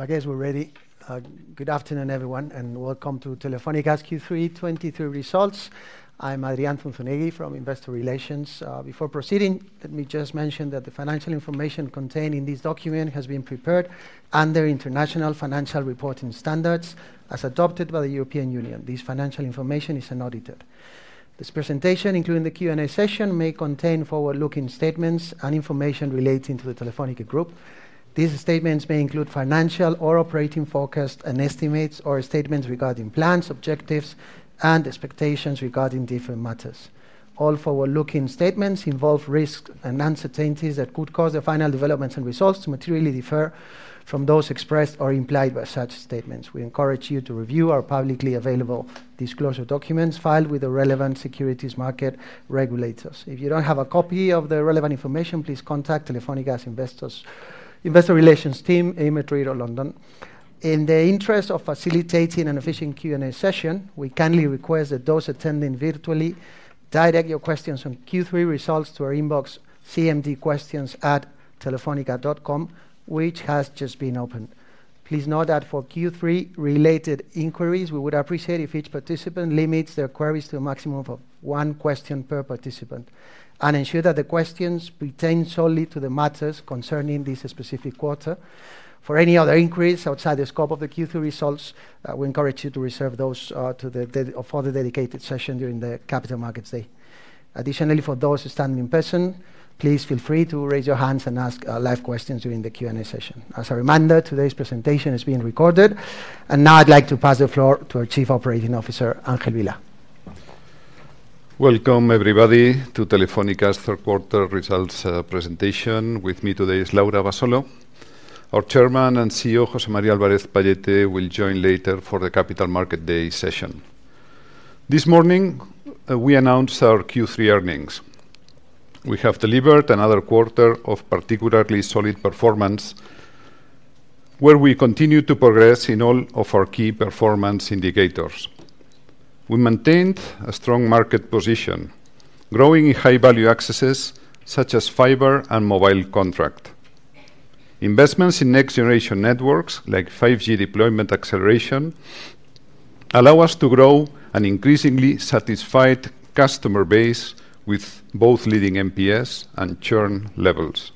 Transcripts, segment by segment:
I guess we're ready. Good afternoon, everyone, and welcome to Telefónica's Q3 2023 results. I'm Adrián Zunzunegui from Investor Relations. Before proceeding, let me just mention that the financial information contained in this document has been prepared under International Financial Reporting Standards, as adopted by the European Union. This financial information is unaudited. This presentation, including the Q&A session, may contain forward-looking statements and information relating to the Telefónica Group. These statements may include financial or operating forecasts and estimates or statements regarding plans, objectives, and expectations regarding different matters. All forward-looking statements involve risks and uncertainties that could cause the final developments and results to materially differ from those expressed or implied by such statements. We encourage you to review our publicly available disclosure documents filed with the relevant securities market regulators. If you don't have a copy of the relevant information, please contact Telefónica's investor relations team in Madrid or London. In the interest of facilitating an efficient Q&A session, we kindly request that those attending virtually direct your questions on Q3 results to our inbox, cmdquestions@telefonica.com, which has just been opened. Please note that for Q3-related inquiries, we would appreciate if each participant limits their queries to a maximum of one question per participant, and ensure that the questions pertain solely to the matters concerning this specific quarter. For any other inquiries outside the scope of the Q3 results, we encourage you to reserve those for the dedicated session during the Capital Markets Day. Additionally, for those attending in person, please feel free to raise your hands and ask live questions during the Q&A session. As a reminder, today's presentation is being recorded. Now I'd like to pass the floor to our Chief Operating Officer, Ángel Vilá. Welcome, everybody, to Telefónica's third quarter results presentation. With me today is Laura Abasolo. Our Chairman and CEO, José María Álvarez-Pallette, will join later for the Capital Market Day session. This morning, we announced our Q3 earnings. We have delivered another quarter of particularly solid performance, where we continue to progress in all of our key performance indicators. We maintained a strong market position, growing in high-value accesses, such as fiber and mobile contract. Investments in next-generation networks, like 5G deployment acceleration, allow us to grow an increasingly satisfied customer base with both leading NPS and churn levels.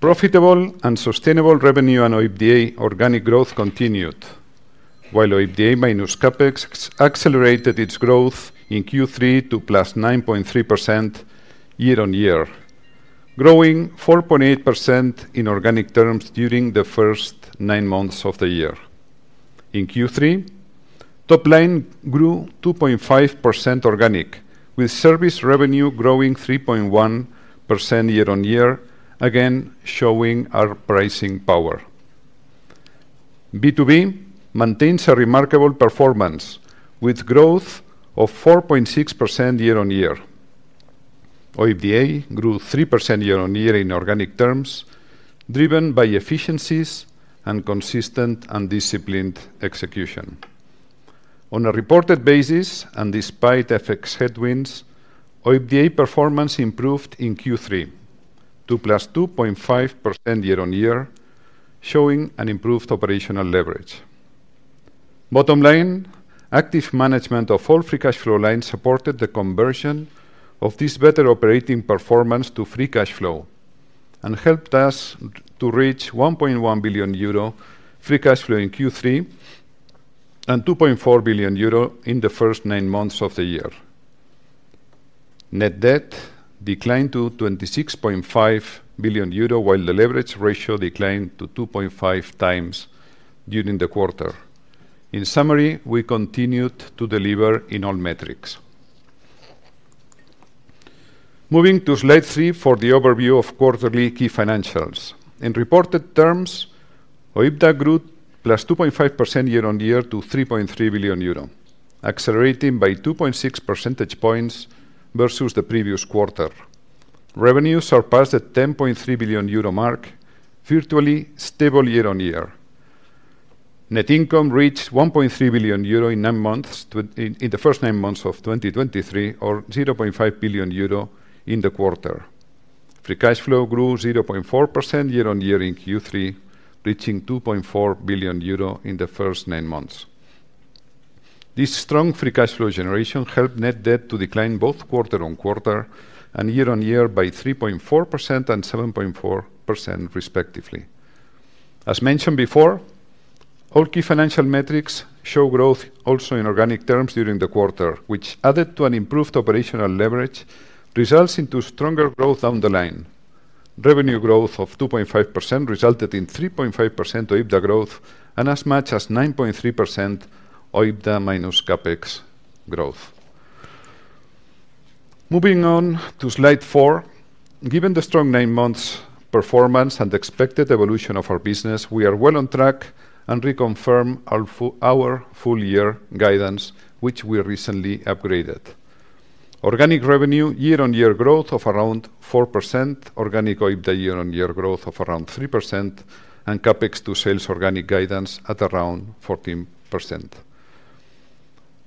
Profitable and sustainable revenue and OIBDA organic growth continued, while OIBDA minus CapEx accelerated its growth in Q3 to +9.3% year-on-year, growing 4.8% in organic terms during the first nine months of the year. In Q3, top line grew 2.5% organic, with service revenue growing 3.1% year-on-year, again, showing our pricing power. B2B maintains a remarkable performance, with growth of 4.6% year-on-year. OIBDA grew 3% year-on-year in organic terms, driven by efficiencies and consistent and disciplined execution. On a reported basis, and despite FX headwinds, OIBDA performance improved in Q3 to +2.5% year-on-year, showing an improved operational leverage. Bottom line, active management of all free cash flow lines supported the conversion of this better operating performance to free cash flow and helped us to reach 1.1 billion euro free cash flow in Q3 and 2.4 billion euro in the first nine months of the year. Net debt declined to 26.5 billion euro, while the leverage ratio declined to 2.5x during the quarter. In summary, we continued to deliver in all metrics. Moving to slide 3 for the overview of quarterly key financials. In reported terms, OIBDA grew +2.5% year-on-year to 3.3 billion euro, accelerating by 2.6 percentage points versus the previous quarter. Revenues surpassed the 10.3 billion euro mark, virtually stable year-on-year. Net income reached 1.3 billion euro in the first nine months of 2023, or 0.5 billion euro in the quarter. Free cash flow grew 0.4% year-on-year in Q3, reaching 2.4 billion euro in the first nine months. This strong free cash flow generation helped net debt to decline both quarter-on-quarter and year-on-year by 3.4% and 7.4%, respectively. As mentioned before, all key financial metrics show growth also in organic terms during the quarter, which, added to an improved operational leverage, results into stronger growth down the line. Revenue growth of 2.5% resulted in 3.5% OIBDA growth and as much as 9.3% OIBDA minus CapEx growth. Moving on to slide four. Given the strong nine months performance and expected evolution of our business, we are well on track and reconfirm our full, our full-year guidance, which we recently upgraded. Organic revenue year-on-year growth of around 4%, organic OIBDA year-on-year growth of around 3%, and CapEx to sales organic guidance at around 14%.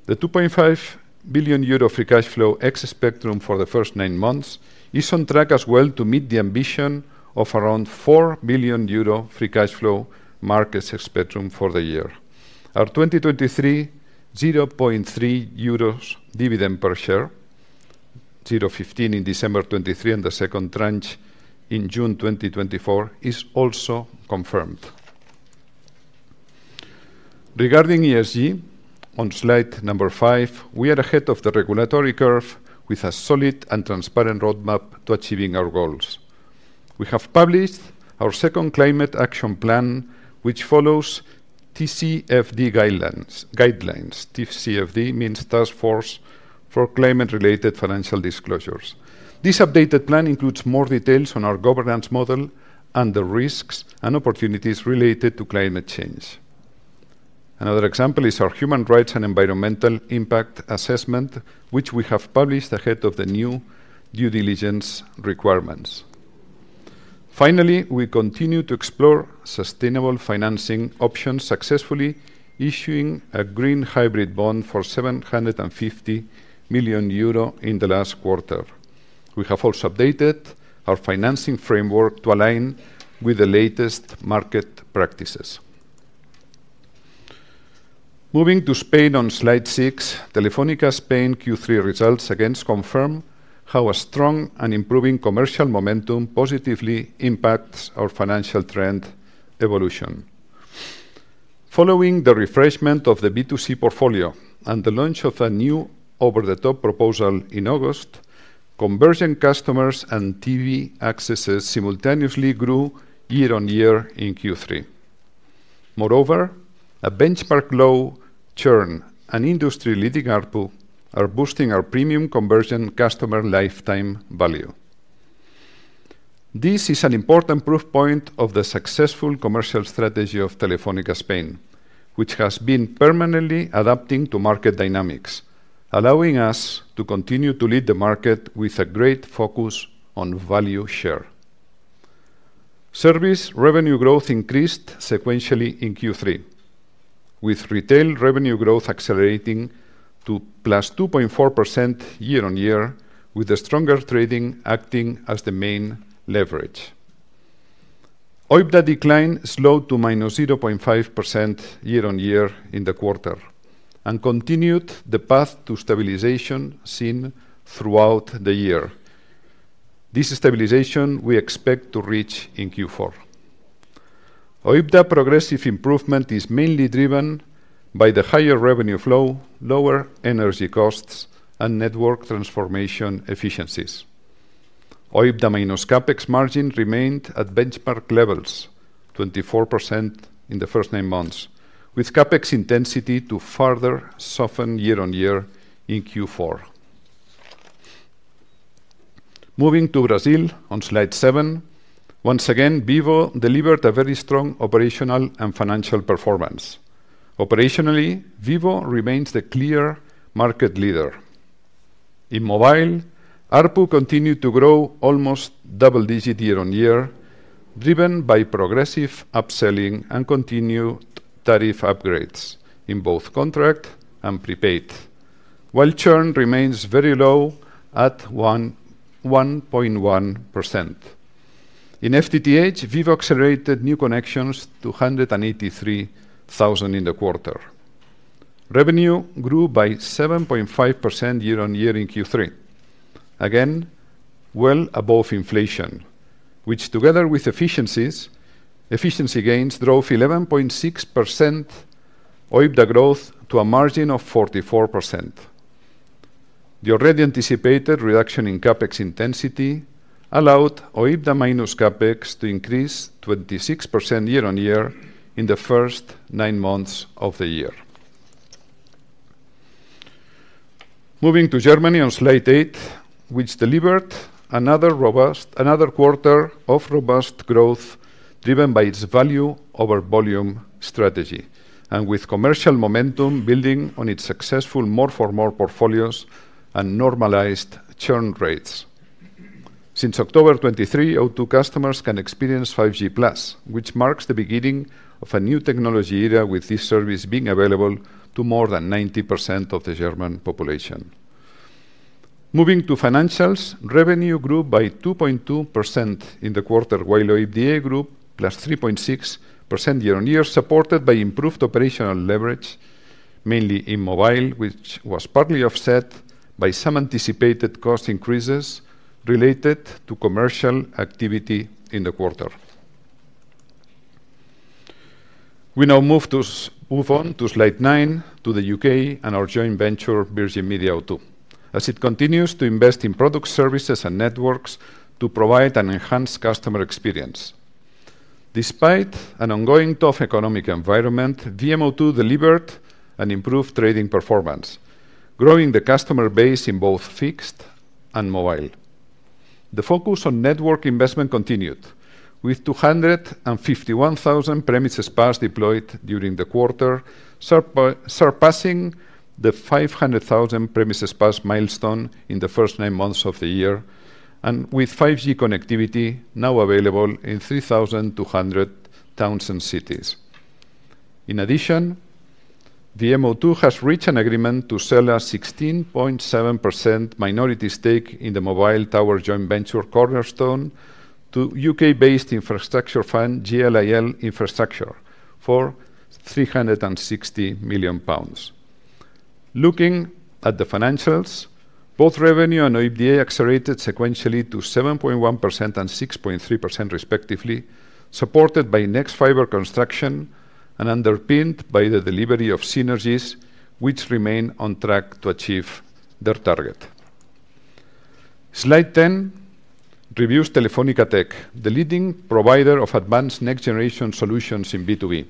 The 2.5 billion euro free cash flow ex spectrum for the first nine months is on track as well to meet the ambition of around 4 billion euro free cash flow markets ex spectrum for the year. Our 2023 0.3 euros dividend per share, 0.15 in December 2023 and the second tranche in June 2024, is also confirmed. Regarding ESG, on slide number 5, we are ahead of the regulatory curve with a solid and transparent roadmap to achieving our goals. We have published our second climate action plan, which follows TCFD guidelines. TCFD means Task Force for Climate-Related Financial Disclosures. This updated plan includes more details on our governance model and the risks and opportunities related to climate change. Another example is our human rights and environmental impact assessment, which we have published ahead of the new due diligence requirements. Finally, we continue to explore sustainable financing options, successfully issuing a green hybrid bond for 750 million euro in the last quarter. We have also updated our financing framework to align with the latest market practices. Moving to Spain on slide 6, Telefónica Spain Q3 results again confirm how a strong and improving commercial momentum positively impacts our financial trend evolution. Following the refreshment of the B2C portfolio and the launch of a new over-the-top proposal in August, conversion customers and TV accesses simultaneously grew year-on-year in Q3. Moreover, a benchmark low churn and industry-leading ARPU are boosting our premium conversion customer lifetime value. This is an important proof point of the successful commercial strategy of Telefónica Spain, which has been permanently adapting to market dynamics, allowing us to continue to lead the market with a great focus on value share. Service revenue growth increased sequentially in Q3, with retail revenue growth accelerating to +2.4% year-on-year, with the stronger trading acting as the main leverage. OIBDA decline slowed to -0.5% year-on-year in the quarter and continued the path to stabilization seen throughout the year. This stabilization we expect to reach in Q4. OIBDA progressive improvement is mainly driven by the higher revenue flow, lower energy costs, and network transformation efficiencies. OIBDA minus CapEx margin remained at benchmark levels, 24% in the first nine months, with CapEx intensity to further soften year-on-year in Q4. Moving to Brazil on slide 7, once again, Vivo delivered a very strong operational and financial performance. Operationally, Vivo remains the clear market leader. In mobile, ARPU continued to grow almost double-digit year-on-year, driven by progressive upselling and continued tariff upgrades in both contract and prepaid, while churn remains very low at 1.1%. In FTTH, Vivo accelerated new connections to 183,000 in the quarter. Revenue grew by 7.5% year-on-year in Q3, again, well above inflation, which, together with efficiencies, efficiency gains drove 11.6% OIBDA growth to a margin of 44%. The already anticipated reduction in CapEx intensity allowed OIBDA minus CapEx to increase 26% year-on-year in the first nine months of the year. Moving to Germany on slide 8, which delivered another quarter of robust growth, driven by its value over volume strategy, and with commercial momentum building on its successful more-for-more portfolios and normalized churn rates. Since October 2023, O2 customers can experience 5G Plus, which marks the beginning of a new technology era, with this service being available to more than 90% of the German population. Moving to financials, revenue grew by 2.2% in the quarter, while OIBDA grew +3.6% year-on-year, supported by improved operational leverage, mainly in mobile, which was partly offset by some anticipated cost increases related to commercial activity in the quarter. We now move on to slide 9, to the UK and our joint venture, Virgin Media O2, as it continues to invest in product services and networks to provide an enhanced customer experience. Despite an ongoing tough economic environment, VMO2 delivered an improved trading performance, growing the customer base in both fixed and mobile. The focus on network investment continued, with 251,000 premises passed deployed during the quarter, surpassing the 500,000 premises passed milestone in the first nine months of the year, and with 5G connectivity now available in 3,200 towns and cities... In addition, VMO2 has reached an agreement to sell a 16.7% minority stake in the mobile tower joint venture Cornerstone to UK-based infrastructure fund GLIL Infrastructure for 360 million pounds. Looking at the financials, both revenue and OIBDA accelerated sequentially to 7.1% and 6.3% respectively, supported by Nexfibre construction and underpinned by the delivery of synergies, which remain on track to achieve their target. Slide 10 reviews Telefónica Tech, the leading provider of advanced next-generation solutions in B2B.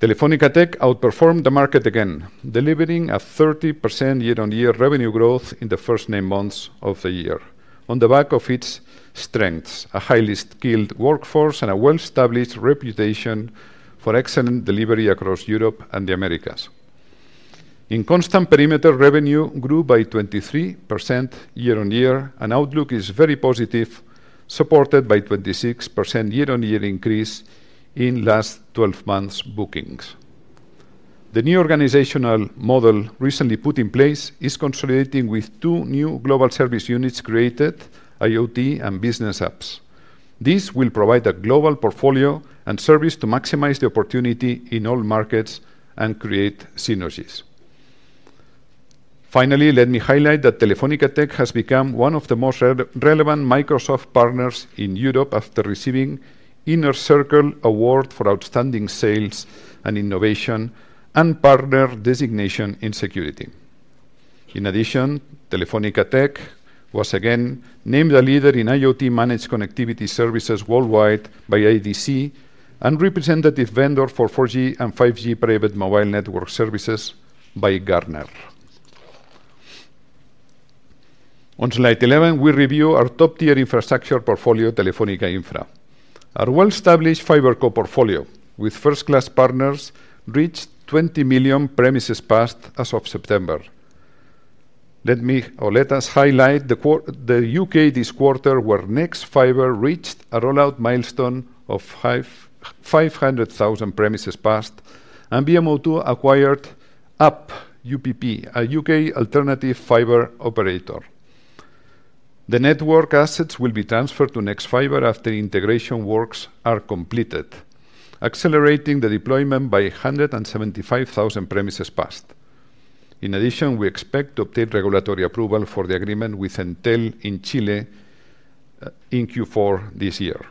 Telefónica Tech outperformed the market again, delivering a 30% year-on-year revenue growth in the first nine months of the year. On the back of its strengths, a highly skilled workforce and a well-established reputation for excellent delivery across Europe and the Americas. In constant perimeter, revenue grew by 23% year-on-year, and outlook is very positive, supported by 26% year-on-year increase in last 12 months bookings. The new organizational model recently put in place is consolidating with two new global service units created: IoT and business apps. This will provide a global portfolio and service to maximize the opportunity in all markets and create synergies. Finally, let me highlight that Telefónica Tech has become one of the most relevant Microsoft partners in Europe after receiving Inner Circle Award for Outstanding Sales and Innovation and Partner Designation in Security. In addition, Telefónica Tech was again named a leader in IoT Managed Connectivity Services worldwide by IDC and Representative Vendor for 4G and 5G Private Mobile Network Services by Gartner. On slide 11, we review our top-tier infrastructure portfolio, Telefónica Infra. Our well-established fiber co-portfolio with first-class partners reached 20 million premises passed as of September. Let us highlight the UK this quarter, where Nexfibre reached a rollout milestone of 500,000 premises passed, and VMO2 acquired Upp, a UK alternative fiber operator. The network assets will be transferred to Nexfibre after integration works are completed, accelerating the deployment by 175,000 premises passed. In addition, we expect to obtain regulatory approval for the agreement with Entel in Chile in Q4 this year.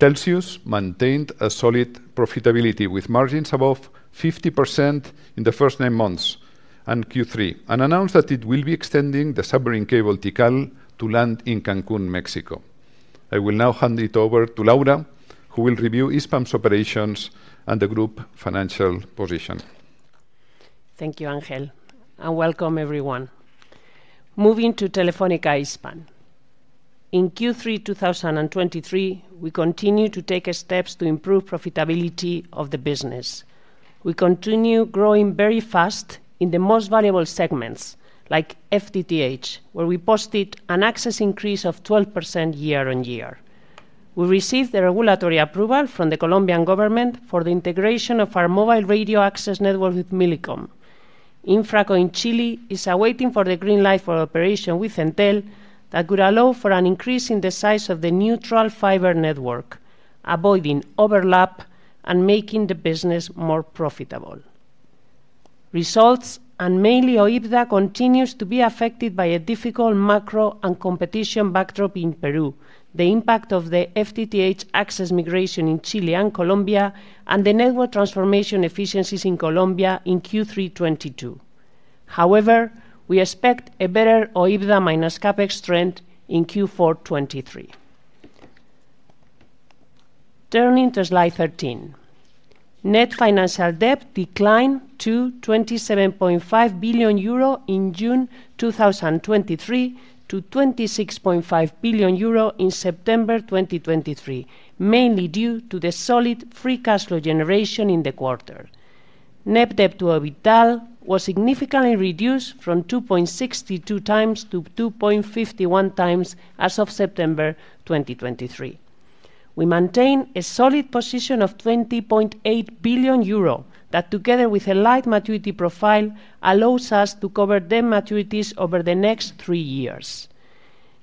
Telxius maintained a solid profitability, with margins above 50% in the first nine months and Q3, and announced that it will be extending the submarine cable Tikal to land in Cancún, Mexico. I will now hand it over to Laura, who will review Hispam's operations and the group financial position. Thank you, Ángel, and welcome everyone. Moving to Telefónica Hispam. In Q3 2023, we continue to take steps to improve profitability of the business. We continue growing very fast in the most valuable segments, like FTTH, where we posted an access increase of 12% year-on-year. We received the regulatory approval from the Colombian government for the integration of our mobile radio access network with Millicom. Infraco in Chile is awaiting for the green light for operation with Entel that would allow for an increase in the size of the neutral fiber network, avoiding overlap and making the business more profitable. Results, and mainly OIBDA, continues to be affected by a difficult macro and competition backdrop in Peru, the impact of the FTTH access migration in Chile and Colombia, and the network transformation efficiencies in Colombia in Q3 2022. However, we expect a better OIBDA minus CapEx trend in Q4 2023. Turning to slide 13. Net financial debt declined to 27.5 billion euro in June 2023, to 26.5 billion euro in September 2023, mainly due to the solid free cash flow generation in the quarter. Net debt to OIBDAaL was significantly reduced from 2.62 times to 2.51 times as of September 2023. We maintain a solid position of 20.8 billion euro, that together with a light maturity profile, allows us to cover the maturities over the next three years.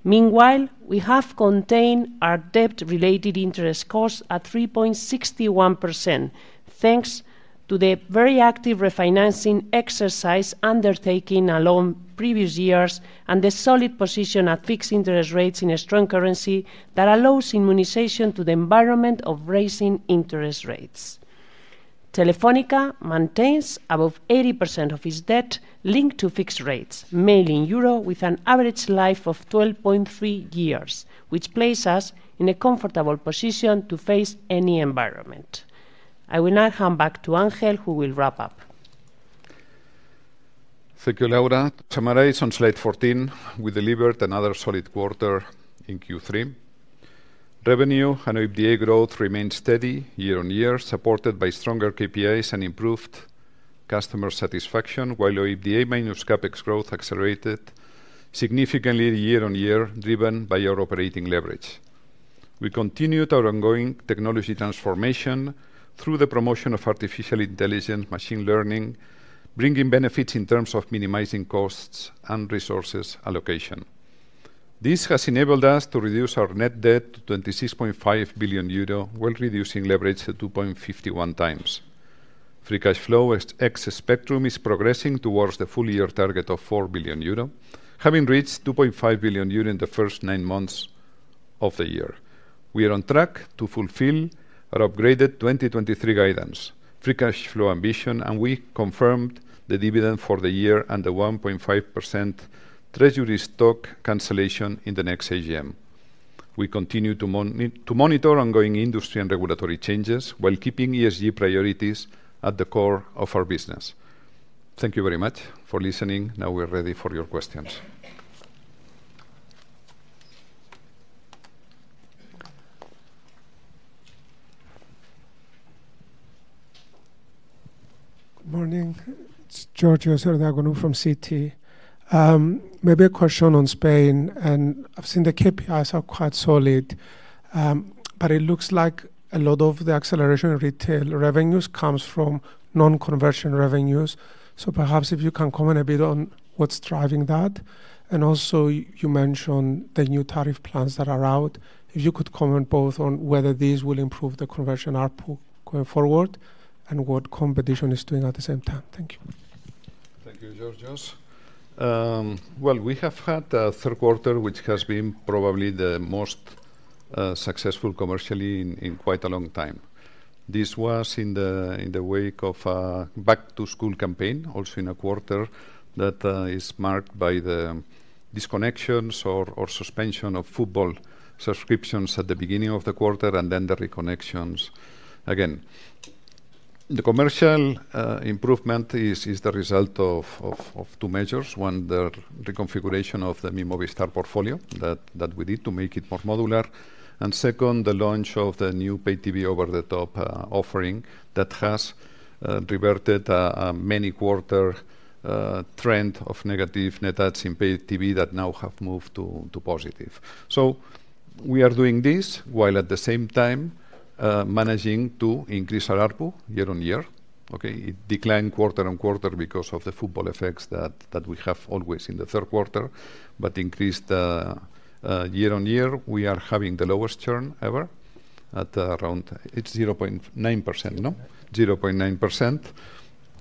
Meanwhile, we have contained our debt-related interest costs at 3.61%, thanks to the very active refinancing exercise undertaken along previous years and the solid position at fixed interest rates in a strong currency that allows immunization to the environment of raising interest rates. Telefónica maintains above 80% of its debt linked to fixed rates, mainly in euro, with an average life of 12.3 years, which places in a comfortable position to face any environment. I will now hand back to Ángel, who will wrap up. Thank you, Laura. To summarize, on slide 14, we delivered another solid quarter in Q3. Revenue and OIBDA growth remained steady year-on-year, supported by stronger KPIs and improved customer satisfaction, while our EBITDA minus CapEx growth accelerated significantly year-on-year, driven by our operating leverage. We continued our ongoing technology transformation through the promotion of artificial intelligence, machine learning, bringing benefits in terms of minimizing costs and resources allocation. This has enabled us to reduce our net debt to 26.5 billion euro, while reducing leverage to 2.51 times. Free cash flow as ex Spectrum is progressing towards the full year target of 4 billion euro, having reached 2.5 billion euro in the first nine months of the year. We are on track to fulfill our upgraded 2023 guidance, free cash flow ambition, and we confirmed the dividend for the year and the 1.5% treasury stock cancellation in the next AGM. We continue to monitor ongoing industry and regulatory changes, while keeping ESG priorities at the core of our business. Thank you very much for listening. Now we're ready for your questions. Good morning. It's Georgios Ierodiaconou from Citi. Maybe a question on Spain, and I've seen the KPIs are quite solid. But it looks like a lot of the acceleration in retail revenues comes from non-conversion revenues. So perhaps if you can comment a bit on what's driving that. And also, you mentioned the new tariff plans that are out. If you could comment both on whether these will improve the conversion output going forward, and what competition is doing at the same time. Thank you. Thank you, Georgios. Well, we have had a third quarter, which has been probably the most successful commercially in quite a long time. This was in the wake of a back-to-school campaign, also in a quarter that is marked by the disconnections or suspension of football subscriptions at the beginning of the quarter, and then the reconnections again. The commercial improvement is the result of two measures. One, the reconfiguration of the Movistar portfolio that we did to make it more modular. And second, the launch of the new pay TV over-the-top offering that has reverted a many quarter trend of negative net adds in pay TV that now have moved to positive. So we are doing this while at the same time managing to increase our ARPU year-on-year. Okay, it declined quarter-on-quarter because of the football effects that, that we have always in the third quarter, but increased year-on-year. We are having the lowest churn ever at around... It's 0.9%, no? 0.9%.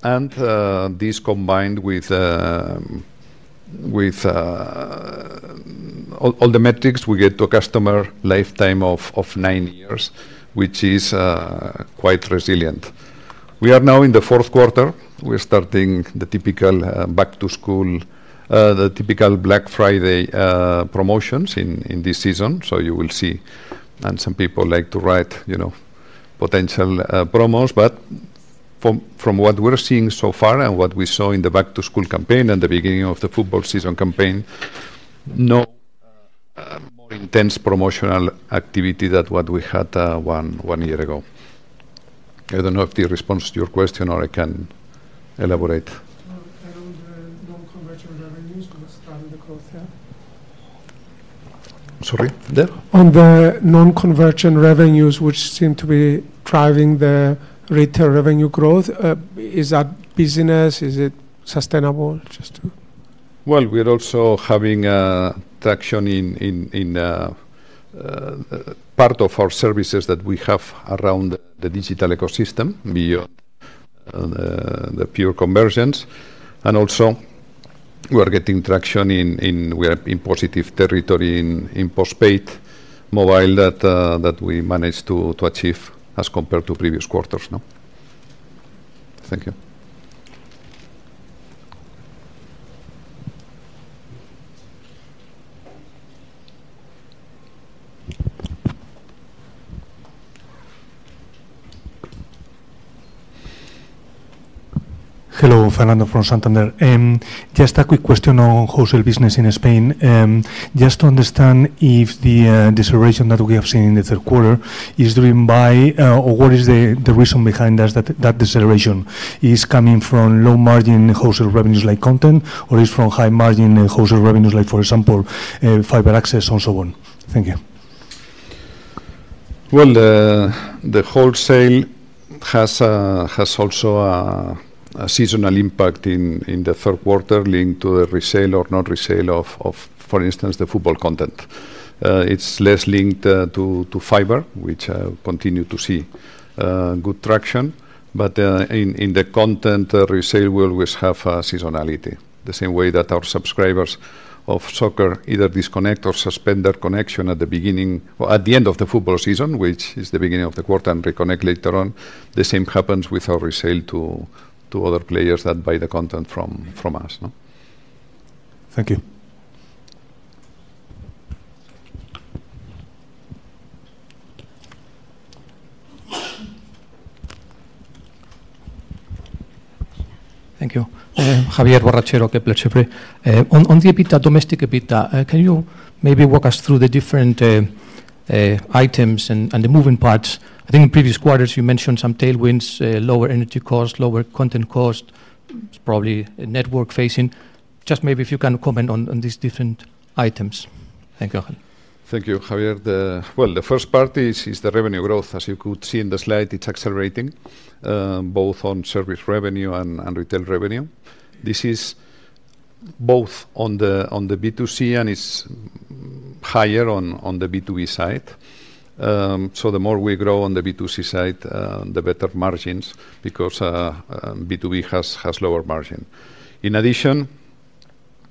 And this combined with all the metrics, we get to customer lifetime of nine years, which is quite resilient. We are now in the fourth quarter. We're starting the typical back to school, the typical Black Friday promotions in this season. So you will see, and some people like to write potential promos. But from what we're seeing so far and what we saw in the back-to-school campaign and the beginning of the football season campaign, no more intense promotional activity than what we had one year ago. I don't know if this responds to your question, or I can elaborate. On the non-conversion revenues, what's driving the growth there? Sorry, there? On the non-conversion revenues, which seem to be driving the retail revenue growth, is that business, is it sustainable just to- Well, we are also having traction in part of our services that we have around the digital ecosystem, beyond the pure conversions. And also, we are getting traction. We are in positive territory in postpaid mobile that we managed to achieve as compared to previous quarters, no? Thank you. Hello, Fernando from Santander. Just a quick question on wholesale business in Spain. Just to understand if the deceleration that we have seen in the third quarter is driven by... Or what is the reason behind that deceleration? Is coming from low margin wholesale revenues like content, or is from high margin wholesale revenues, like, for example, fiber access and so on? Thank you. Well, the wholesale has a, has also a seasonal impact in the third quarter, linked to the resale or not resale of, for instance, the football content. It's less linked to fiber, which continue to see good traction. But, in the content resale will always have a seasonality. The same way that our subscribers of soccer either disconnect or suspend their connection at the beginning or at the end of the football season, which is the beginning of the quarter, and reconnect later on. The same happens with our resale to other players that buy the content from us, no? Thank you. Thank you. Javier Barrachina, Kepler Cheuvreux. On the EBITDA, domestic EBITDA, can you maybe walk us through the different? Items and the moving parts. I think in previous quarters, you mentioned some tailwinds, lower energy costs, lower content cost. It's probably network facing. Just maybe if you can comment on these different items. Thank you. Thank you, Javier. Well, the first part is the revenue growth. As you could see in the slide, it's accelerating, both on service revenue and retail revenue. This is both on the B2C, and it's higher on the B2B side. So the more we grow on the B2C side, the better margins, because B2B has lower margin. In addition,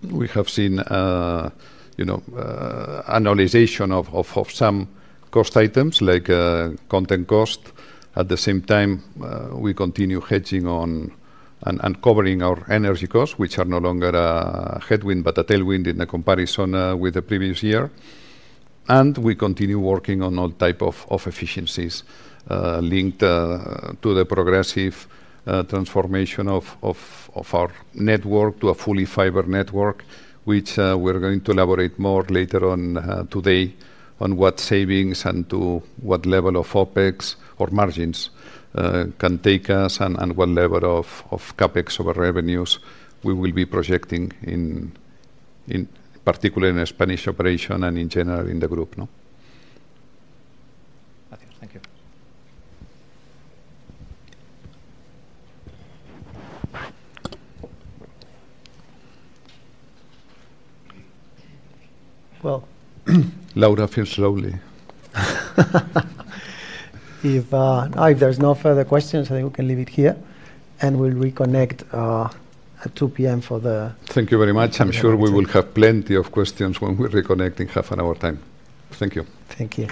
we have seen annualization of some cost items, like content cost. At the same time, we continue hedging on and covering our energy costs, which are no longer a headwind, but a tailwind in the comparison with the previous year. We continue working on all types of efficiencies linked to the progressive transformation of our network to a fully fiber network, which we're going to elaborate more later on today on what savings and to what level of OpEx or margins can take us, and what level of CapEx of our revenues we will be projecting in particular in the Spanish operation and in general in the group, no? Thank you. Laura feels lonely. If there's no further questions, I think we can leave it here, and we'll reconnect at 2:00 P.M. for the- Thank you very much. Presentation. I'm sure we will have plenty of questions when we're reconnecting half an hour time. Thank you. Thank you.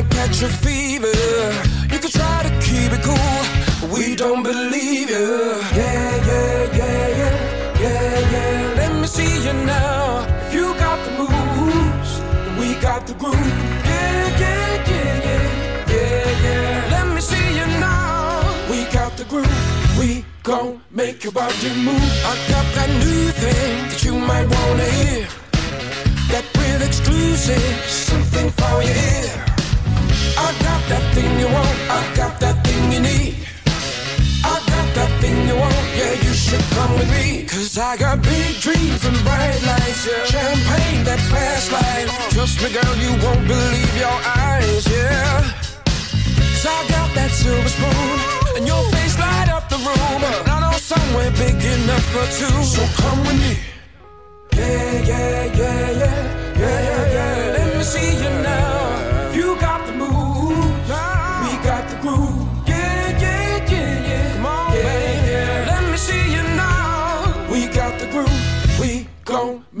Show me what you got, 'cause I got mine. I see you, so don't waste my time. Show me what you got. Don't have time. I see you way behind. Show me what you got. Show me what you got, 'cause I got mine. I see you way behind. Show me what you got. Don't have time. Can't catch me on my grind. Show me what you got. I got that new thing that you might wanna hear. That real exclusive, something for your ear. I got that thing you want. I got that thing you need. I got that thing you want. Yeah, you should come with me. Hold up! Let me introduce myself. I'm a king, I run the show. Hear me all night on your radio. I got that hot stuff. You might catch a fever. You can try to keep it cool, we don't believe you.... We got the groove. Let me see you now! We got the groove. We gon' make your body move. I got that new thing that you might wanna hear. That real exclusive, something for your ear. I got that thing you want, I got that thing you need. I got that thing you want, yeah, you should come with me. 'Cause I got big dreams and bright lights, champagne that's fast life. Trust me, girl, you won't believe your eyes, yeah. 'Cause I got that silver spoon, and your face light up the room. And I know somewhere big enough for two, so come with me. Let me see you now. You got the moves, we got the groove. Yeah, yeah, yeah, yeah, come on, baby, yeah, yeah. Let me see you now.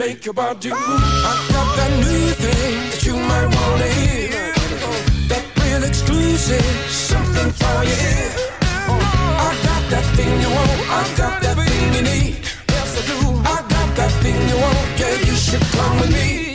We got the groove. We gon' make your body move. I got that new thing that you might wanna hear. That real exclusive, something for your ear. I got that thing you want, I got that thing you need. Yes, I do. I got that thing you want, yeah, you should come with me.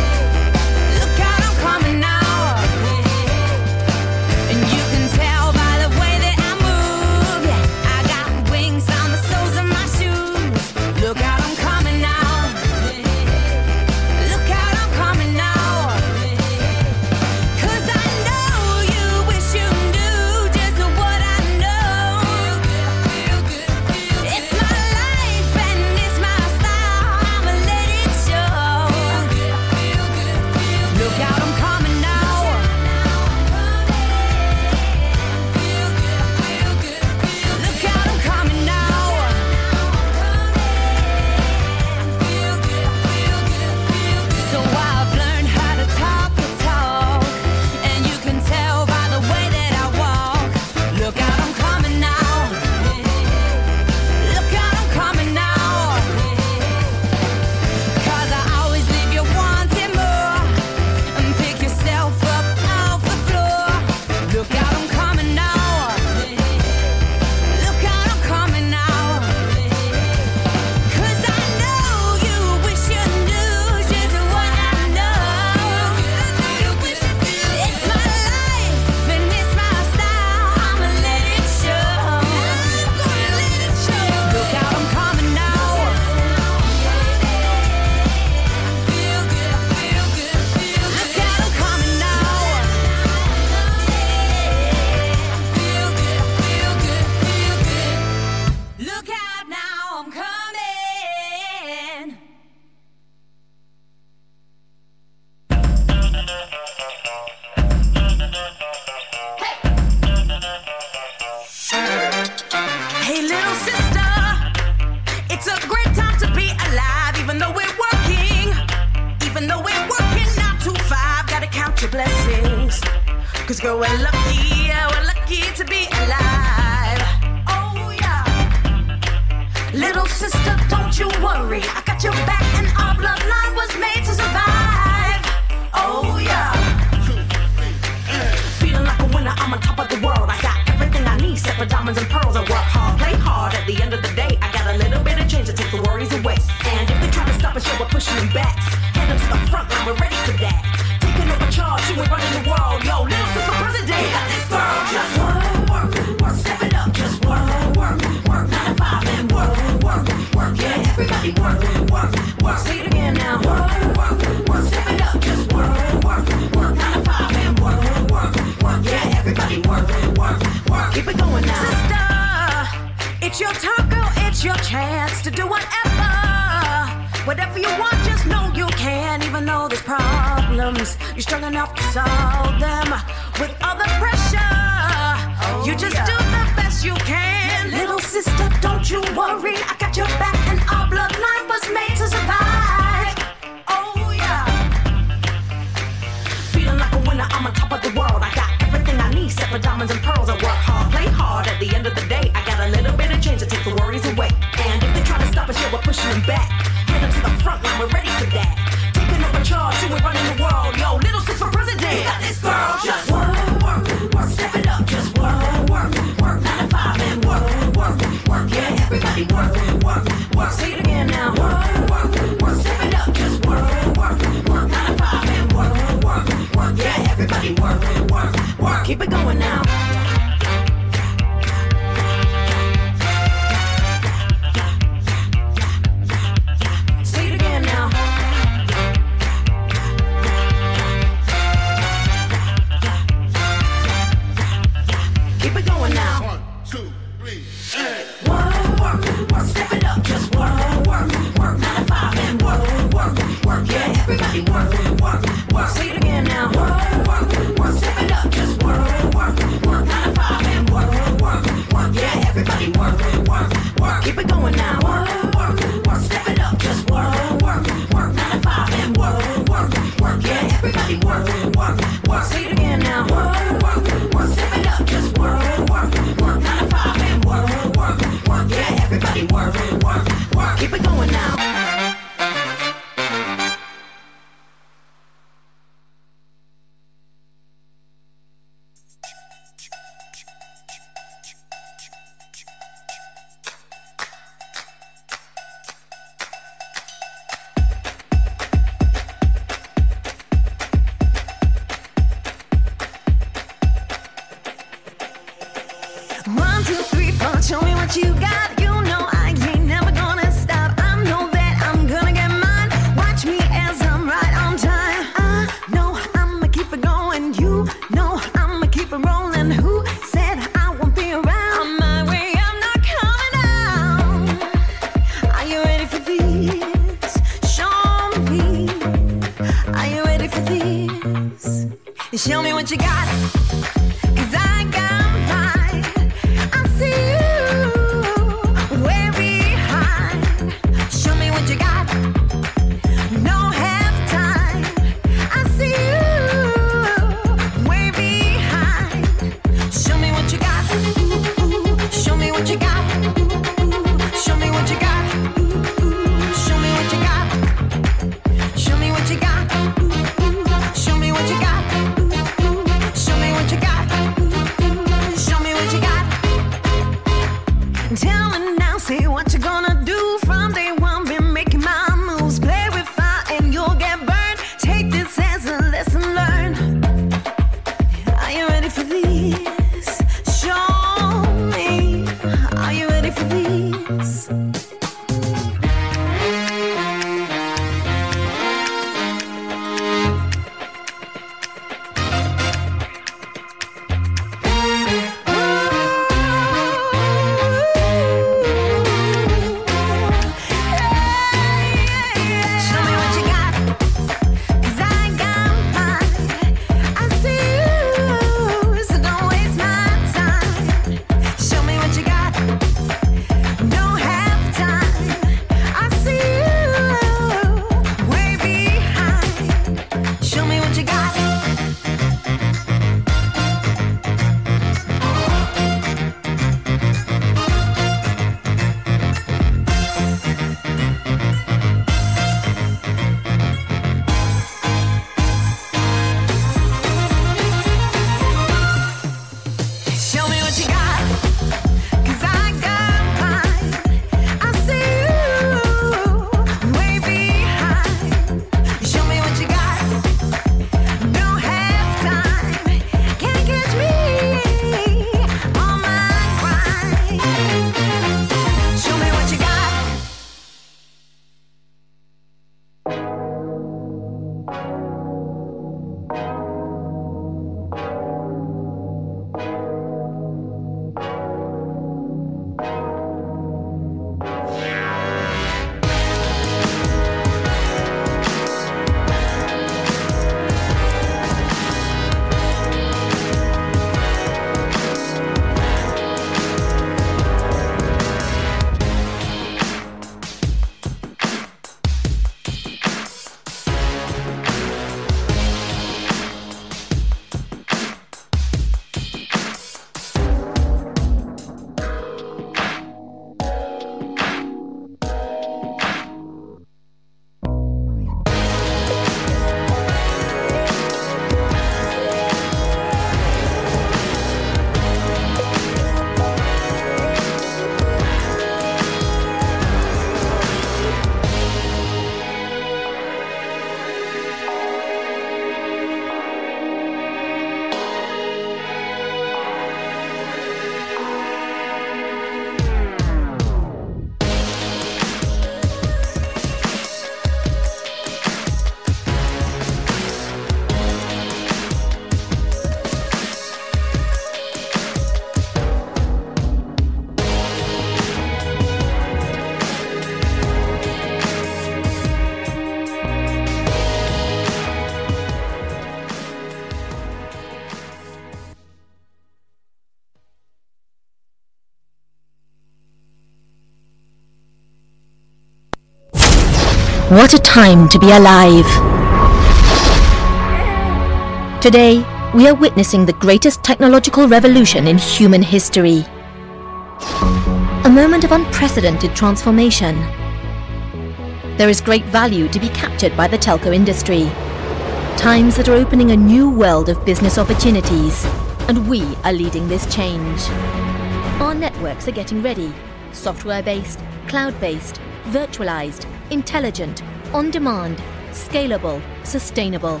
intelligent, on-demand, scalable, sustainable.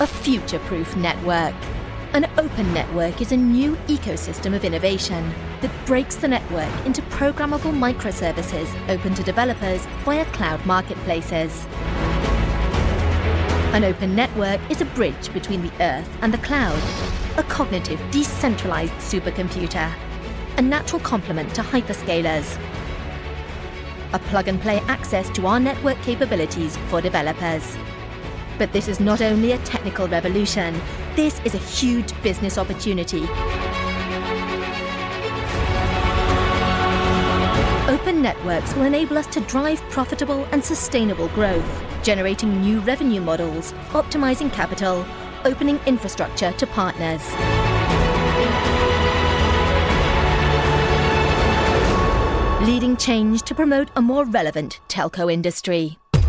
A future-proof network. An open network is a new ecosystem of innovation that breaks the network into programmable microservices open to developers via cloud marketplaces. An open network is a bridge between the Earth and the cloud, a cognitive, decentralized supercomputer, a natural complement to hyperscalers. A plug-and-play access to our network capabilities for developers. But this is not only a technical revolution. This is a huge business opportunity. Open networks will enable us to drive profitable and sustainable growth, generating new revenue models, optimizing capital, opening infrastructure to partners. ... leading change to promote a more relevant telco industry. Good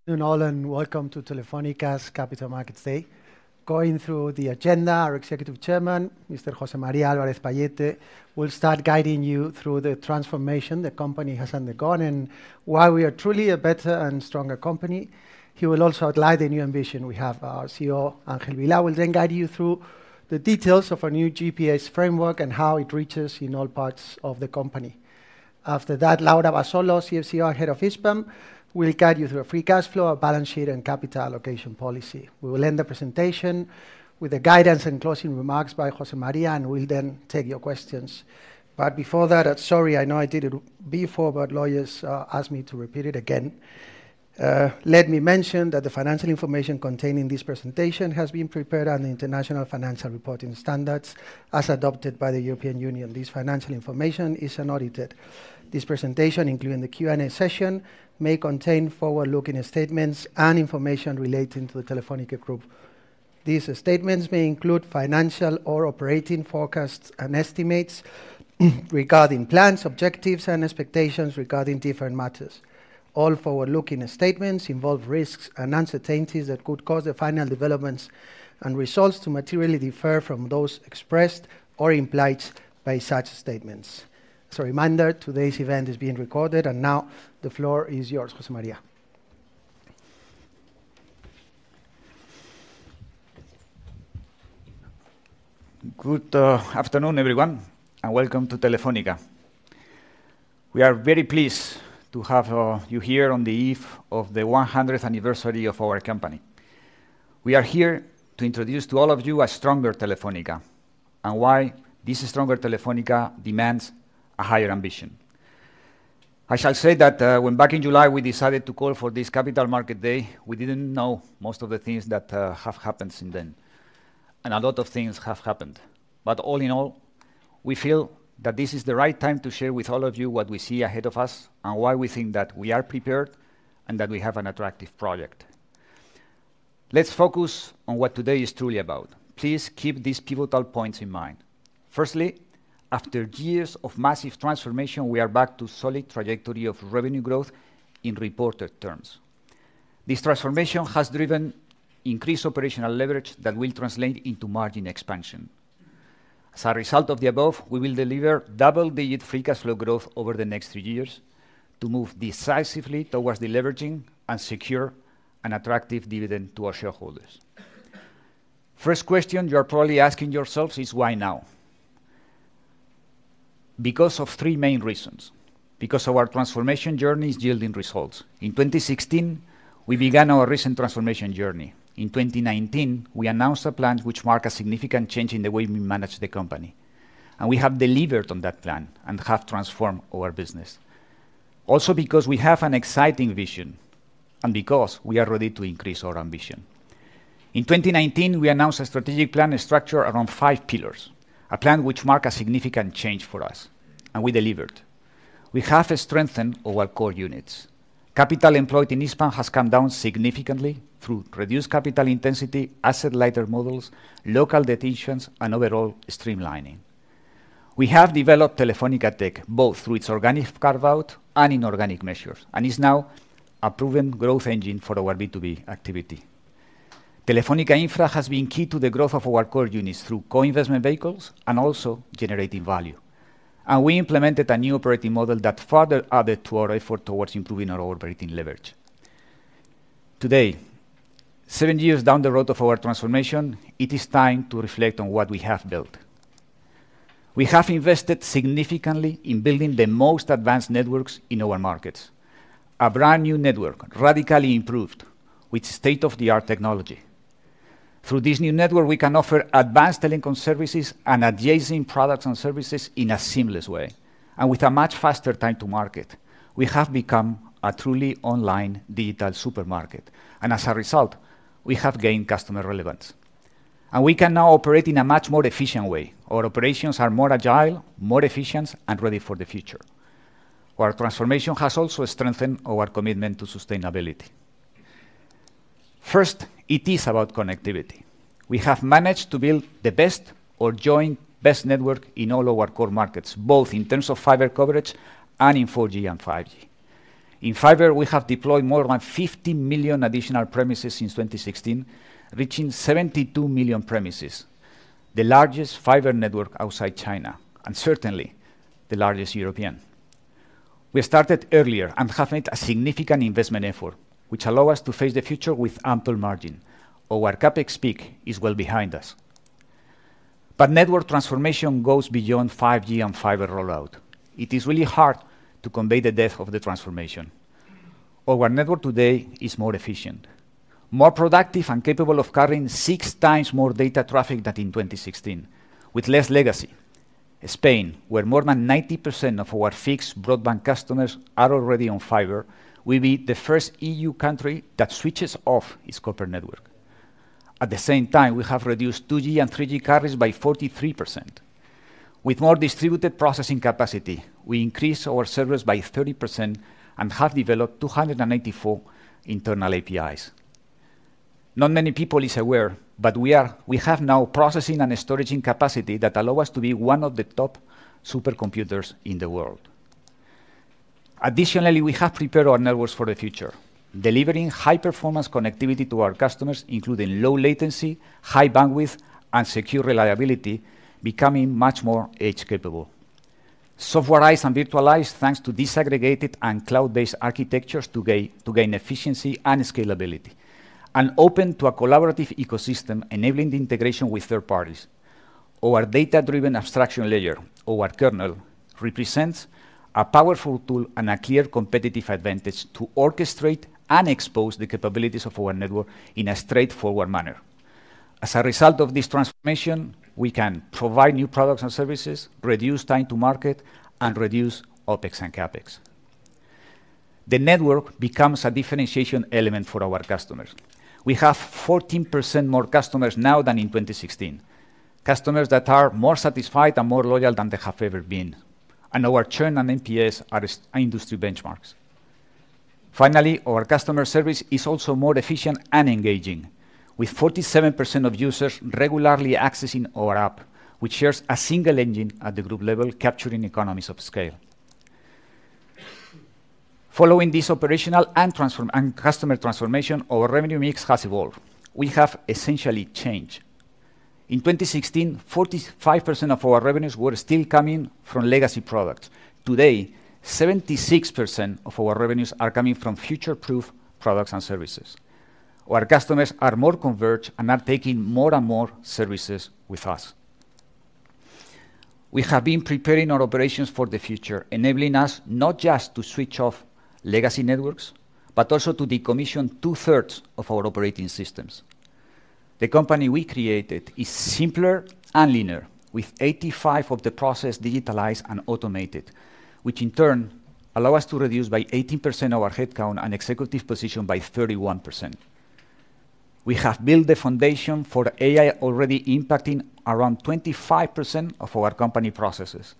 afternoon all, and welcome to Telefónica's Capital Markets Day. Going through the agenda, our Executive Chairman, Mr. José María Álvarez-Pallette, will start guiding you through the transformation the company has undergone and why we are truly a better and stronger company. He will also outline the new ambition we have. Our CEO, Ángel Vilá, will then guide you through the details of our new GPS framework and how it reaches in all parts of the company. After that, Laura Abasolo, CFO and Head of Hispam, will guide you through our free cash flow, our balance sheet, and capital allocation policy. We will end the presentation with a guidance and closing remarks by José María, and we'll then take your questions. But before that, sorry, I know I did it before, but lawyers asked me to repeat it again. Let me mention that the financial information contained in this presentation has been prepared on the International Financial Reporting Standards as adopted by the European Union. This financial information is unaudited. This presentation, including the Q&A session, may contain forward-looking statements and information relating to the Telefónica group. These statements may include financial or operating forecasts and estimates regarding plans, objectives, and expectations regarding different matters. All forward-looking statements involve risks and uncertainties that could cause the final developments and results to materially differ from those expressed or implied by such statements. As a reminder, today's event is being recorded, and now the floor is yours, José María. Good afternoon, everyone, and welcome to Telefónica. We are very pleased to have you here on the eve of the one hundredth anniversary of our company. We are here to introduce to all of you a stronger Telefónica and why this stronger Telefónica demands a higher ambition. I shall say that when back in July, we decided to call for this Capital Market Day, we didn't know most of the things that have happened since then, and a lot of things have happened. But all in all, we feel that this is the right time to share with all of you what we see ahead of us and why we think that we are prepared and that we have an attractive project. Let's focus on what today is truly about. Please keep these pivotal points in mind. Firstly, after years of massive transformation, we are back to solid trajectory of revenue growth in reported terms. This transformation has driven increased operational leverage that will translate into margin expansion. As a result of the above, we will deliver double-digit free cash flow growth over the next three years to move decisively towards deleveraging and secure an attractive dividend to our shareholders. First question you are probably asking yourselves is: why now? Because of three main reasons: because our transformation journey is yielding results. In 2016, we began our recent transformation journey. In 2019, we announced a plan which marked a significant change in the way we manage the company, and we have delivered on that plan and have transformed our business. Also, because we have an exciting vision and because we are ready to increase our ambition. In 2019, we announced a strategic plan structured around 5 pillars, a plan which mark a significant change for us, and we delivered. We have strengthened our core units. Capital employed in Hispam has come down significantly through reduced capital intensity, asset-lighter models, local detentions, and overall streamlining. We have developed Telefónica Tech, both through its organic carve-out and inorganic measures, and is now a proven growth engine for our B2B activity. Telefónica Infra has been key to the growth of our core units through co-investment vehicles and also generating value. We implemented a new operating model that further added to our effort towards improving our operating leverage. Today, 7 years down the road of our transformation, it is time to reflect on what we have built. We have invested significantly in building the most advanced networks in our markets. A brand-new network, radically improved with state-of-the-art technology. Through this new network, we can offer advanced telecom services and adjacent products and services in a seamless way and with a much faster time to market. We have become a truly online digital supermarket, and as a result, we have gained customer relevance, and we can now operate in a much more efficient way. Our operations are more agile, more efficient, and ready for the future. Our transformation has also strengthened our commitment to sustainability. First, it is about connectivity. We have managed to build the best or joint best network in all our core markets, both in terms of fiber coverage and in 4G and 5G. In fiber, we have deployed more than 50 million additional premises since 2016, reaching 72 million premises, the largest fiber network outside China, and certainly the largest European. We started earlier and have made a significant investment effort, which allow us to face the future with ample margin. Our CapEx peak is well behind us. But network transformation goes beyond 5G and fiber rollout. It is really hard to convey the depth of the transformation. Our network today is more efficient, more productive, and capable of carrying 6 times more data traffic than in 2016 with less legacy. Spain, where more than 90% of our fixed broadband customers are already on fiber, will be the first EU country that switches off its copper network. At the same time, we have reduced 2G and 3G carriers by 43%. With more distributed processing capacity, we increased our servers by 30% and have developed 284 internal APIs. Not many people is aware, but we have now processing and storage capacity that allow us to be one of the top supercomputers in the world. Additionally, we have prepared our networks for the future, delivering high-performance connectivity to our customers, including low latency, high bandwidth, and secure reliability, becoming much more edge-capable. Softwarized and virtualized, thanks to disaggregated and cloud-based architectures to gain efficiency and scalability, and open to a collaborative ecosystem enabling the integration with third parties. Our data-driven abstraction layer, or our Kernel, represents a powerful tool and a clear competitive advantage to orchestrate and expose the capabilities of our network in a straightforward manner. As a result of this transformation, we can provide new products and services, reduce time to market, and reduce OpEx and CapEx. The network becomes a differentiation element for our customers. We have 14% more customers now than in 2016. Customers that are more satisfied and more loyal than they have ever been, and our churn and NPS are industry benchmarks. Finally, our customer service is also more efficient and engaging, with 47% of users regularly accessing our app, which shares a single engine at the group level, capturing economies of scale. Following this operational and customer transformation, our revenue mix has evolved. We have essentially changed. In 2016, 45% of our revenues were still coming from legacy products. Today, 76% of our revenues are coming from future-proof products and services. Our customers are more converged and are taking more and more services with us. We have been preparing our operations for the future, enabling us not just to switch off legacy networks, but also to decommission two-thirds of our operating systems. The company we created is simpler and leaner, with 85% of the processes digitalized and automated, which in turn allow us to reduce by 18% our headcount and executive positions by 31%. We have built the foundation for AI, already impacting around 25% of our company processes,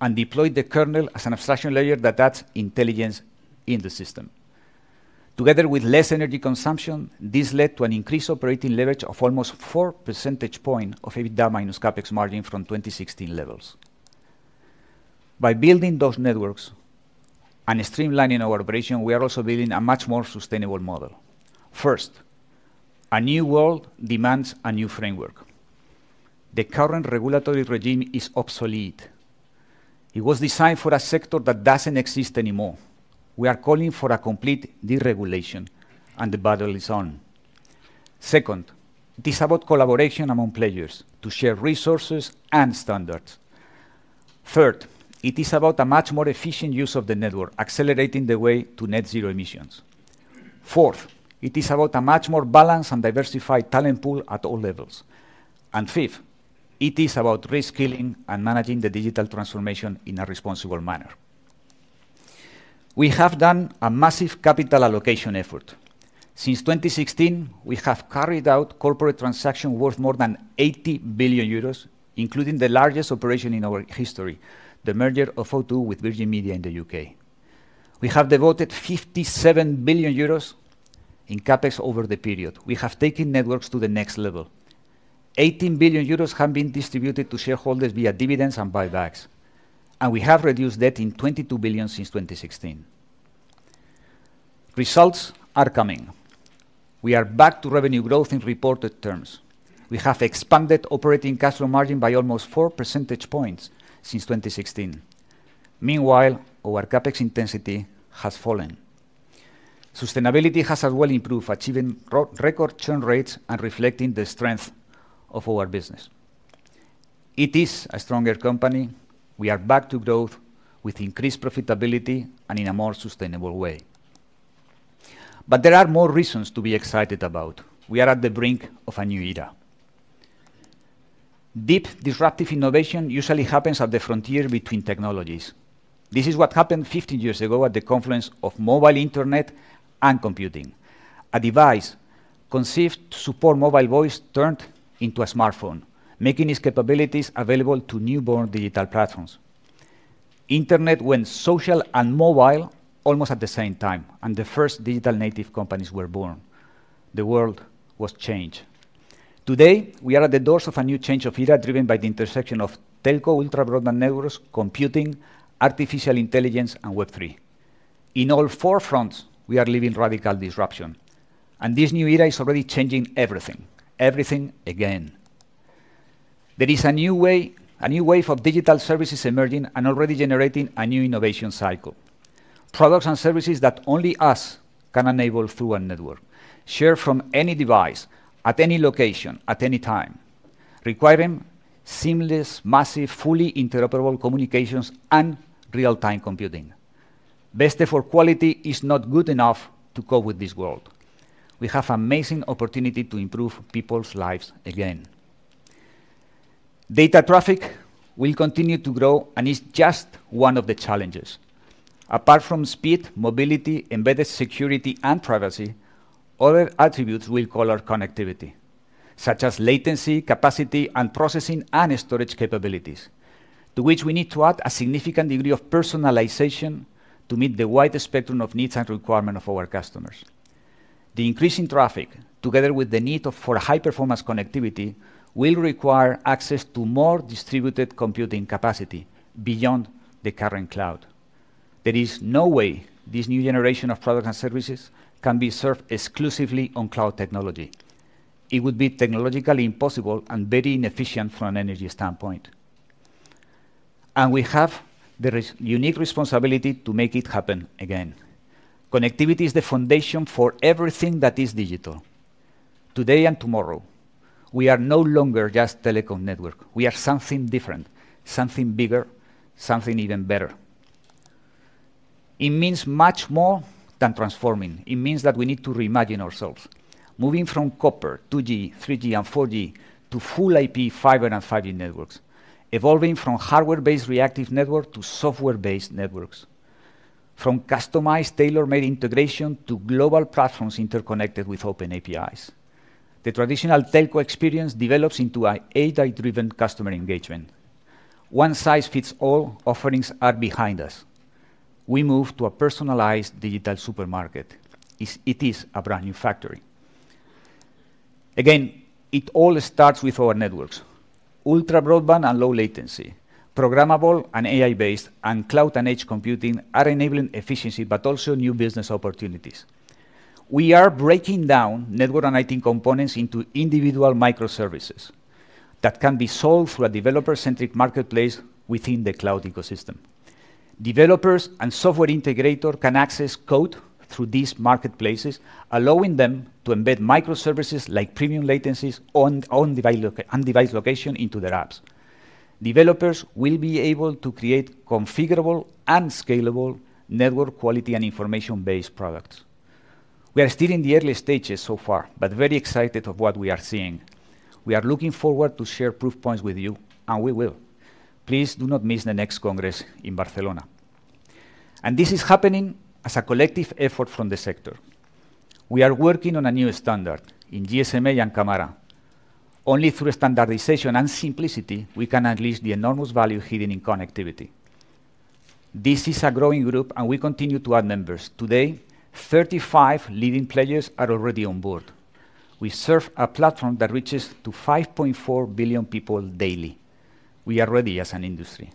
and deployed the kernel as an abstraction layer that adds intelligence in the system. Together with less energy consumption, this led to an increased operating leverage of almost 4 percentage points of EBITDA minus CapEx margin from 2016 levels. By building those networks and streamlining our operation, we are also building a much more sustainable model. First, a new world demands a new framework. The current regulatory regime is obsolete. It was designed for a sector that doesn't exist anymore. We are calling for a complete deregulation, and the battle is on. Second, it is about collaboration among players to share resources and standards. Third, it is about a much more efficient use of the network, accelerating the way to net zero emissions. Fourth, it is about a much more balanced and diversified talent pool at all levels. And fifth, it is about reskilling and managing the digital transformation in a responsible manner. We have done a massive capital allocation effort. Since 2016, we have carried out corporate transaction worth more than 80 billion euros, including the largest operation in our history, the merger of O2 with Virgin Media in the UK. We have devoted 57 billion euros in CapEx over the period. We have taken networks to the next level. 18 billion euros have been distributed to shareholders via dividends and buybacks, and we have reduced debt by 22 billion since 2016. Results are coming. We are back to revenue growth in reported terms. We have expanded operating cash flow margin by almost 4 percentage points since 2016. Meanwhile, our CapEx intensity has fallen. Sustainability has as well improved, achieving record churn rates and reflecting the strength of our business. It is a stronger company. We are back to growth with increased profitability and in a more sustainable way. But there are more reasons to be excited about. We are at the brink of a new era. Deep, disruptive innovation usually happens at the frontier between technologies. This is what happened 50 years ago at the confluence of mobile internet and computing. A device conceived to support mobile voice turned into a smartphone, making its capabilities available to newborn digital platforms. Internet went social and mobile almost at the same time, and the first digital native companies were born. The world was changed. Today, we are at the doors of a new change of era, driven by the intersection of telco, ultra-broadband networks, computing, artificial intelligence, and Web3. In all four fronts, we are living radical disruption, and this new era is already changing everything, everything again. There is a new way, a new wave of digital services emerging and already generating a new innovation cycle, products and services that only us can enable through our network, shared from any device, at any location, at any time, requiring seamless, massive, fully interoperable communications and real-time computing. Best effort quality is not good enough to cope with this world. We have amazing opportunity to improve people's lives again. Data traffic will continue to grow and is just one of the challenges. Apart from speed, mobility, embedded security, and privacy, other attributes will color connectivity, such as latency, capacity, and processing and storage capabilities, to which we need to add a significant degree of personalization to meet the wide spectrum of needs and requirement of our customers. The increasing traffic, together with the need for high-performance connectivity, will require access to more distributed computing capacity beyond the current cloud. There is no way this new generation of products and services can be served exclusively on cloud technology. It would be technologically impossible and very inefficient from an energy standpoint. And we have the unique responsibility to make it happen again. Connectivity is the foundation for everything that is digital, today and tomorrow. We are no longer just telecom network. We are something different, something bigger, something even better. It means much more than transforming. It means that we need to reimagine ourselves, moving from copper, 2G, 3G, and 4G to full IP, fiber, and 5G networks, evolving from hardware-based reactive network to software-based networks, from customized, tailor-made integration to global platforms interconnected with open APIs. The traditional telco experience develops into a AI-driven customer engagement. One-size-fits-all offerings are behind us. We move to a personalized digital supermarket. It is a brand-new factory. Again, it all starts with our networks. Ultra-broadband and low latency, programmable and AI-based, and cloud and edge computing are enabling efficiency, but also new business opportunities. We are breaking down network and IT components into individual microservices that can be sold through a developer-centric marketplace within the cloud ecosystem. Developers and software integrators can access code through these marketplaces, allowing them to embed microservices like premium latencies, on-device location into their apps. Developers will be able to create configurable and scalable network quality and information-based products. We are still in the early stages so far, but very excited of what we are seeing. We are looking forward to share proof points with you, and we will. Please do not miss the next Congress in Barcelona. This is happening as a collective effort from the sector. We are working on a new standard in GSMA and CAMARA. Only through standardization and simplicity we can unleash the enormous value hidden in connectivity. This is a growing group, and we continue to add members. Today, 35 leading players are already on board. We serve a platform that reaches to 5.4 billion people daily. We are ready as an industry.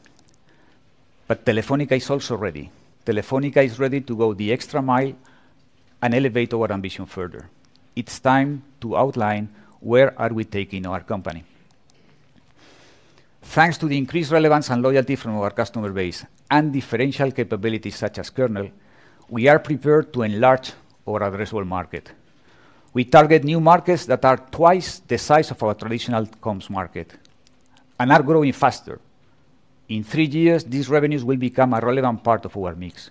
But Telefónica is also ready. Telefónica is ready to go the extra mile and elevate our ambition further. It's time to outline where are we taking our company. Thanks to the increased relevance and loyalty from our customer base and differential capabilities such as Kernel, we are prepared to enlarge our addressable market. We target new markets that are twice the size of our traditional comms market and are growing faster. In 3 years, these revenues will become a relevant part of our mix.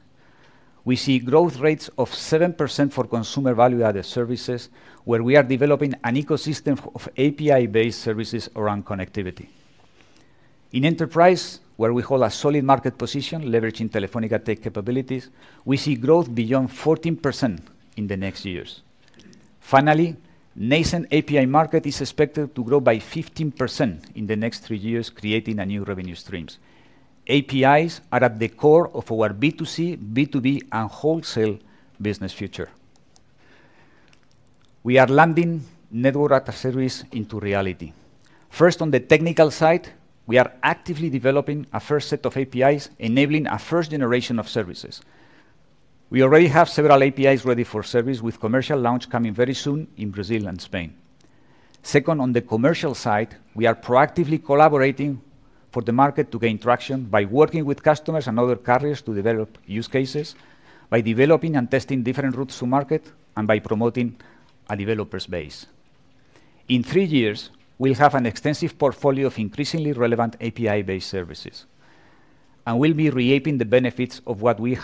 We see growth rates of 7% for consumer value-added services, where we are developing an ecosystem of API-based services around connectivity. In enterprise, where we hold a solid market position leveraging Telefónica Tech capabilities, we see growth beyond 14% in the next years. Finally, nascent API market is expected to grow by 15% in the next 3 years, creating new revenue streams. APIs are at the core of our B2C, B2B, and wholesale business future. We are landing network as a service into reality. First, on the technical side, we are actively developing a first set of APIs, enabling a first generation of services. We already have several APIs ready for service, with commercial launch coming very soon in Brazil and Spain. Second, on the commercial side, we are proactively collaborating for the market to gain traction by working with customers and other carriers to develop use cases, by developing and testing different routes to market, and by promoting a developer base. In three years, we'll have an extensive portfolio of increasingly relevant API-based services, and we'll be reaping the benefits of what we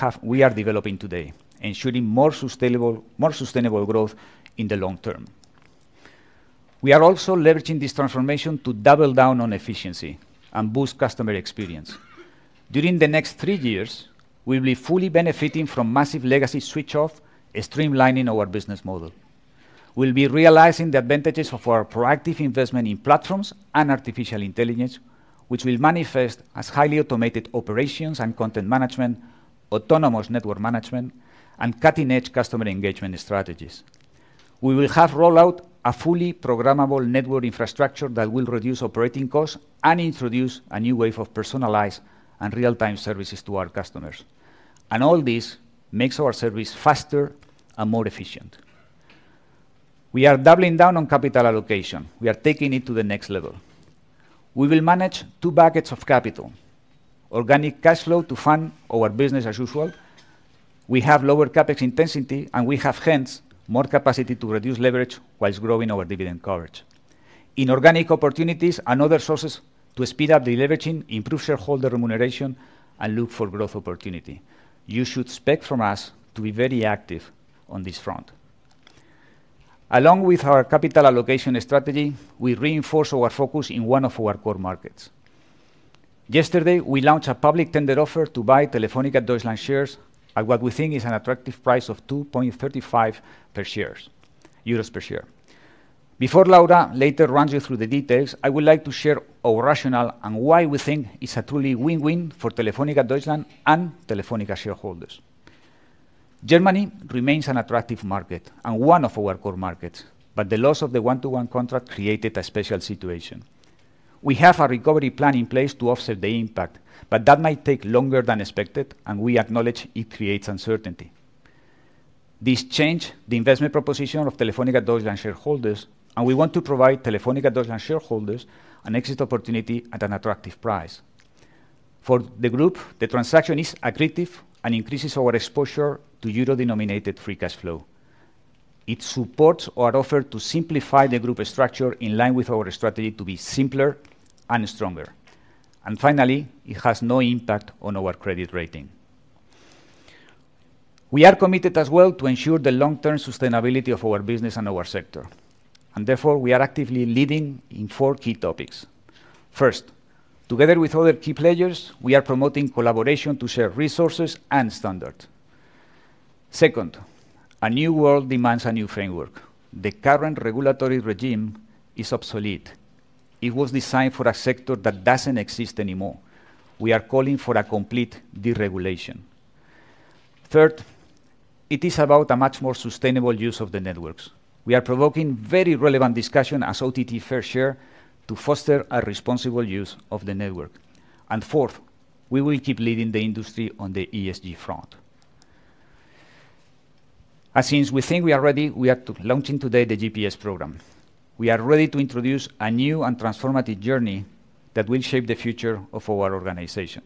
are developing today, ensuring more sustainable, more sustainable growth in the long term. We are also leveraging this transformation to double down on efficiency and boost customer experience. During the next three years, we will be fully benefiting from massive legacy switch-off and streamlining our business model. We'll be realizing the advantages of our proactive investment in platforms and artificial intelligence, which will manifest as highly automated operations and content management, autonomous network management, and cutting-edge customer engagement strategies. We will have rolled out a fully programmable network infrastructure that will reduce operating costs and introduce a new wave of personalized and real-time services to our customers. All this makes our service faster and more efficient. We are doubling down on capital allocation. We are taking it to the next level. We will manage two buckets of capital: organic cash flow to fund our business as usual. We have lower CapEx intensity, and we have, hence, more capacity to reduce leverage whilst growing our dividend coverage. In organic opportunities and other sources to speed up deleveraging, improve shareholder remuneration, and look for growth opportunity. You should expect from us to be very active on this front. Along with our capital allocation strategy, we reinforce our focus in one of our core markets. Yesterday, we launched a public tender offer to buy Telefónica Deutschland shares at what we think is an attractive price of 2.35 euros per share. Before Laura later runs you through the details, I would like to share our rationale and why we think it's a truly win-win for Telefónica Deutschland and Telefónica shareholders. Germany remains an attractive market and one of our core markets, but the loss of the one-to-one contract created a special situation. We have a recovery plan in place to offset the impact, but that might take longer than expected, and we acknowledge it creates uncertainty. This changes the investment proposition of Telefónica Deutschland shareholders, and we want to provide Telefónica Deutschland shareholders an exit opportunity at an attractive price. For the group, the transaction is accretive and increases our exposure to euro-denominated free cash flow. It supports our offer to simplify the group structure in line with our strategy to be simpler and stronger. Finally, it has no impact on our credit rating. We are committed as well to ensure the long-term sustainability of our business and our sector, and therefore, we are actively leading in four key topics. First, together with other key players, we are promoting collaboration to share resources and standards. Second, a new world demands a new framework. The current regulatory regime is obsolete. It was designed for a sector that doesn't exist anymore. We are calling for a complete deregulation. Third, it is about a much more sustainable use of the networks. We are provoking very relevant discussion as OTT Fair Share to foster a responsible use of the network. And fourth, we will keep leading the industry on the ESG front. And since we think we are ready, we are launching today the GPS program. We are ready to introduce a new and transformative journey that will shape the future of our organization.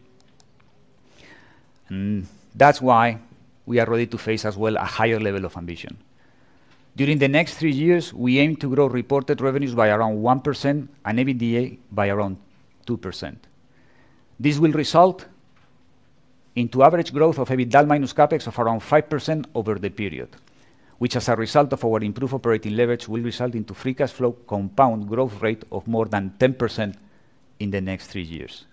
That's why we are ready to face as well a higher level of ambition. During the next three years, we aim to grow reported revenues by around 1% and EBITDA by around 2%. This will result into average growth of EBITDA minus CapEx of around 5% over the period, which, as a result of our improved operating leverage, will result into free cash flow compound growth rate of more than 10% in the next three years.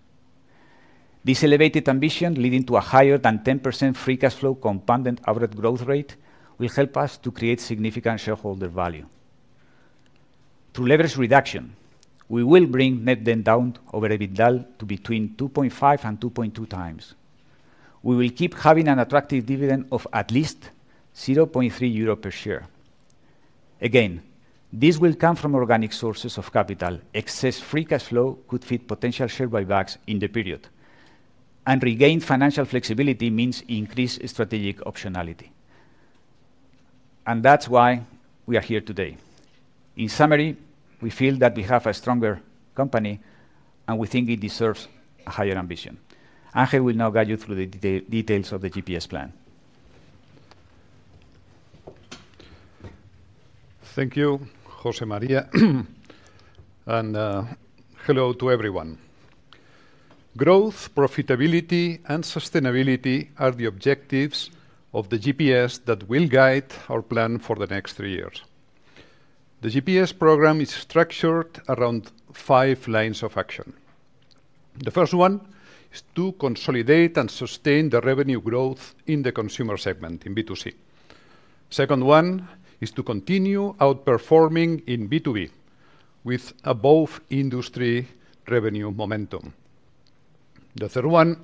This elevated ambition, leading to a higher than 10% free cash flow compound and average growth rate, will help us to create significant shareholder value. Through leverage reduction, we will bring net debt down over EBITDA to between 2.5 and 2.2 times. We will keep having an attractive dividend of at least 0.3 euro per share. Again, this will come from organic sources of capital. Excess free cash flow could fit potential share buybacks in the period. Regained financial flexibility means increased strategic optionality. That's why we are here today. In summary, we feel that we have a stronger company, and we think it deserves a higher ambition. Ángel will now guide you through the details of the GPS plan. Thank you, José María, and hello to everyone. Growth, profitability, and sustainability are the objectives of the GPS that will guide our plan for the next three years. The GPS program is structured around five lines of action. The first one is to consolidate and sustain the revenue growth in the consumer segment, in B2C. Second one is to continue outperforming in B2B with above industry revenue momentum. The third one,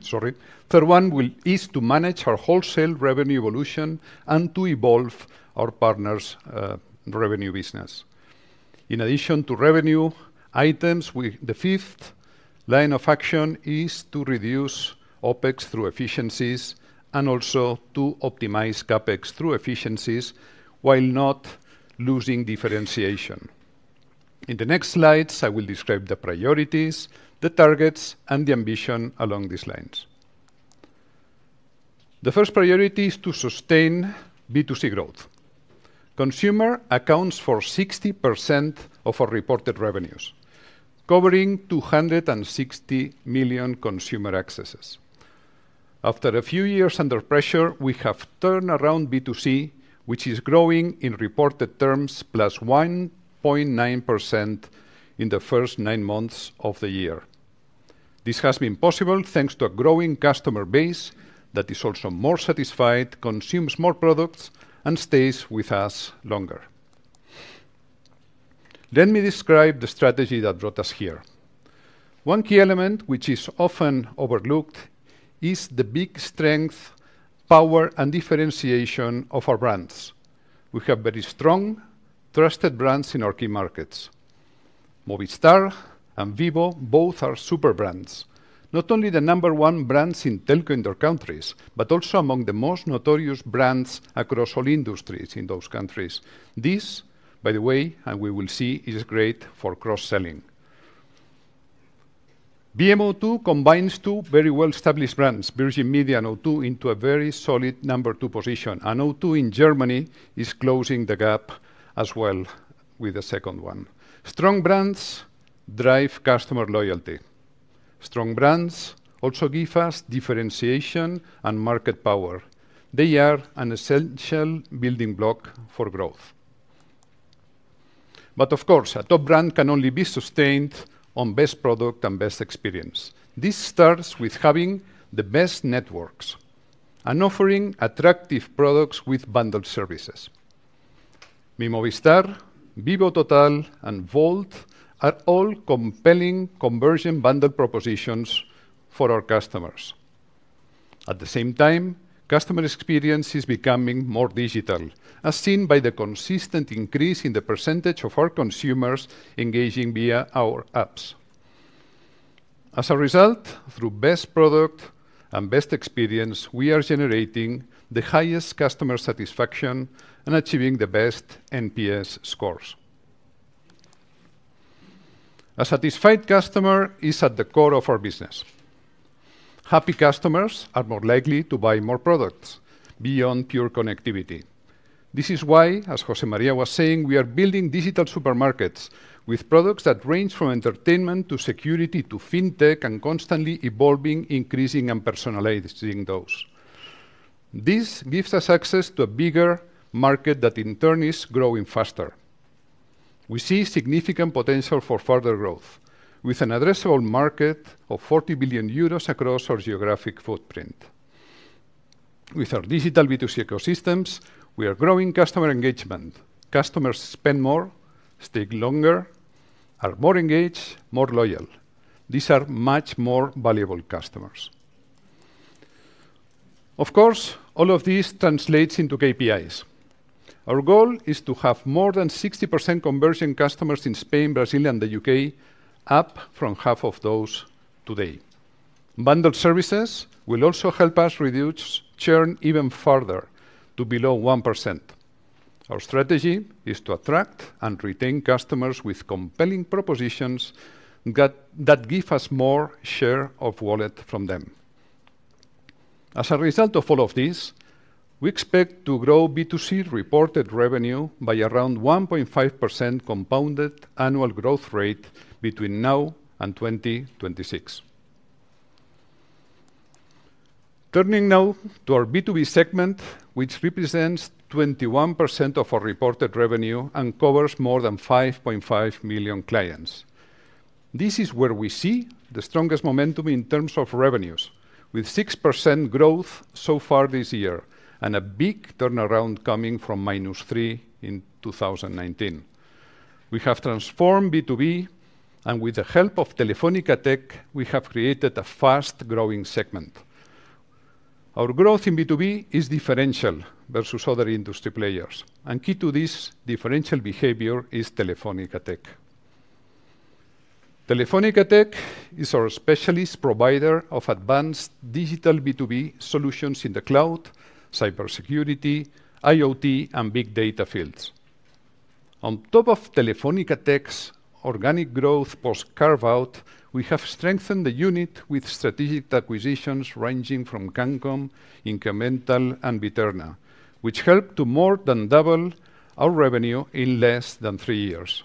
sorry. Third one is to manage our wholesale revenue evolution and to evolve our partners' revenue business. In addition to revenue items, the fifth line of action is to reduce OpEx through efficiencies and also to optimize CapEx through efficiencies while not losing differentiation. In the next slides, I will describe the priorities, the targets, and the ambition along these lines. The first priority is to sustain B2C growth. Consumer accounts for 60% of our reported revenues, covering 260 million consumer accesses. After a few years under pressure, we have turned around B2C, which is growing in reported terms, +1.9% in the first 9 months of the year. This has been possible thanks to a growing customer base that is also more satisfied, consumes more products, and stays with us longer. Let me describe the strategy that brought us here. One key element, which is often overlooked, is the big strength, power, and differentiation of our brands. We have very strong, trusted brands in our key markets. Movistar and Vivo both are super brands, not only the number 1 brands in telco in their countries, but also among the most notorious brands across all industries in those countries. This, by the way, and we will see, is great for cross-selling. Media O2 combines two very well-established brands, Virgin Media and O2, into a very solid number two position, and O2 in Germany is closing the gap as well with the second one. Strong brands drive customer loyalty. Strong brands also give us differentiation and market power. They are an essential building block for growth. But of course, a top brand can only be sustained on best product and best experience. This starts with having the best networks and offering attractive products with bundled services. MiMovistar, Vivo Total, and Volt are all compelling converged bundled propositions for our customers. At the same time, customer experience is becoming more digital, as seen by the consistent increase in the percentage of our consumers engaging via our apps. As a result, through best product and best experience, we are generating the highest customer satisfaction and achieving the best NPS scores. A satisfied customer is at the core of our business. Happy customers are more likely to buy more products beyond pure connectivity. This is why, as José María was saying, we are building digital supermarkets with products that range from entertainment to security to fintech, and constantly evolving, increasing, and personalizing those. This gives us access to a bigger market that in turn is growing faster. We see significant potential for further growth, with an addressable market of 40 billion euros across our geographic footprint. With our digital B2C ecosystems, we are growing customer engagement. Customers spend more, stay longer, are more engaged, more loyal. These are much more valuable customers. Of course, all of this translates into KPIs. Our goal is to have more than 60% conversion customers in Spain, Brazil, and the UK, up from half of those today. Bundled services will also help us reduce churn even further to below 1%. Our strategy is to attract and retain customers with compelling propositions that give us more share of wallet from them. As a result of all of this, we expect to grow B2C reported revenue by around 1.5% compounded annual growth rate between now and 2026. Turning now to our B2B segment, which represents 21% of our reported revenue and covers more than 5.5 million clients. This is where we see the strongest momentum in terms of revenues, with 6% growth so far this year, and a big turnaround coming from -3% in 2019. We have transformed B2B, and with the help of Telefónica Tech, we have created a fast-growing segment. Our growth in B2B is differential versus other industry players, and key to this differential behavior is Telefónica Tech. Telefónica Tech is our specialist provider of advanced digital B2B solutions in the cloud, cybersecurity, IoT, and big data fields. On top of Telefónica Tech's organic growth post-carve-out, we have strengthened the unit with strategic acquisitions ranging from Cancom, Incremental, and BE-terna, which helped to more than double our revenue in less than three years.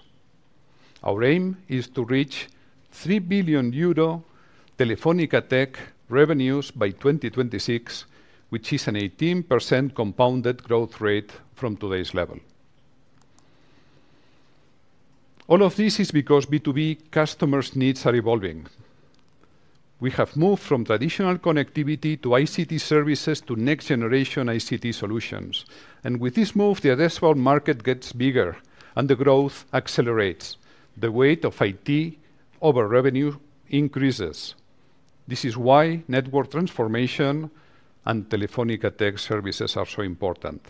Our aim is to reach 3 billion euro Telefónica Tech revenues by 2026, which is an 18% compounded growth rate from today's level. All of this is because B2B customers' needs are evolving. We have moved from traditional connectivity to ICT services to next-generation ICT solutions, and with this move, the addressable market gets bigger and the growth accelerates. The weight of IT over revenue increases. This is why network transformation and Telefónica Tech services are so important.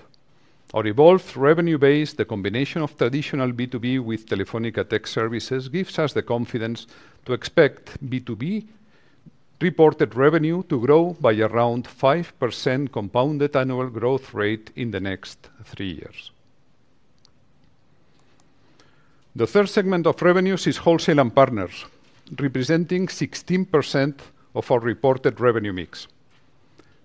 Our evolved revenue base, the combination of traditional B2B with Telefónica Tech services, gives us the confidence to expect B2B reported revenue to grow by around 5% compounded annual growth rate in the next three years. The third segment of revenues is wholesale and partners, representing 16% of our reported revenue mix.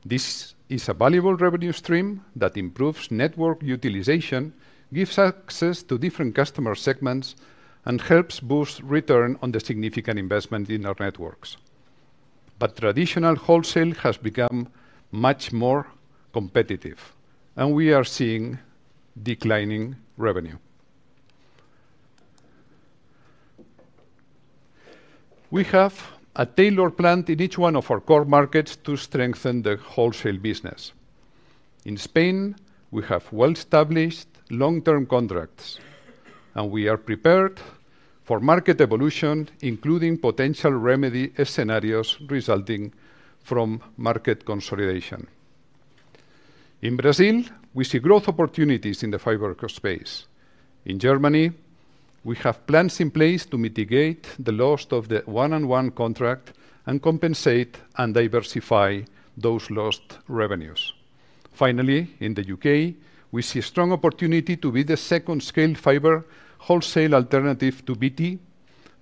This is a valuable revenue stream that improves network utilization, gives access to different customer segments, and helps boost return on the significant investment in our networks. But traditional wholesale has become much more competitive, and we are seeing declining revenue. We have a tailored plan in each one of our core markets to strengthen the wholesale business. In Spain, we have well-established long-term contracts, and we are prepared for market evolution, including potential remedy scenarios resulting from market consolidation. In Brazil, we see growth opportunities in the fiber space. In Germany, we have plans in place to mitigate the loss of the one-on-one contract and compensate and diversify those lost revenues. Finally, in the UK, we see a strong opportunity to be the second scale fiber wholesale alternative to BT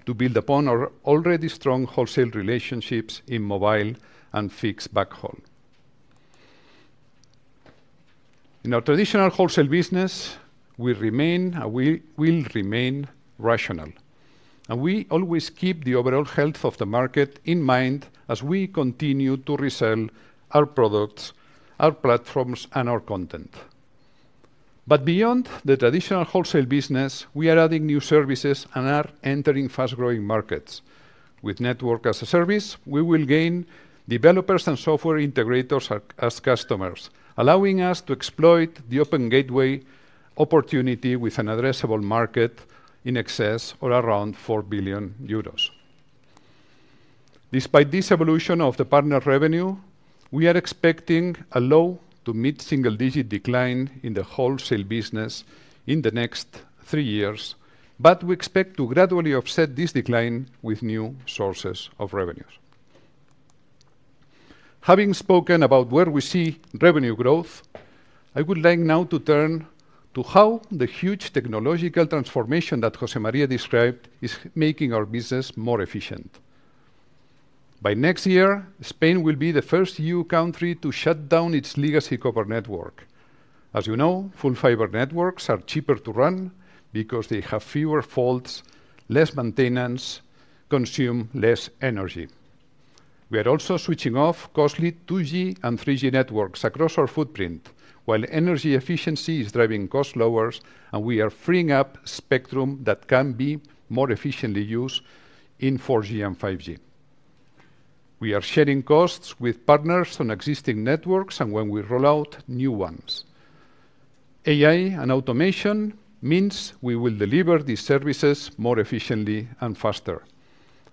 to build upon our already strong wholesale relationships in mobile and fixed backhaul.... In our traditional wholesale business, we remain, and we will remain rational, and we always keep the overall health of the market in mind as we continue to resell our products, our platforms, and our content. But beyond the traditional wholesale business, we are adding new services and are entering fast-growing markets. With network as a service, we will gain developers and software integrators as customers, allowing us to exploit the Open Gateway opportunity with an addressable market in excess or around 4 billion euros. Despite this evolution of the partner revenue, we are expecting a low to mid-single-digit decline in the wholesale business in the next three years, but we expect to gradually offset this decline with new sources of revenues. Having spoken about where we see revenue growth, I would like now to turn to how the huge technological transformation that José María described is making our business more efficient. By next year, Spain will be the first EU country to shut down its legacy copper network. As you know, full fiber networks are cheaper to run because they have fewer faults, less maintenance, consume less energy. We are also switching off costly 2G and 3G networks across our footprint, while energy efficiency is driving costs lower, and we are freeing up spectrum that can be more efficiently used in 4G and 5G. We are sharing costs with partners on existing networks and when we roll out new ones. AI and automation mean we will deliver these services more efficiently and faster,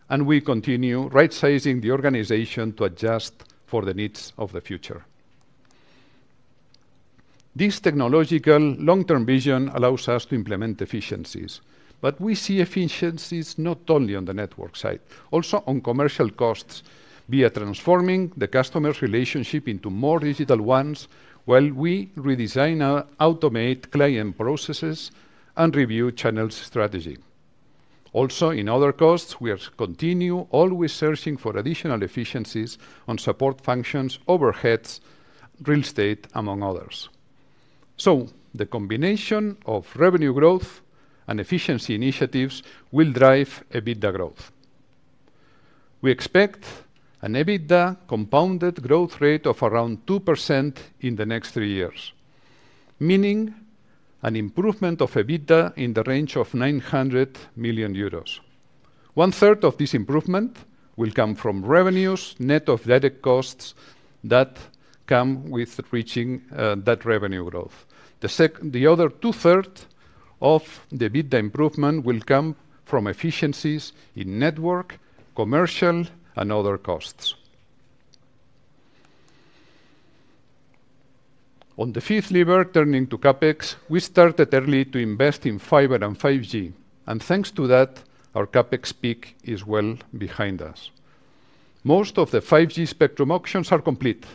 and we continue right-sizing the organization to adjust for the needs of the future. This technological long-term vision allows us to implement efficiencies, but we see efficiencies not only on the network side, also on commercial costs, via transforming the customer's relationship into more digital ones, while we redesign and automate client processes and review channel strategy. Also, in other costs, we continue always searching for additional efficiencies on support functions, overheads, real estate, among others. The combination of revenue growth and efficiency initiatives will drive EBITDA growth. We expect an EBITDA compounded growth rate of around 2% in the next three years, meaning an improvement in EBITDA in the range of 900 million euros. One-third of this improvement will come from revenues, net of direct costs that come with reaching that revenue growth. The other two-thirds of the EBITDA improvement will come from efficiencies in network, commercial, and other costs. On the fifth lever, turning to CapEx, we started early to invest in fiber and 5G, and thanks to that, our CapEx peak is well behind us. Most of the 5G spectrum auctions are complete,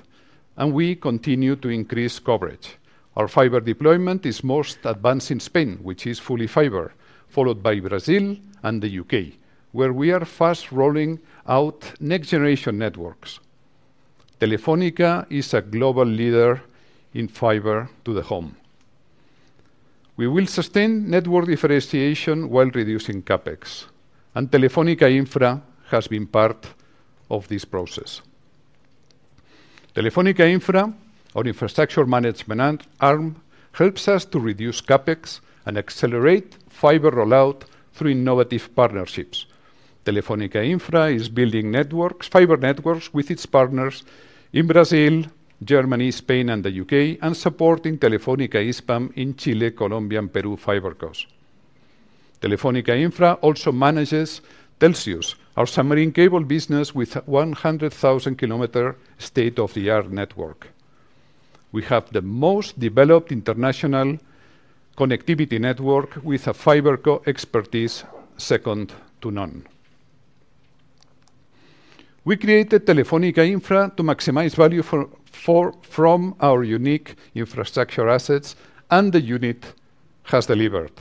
and we continue to increase coverage. Our fiber deployment is most advanced in Spain, which is fully fiber, followed by Brazil and the UK, where we are fast rolling out next-generation networks. Telefónica is a global leader in fiber to the home. We will sustain network differentiation while reducing CapEx, and Telefónica Infra has been part of this process. Telefónica Infra, our infrastructure management arm, helps us to reduce CapEx and accelerate fiber rollout through innovative partnerships. Telefónica Infra is building networks, fiber networks, with its partners in Brazil, Germany, Spain, and the UK, and supporting Telefónica Hispam in Chile, Colombia, and Peru fiber costs. Telefónica Infra also manages Telxius, our submarine cable business, with 100,000-kilometer state-of-the-art network. We have the most developed international connectivity network with a fiber co-expertise second to none. We created Telefónica Infra to maximize value from our unique infrastructure assets, and the unit has delivered.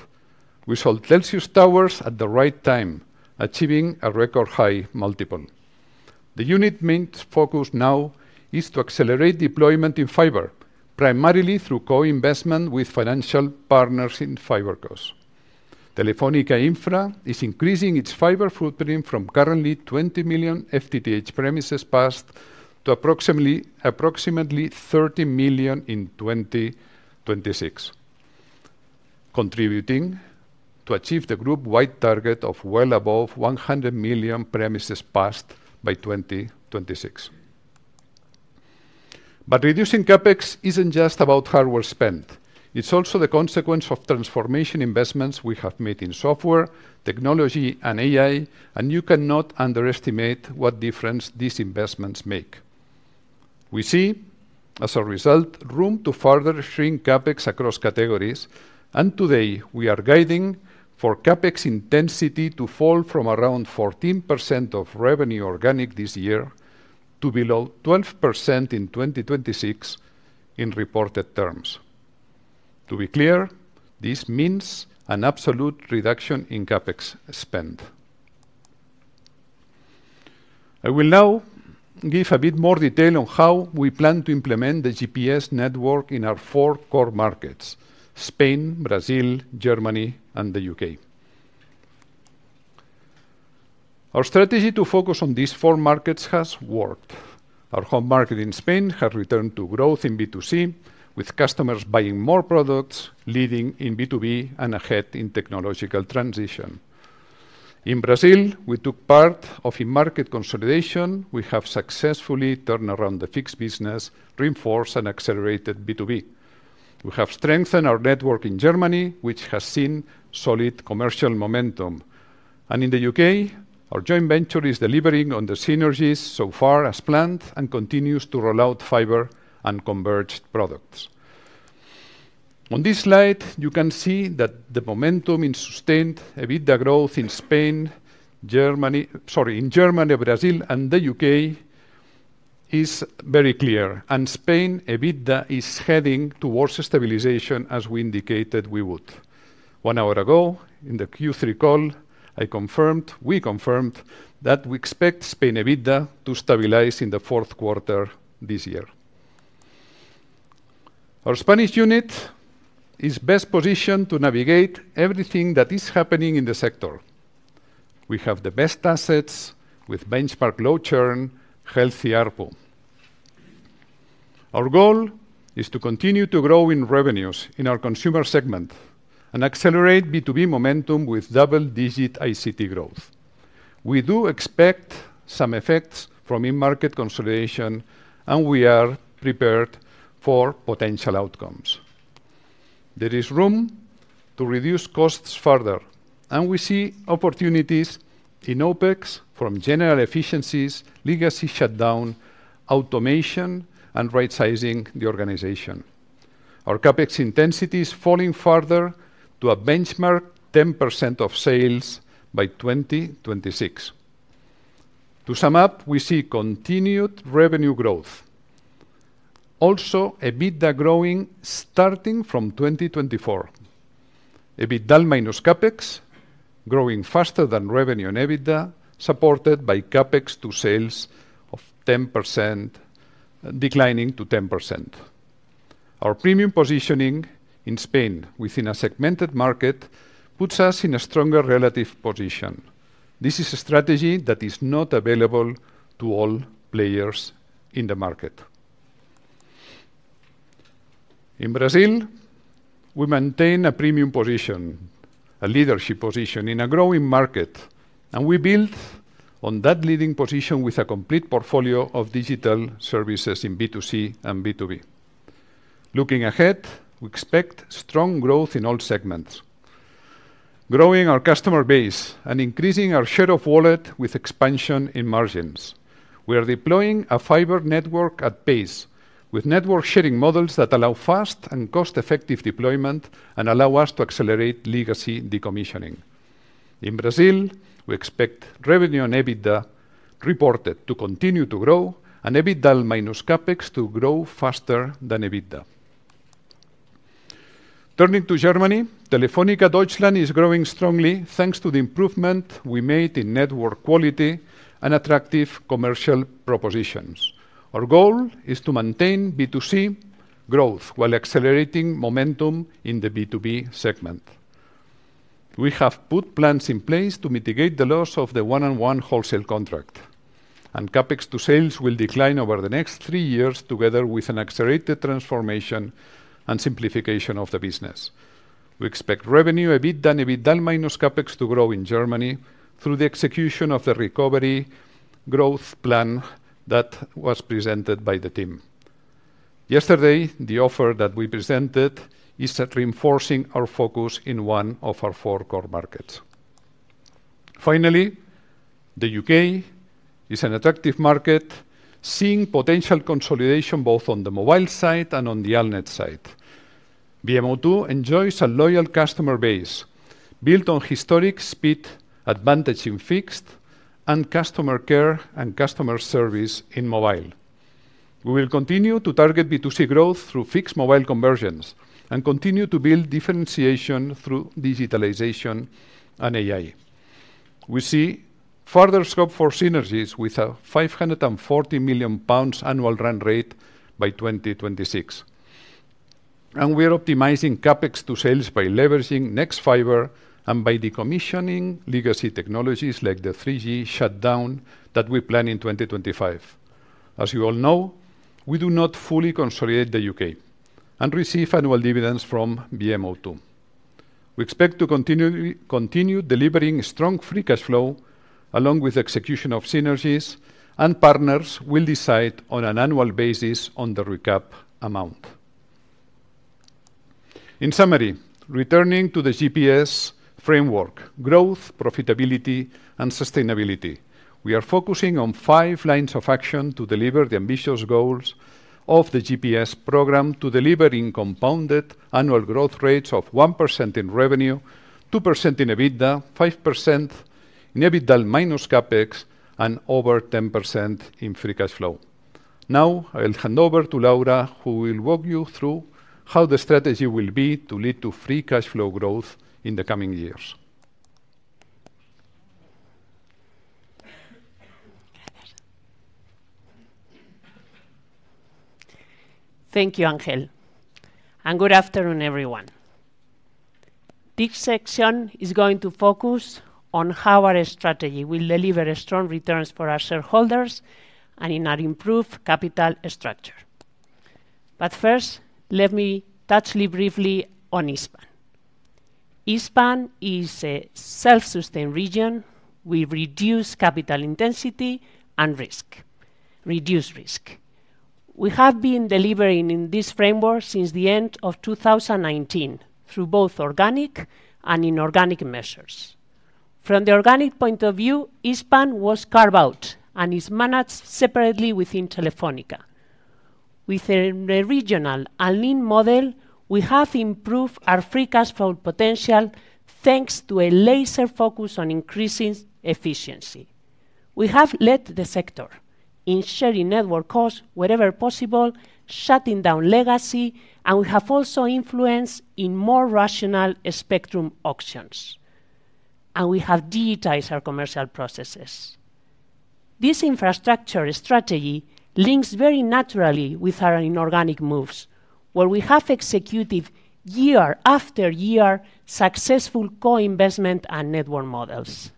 We sold Telxius Towers at the right time, achieving a record-high multiple. The unit's main focus now is to accelerate deployment in fiber, primarily through co-investment with financial partners in fiber costs. Telefónica Infra is increasing its fiber footprint from currently 20 million FTTH premises passed to approximately 30 million in 2026, contributing to achieve the group-wide target of well above 100 million premises passed by 2026. But reducing CapEx isn't just about hardware spend. It's also the consequence of transformation investments we have made in software, technology, and AI, and you cannot underestimate what difference these investments make. We see, as a result, room to further shrink CapEx across categories, and today we are guiding for CapEx intensity to fall from around 14% of revenue organic this year to below 12% in 2026 in reported terms. To be clear, this means an absolute reduction in CapEx spend. I will now give a bit more detail on how we plan to implement the GPS network in our four core markets: Spain, Brazil, Germany, and the UK. Our strategy to focus on these four markets has worked. Our home market in Spain has returned to growth in B2C, with customers buying more products, leading in B2B, and ahead in technological transition. In Brazil, we took part of a market consolidation. We have successfully turned around the fixed business, reinforced and accelerated B2B. We have strengthened our network in Germany, which has seen solid commercial momentum. And in the UK, our joint venture is delivering on the synergies so far as planned and continues to roll out fiber and converged products. On this slide, you can see that the momentum in sustained EBITDA growth in Spain, Germany, sorry, in Germany, Brazil, and the UK is very clear. Spain, EBITDA is heading towards stabilization, as we indicated we would. One hour ago, in the Q3 call, I confirmed, we confirmed, that we expect Spain EBITDA to stabilize in the fourth quarter this year. Our Spanish unit is best positioned to navigate everything that is happening in the sector. We have the best assets, with benchmark low churn, healthy ARPU. Our goal is to continue to grow in revenues in our consumer segment and accelerate B2B momentum with double-digit ICT growth. We do expect some effects from in-market consolidation, and we are prepared for potential outcomes. There is room to reduce costs further, and we see opportunities in OpEx from general efficiencies, legacy shutdown, automation, and right-sizing the organization. Our CapEx intensity is falling further to a benchmark 10% of sales by 2026. To sum up, we see continued revenue growth. Also, EBITDA growing, starting from 2024. EBITDA minus CapEx growing faster than revenue and EBITDA, supported by CapEx to sales of 10%, declining to 10%. Our premium positioning in Spain within a segmented market puts us in a stronger relative position. This is a strategy that is not available to all players in the market. In Brazil, we maintain a premium position, a leadership position in a growing market, and we build on that leading position with a complete portfolio of digital services in B2C and B2B. Looking ahead, we expect strong growth in all segments, growing our customer base and increasing our share of wallet with expansion in margins. We are deploying a fiber network at pace, with network sharing models that allow fast and cost-effective deployment and allow us to accelerate legacy decommissioning. In Brazil, we expect revenue and EBITDA reported to continue to grow and EBITDA minus CapEx to grow faster than EBITDA. Turning to Germany, Telefónica Deutschland is growing strongly, thanks to the improvement we made in network quality and attractive commercial propositions. Our goal is to maintain B2C growth while accelerating momentum in the B2B segment. We have put plans in place to mitigate the loss of the one-on-one wholesale contract, and CapEx to sales will decline over the next three years, together with an accelerated transformation and simplification of the business. We expect revenue, EBITDA, and EBITDA minus CapEx to grow in Germany through the execution of the recovery growth plan that was presented by the team. Yesterday, the offer that we presented is reinforcing our focus in one of our four core markets. Finally, the UK is an attractive market, seeing potential consolidation both on the mobile side and on the altnet side. Virgin Media O2 enjoys a loyal customer base built on historic speed advantage in fixed and customer care and customer service in mobile. We will continue to target B2C growth through fixed-mobile conversions and continue to build differentiation through digitalization and AI. We see further scope for synergies with a 540 million pounds annual run rate by 2026. We are optimizing CapEx to sales by leveraging Nexfibre and by decommissioning legacy technologies, like the 3G shutdown that we plan in 2025. As you all know, we do not fully consolidate the UK and receive annual dividends from Virgin Media O2. We expect to continue delivering strong free cash flow, along with execution of synergies, and partners will decide on an annual basis on the recap amount. In summary, returning to the GPS framework, growth, profitability, and sustainability, we are focusing on five lines of action to deliver the ambitious goals of the GPS program to delivering compounded annual growth rates of 1% in revenue, 2% in EBITDA, 5% in EBITDA minus CapEx, and over 10% in free cash flow.... Now, I will hand over to Laura, who will walk you through how the strategy will be to lead to free cash flow growth in the coming years. Thank you, Ángel, and good afternoon, everyone. This section is going to focus on how our strategy will deliver strong returns for our shareholders and in our improved capital structure. But first, let me touch briefly on Hispano. Hispano is a self-sustained region. We reduce capital intensity and risk, reduce risk. We have been delivering in this framework since the end of 2019 through both organic and inorganic measures. From the organic point of view, Hispano was carved out and is managed separately within Telefónica. With a regional and lean model, we have improved our free cash flow potential, thanks to a laser focus on increasing efficiency. We have led the sector in sharing network costs wherever possible, shutting down legacy, and we have also influenced in more rational spectrum auctions, and we have digitized our commercial processes. This infrastructure strategy links very naturally with our inorganic moves, where we have executed year after year successful co-investment and network models.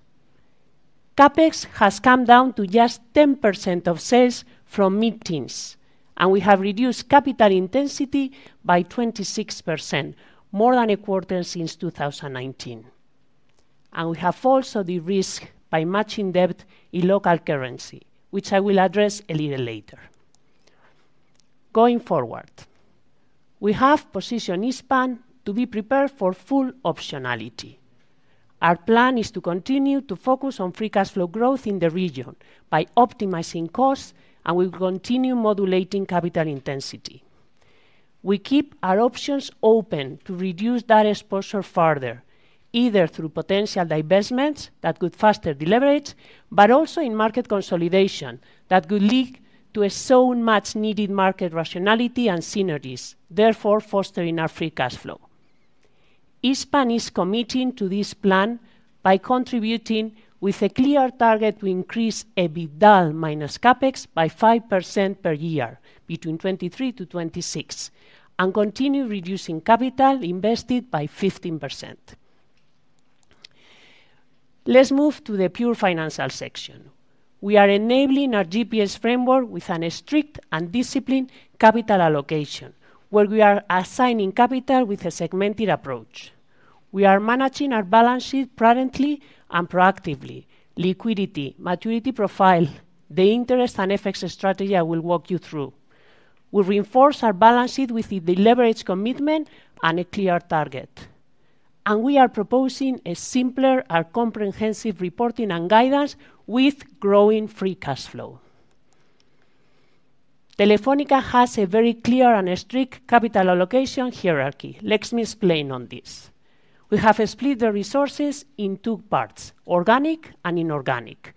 CapEx has come down to just 10% of sales from mid-teens, and we have reduced capital intensity by 26%, more than a quarter since 2019. We have also de-risked by matching debt in local currency, which I will address a little later. Going forward, we have positioned Hispam to be prepared for full optionality. Our plan is to continue to focus on free cash flow growth in the region by optimizing costs, and we will continue modulating capital intensity. We keep our options open to reduce that exposure further, either through potential divestments that could faster deleverage, but also in market consolidation that could lead to a so much needed market rationality and synergies, therefore fostering our free cash flow. Hispam is committing to this plan by contributing with a clear target to increase EBITDA minus CapEx by 5% per year between 2023 to 2026, and continue reducing capital invested by 15%. Let's move to the pure financial section. We are enabling our GPS framework with a strict and disciplined capital allocation, where we are assigning capital with a segmented approach. We are managing our balance sheet prudently and proactively. Liquidity, maturity profile, the interest and FX strategy I will walk you through. We reinforce our balance sheet with the deleverage commitment and a clear target, and we are proposing a simpler and comprehensive reporting and guidance with growing free cash flow. Telefónica has a very clear and strict capital allocation hierarchy. Let me explain on this. We have split the resources in two parts: organic and inorganic.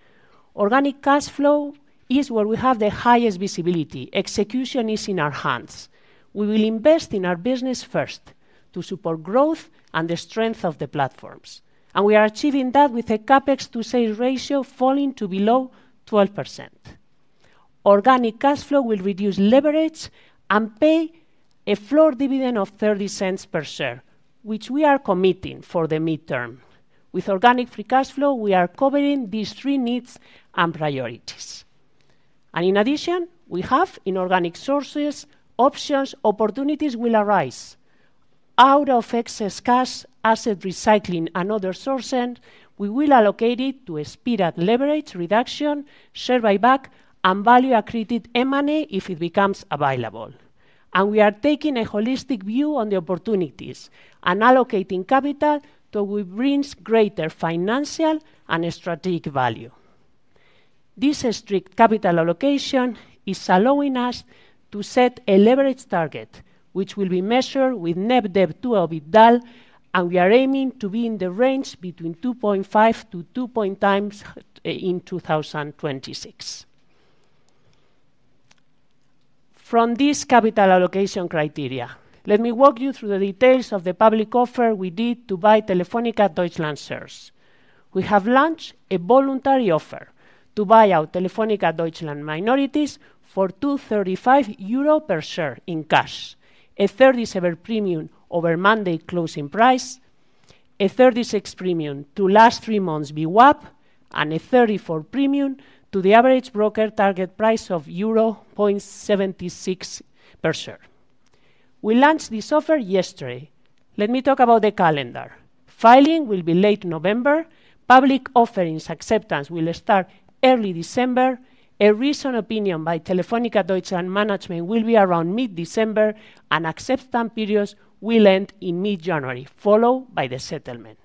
Organic cash flow is where we have the highest visibility. Execution is in our hands. We will invest in our business first to support growth and the strength of the platforms, and we are achieving that with a CapEx to sales ratio falling to below 12%. Organic cash flow will reduce leverage and pay a floor dividend of 0.30 per share, which we are committing for the midterm. With organic free cash flow, we are covering these three needs and priorities. In addition, we have inorganic sources; options and opportunities will arise. Out of excess cash, asset recycling, and other sourcing, we will allocate it to speed up leverage reduction, share buyback, and value-accretive M&A if it becomes available. We are taking a holistic view on the opportunities and allocating capital that will bring greater financial and strategic value. This strict capital allocation is allowing us to set a leverage target, which will be measured with Net Debt to EBITDA, and we are aiming to be in the range between 2.5 to 2.0x in 2026. From this capital allocation criteria, let me walk you through the details of the public offer we did to buy Telefónica Deutschland shares. We have launched a voluntary offer to buy out Telefónica Deutschland minorities for 2.35 euro per share in cash, a 37% premium over Monday closing price, a 36% premium to last three months VWAP, and a 34% premium to the average broker target price of euro 0.76 per share. We launched this offer yesterday. Let me talk about the calendar. Filing will be late November. Public offerings acceptance will start early December. A recent opinion by Telefónica Deutschland management will be around mid-December, and acceptance periods will end in mid-January, followed by the settlement.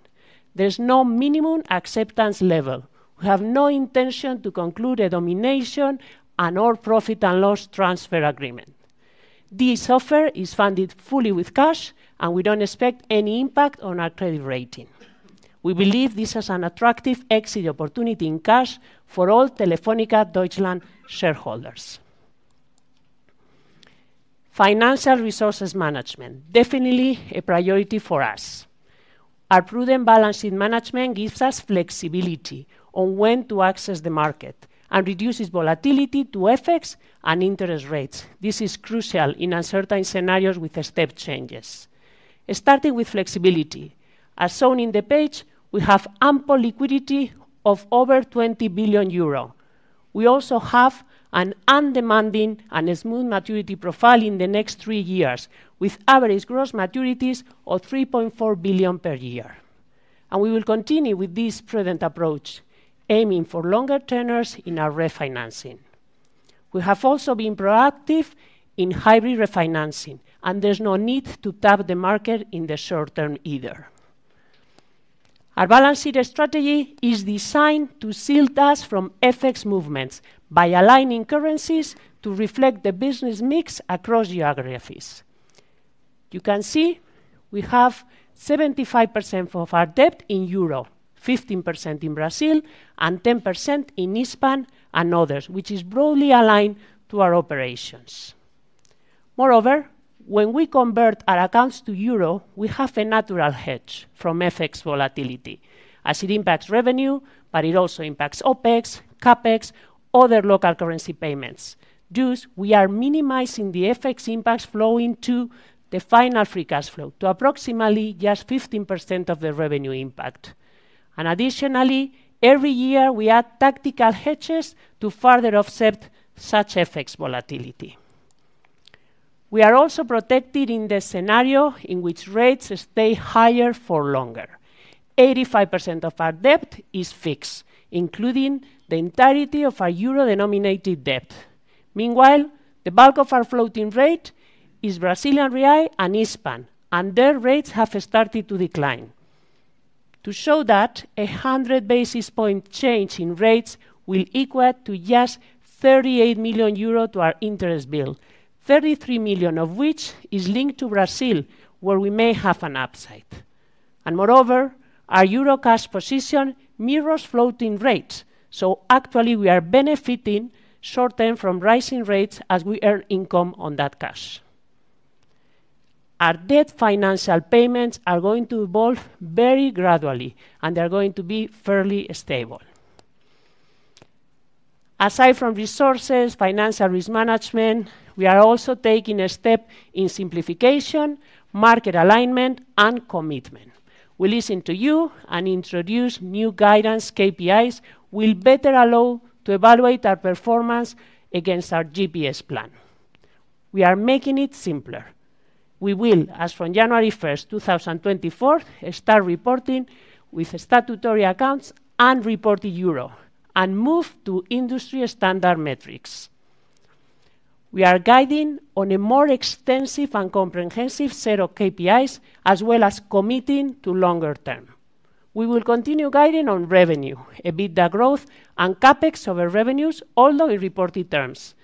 There's no minimum acceptance level. We have no intention to conclude a domination and all profit and loss transfer agreement. This offer is funded fully with cash, and we don't expect any impact on our credit rating. We believe this is an attractive exit opportunity in cash for all Telefónica Deutschland shareholders. Financial resources management, definitely a priority for us. Our prudent balance sheet management gives us flexibility on when to access the market and reduces volatility to FX and interest rates. This is crucial in uncertain scenarios with step changes. Starting with flexibility, as shown in the page, we have ample liquidity of over 20 billion euro. We also have an undemanding and a smooth maturity profile in the next three years, with average gross maturities of 3.4 billion per year. We will continue with this prudent approach, aiming for longer tenors in our refinancing. We have also been proactive in hybrid refinancing, and there's no need to tap the market in the short term either. Our balance sheet strategy is designed to shield us from FX movements by aligning currencies to reflect the business mix across geographies. You can see we have 75% of our debt in euro, 15% in Brazil, and 10% in Hispan and others, which is broadly aligned to our operations. Moreover, when we convert our accounts to euro, we have a natural hedge from FX volatility, as it impacts revenue, but it also impacts OpEx, CapEx, other local currency payments. Thus, we are minimizing the FX impacts flowing to the final free cash flow to approximately just 15% of the revenue impact. Additionally, every year, we add tactical hedges to further offset such FX volatility. We are also protected in the scenario in which rates stay higher for longer. 85% of our debt is fixed, including the entirety of our EUR-denominated debt. Meanwhile, the bulk of our floating rate is Brazilian real and Hispam, and their rates have started to decline. To show that, a 100 basis point change in rates will equate to just 38 million euro to our interest bill, 33 million of which is linked to Brazil, where we may have an upside. Moreover, our euro cash position mirrors floating rates, so actually we are benefiting short-term from rising rates as we earn income on that cash. Our debt financial payments are going to evolve very gradually, and they are going to be fairly stable. Aside from resources, financial risk management, we are also taking a step in simplification, market alignment, and commitment. We listen to you and introduce new guidance KPIs will better allow to evaluate our performance against our GPS plan. We are making it simpler. We will, as from January 1, 2024, start reporting with statutory accounts and report in euro and move to industry standard metrics. We are guiding on a more extensive and comprehensive set of KPIs, as well as committing to longer term. We will continue guiding on revenue, EBITDA growth, and CapEx over revenues, all in reported terms.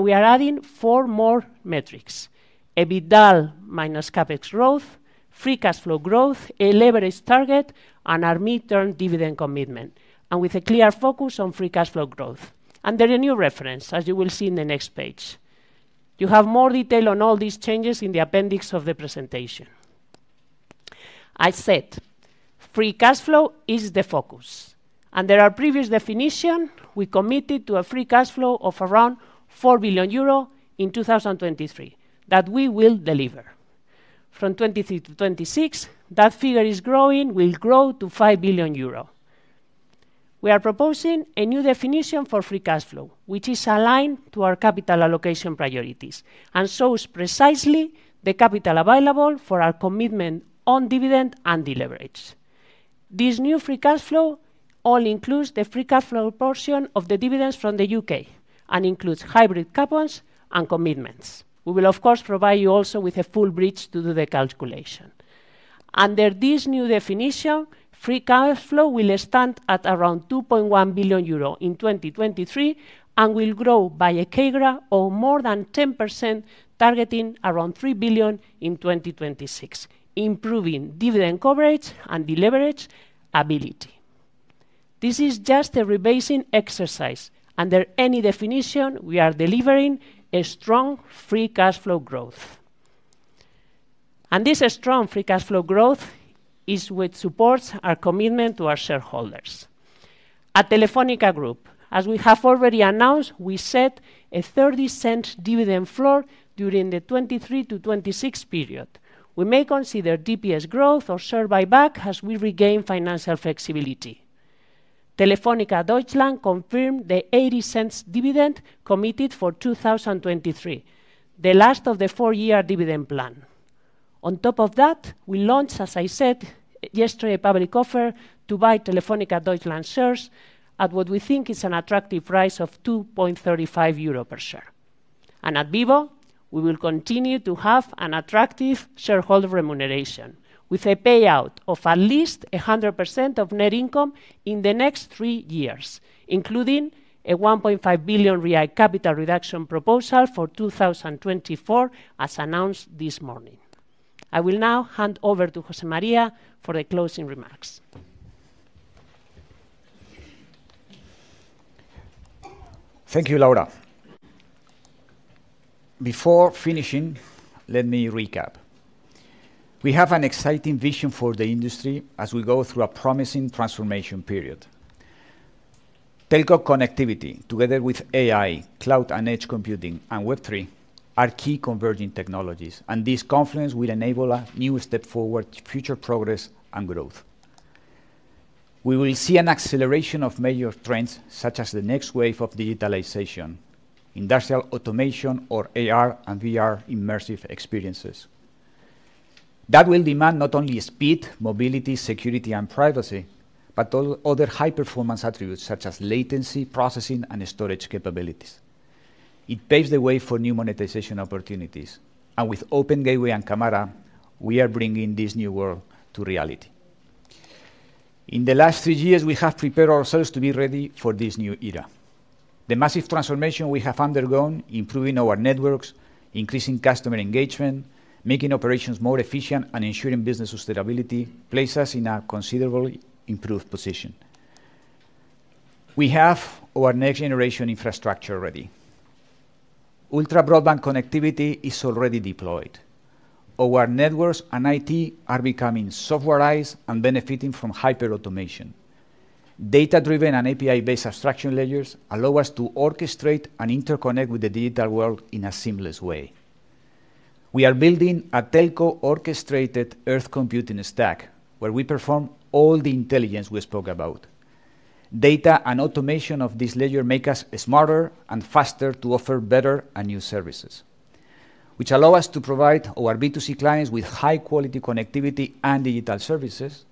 We are adding four more metrics: EBITDA minus CapEx growth, free cash flow growth, a leverage target, and our mid-term dividend commitment, and with a clear focus on free cash flow growth. Under a new reference, as you will see in the next page. You have more detail on all these changes in the appendix of the presentation. I said free cash flow is the focus, under our previous definition, we committed to a free cash flow of around 4 billion euro in 2023, that we will deliver. From 2023 to 2026, that figure is growing, will grow to 5 billion euros. We are proposing a new definition for free cash flow, which is aligned to our capital allocation priorities and shows precisely the capital available for our commitment on dividend and deleverage. This new free cash flow only includes the free cash flow portion of the dividends from the UK and includes hybrid coupons and commitments. We will, of course, provide you also with a full bridge to do the calculation. Under this new definition, free cash flow will stand at around 2.1 billion euro in 2023 and will grow by a CAGR of more than 10%, targeting around 3 billion in 2026, improving dividend coverage and deleverage ability. This is just a rebasing exercise. Under any definition, we are delivering a strong free cash flow growth. And this strong free cash flow growth is what supports our commitment to our shareholders. At Telefónica Group, as we have already announced, we set a 30-cent dividend floor during the 2023-2026 period. We may consider DPS growth or share buyback as we regain financial flexibility. Telefónica Deutschland confirmed the 0.80 dividend committed for 2023, the last of the 4-year dividend plan. On top of that, we launched, as I said, yesterday, a public offer to buy Telefónica Deutschland shares at what we think is an attractive price of 2.35 euro per share. And at Vivo, we will continue to have an attractive shareholder remuneration with a payout of at least 100% of net income in the next three years, including a 1.5 billion capital reduction proposal for 2024, as announced this morning. I will now hand over to José María for the closing remarks. Thank you, Laura. Before finishing, let me recap. We have an exciting vision for the industry as we go through a promising transformation period. Telco connectivity, together with AI, cloud and edge computing, and Web3, are key converging technologies, and this confluence will enable a new step forward to future progress and growth. We will see an acceleration of major trends, such as the next wave of digitalization, industrial automation, or AR and VR immersive experiences. That will demand not only speed, mobility, security, and privacy, but also other high-performance attributes, such as latency, processing, and storage capabilities. It paves the way for new monetization opportunities, and with Open Gateway and CAMARA, we are bringing this new world to reality. In the last three years, we have prepared ourselves to be ready for this new era. The massive transformation we have undergone, improving our networks, increasing customer engagement, making operations more efficient, and ensuring business sustainability, places us in a considerably improved position. We have our next-generation infrastructure ready. Ultra-broadband connectivity is already deployed. Our networks and IT are becoming softwarized and benefiting from hyperautomation. Data-driven and API-based abstraction layers allow us to orchestrate and interconnect with the digital world in a seamless way. We are building a telco-orchestrated edge computing stack, where we perform all the intelligence we spoke about. Data and automation of this layer make us smarter and faster to offer better and new services, which allow us to provide our B2C clients with high-quality connectivity and digital services,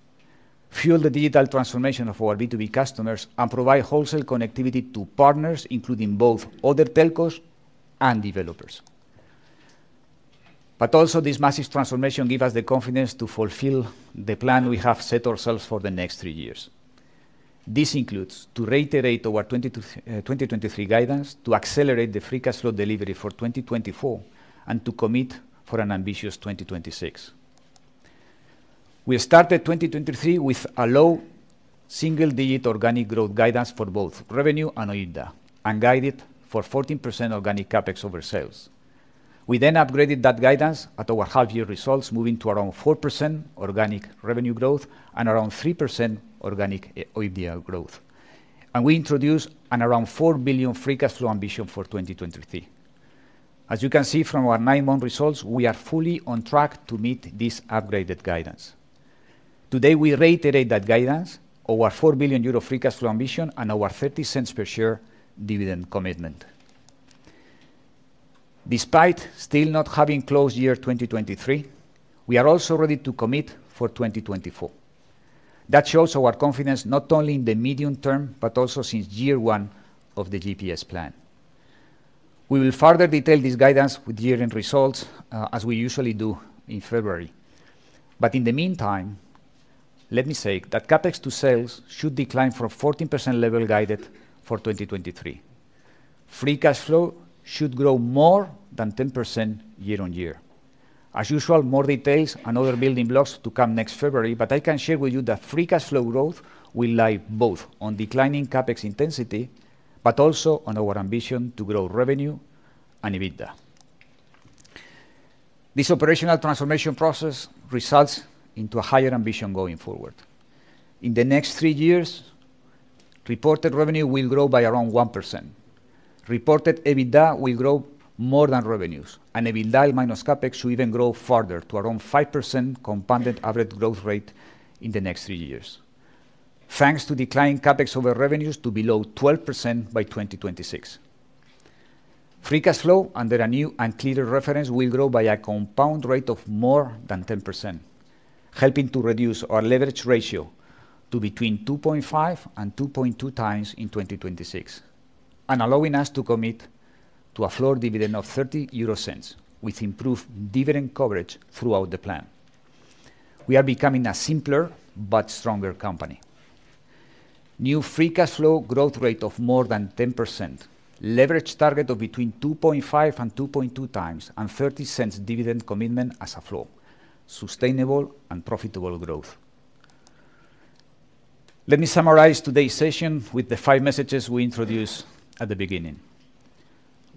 fuel the digital transformation of our B2B customers, and provide wholesale connectivity to partners, including both other telcos and developers. But also, this massive transformation give us the confidence to fulfill the plan we have set ourselves for the next three years. This includes to reiterate our 2020 to 2023 guidance to accelerate the free cash flow delivery for 2024, and to commit for an ambitious 2026. We started 2023 with a low single-digit organic growth guidance for both revenue and OIBDA, and guided for 14% organic CapEx over sales. We then upgraded that guidance at our half-year results, moving to around 4% organic revenue growth and around 3% organic OIBDA growth. And we introduced an around 4 billion free cash flow ambition for 2023. As you can see from our nine-month results, we are fully on track to meet this upgraded guidance. Today, we reiterate that guidance, our 4 billion euro free cash flow ambition, and our 0.30 per share dividend commitment. Despite still not having closed year 2023, we are also ready to commit for 2024. That shows our confidence not only in the medium term, but also since year one of the GPS plan. We will further detail this guidance with year-end results, as we usually do in February. But in the meantime, let me say that CapEx to sales should decline from 14% level guided for 2023. Free cash flow should grow more than 10% year-on-year. As usual, more details and other building blocks to come next February, but I can share with you that free cash flow growth will lie both on declining CapEx intensity, but also on our ambition to grow revenue and EBITDA. This operational transformation process results into a higher ambition going forward. In the next three years, reported revenue will grow by around 1%. Reported EBITDA will grow more than revenues, and EBITDA minus CapEx will even grow further to around 5% compounded average growth rate in the next three years, thanks to declining CapEx over revenues to below 12% by 2026. Free cash flow, under a new and clearer reference, will grow by a compound rate of more than 10%, helping to reduce our leverage ratio to between 2.5 and 2.2 times in 2026, and allowing us to commit to a floor dividend of 0.30, with improved dividend coverage throughout the plan. We are becoming a simpler but stronger company. New free cash flow growth rate of more than 10%, leverage target of between 2.5 and 2.2 times, and €0.30 dividend commitment as a floor. Sustainable and profitable growth. Let me summarize today's session with the five messages we introduced at the beginning.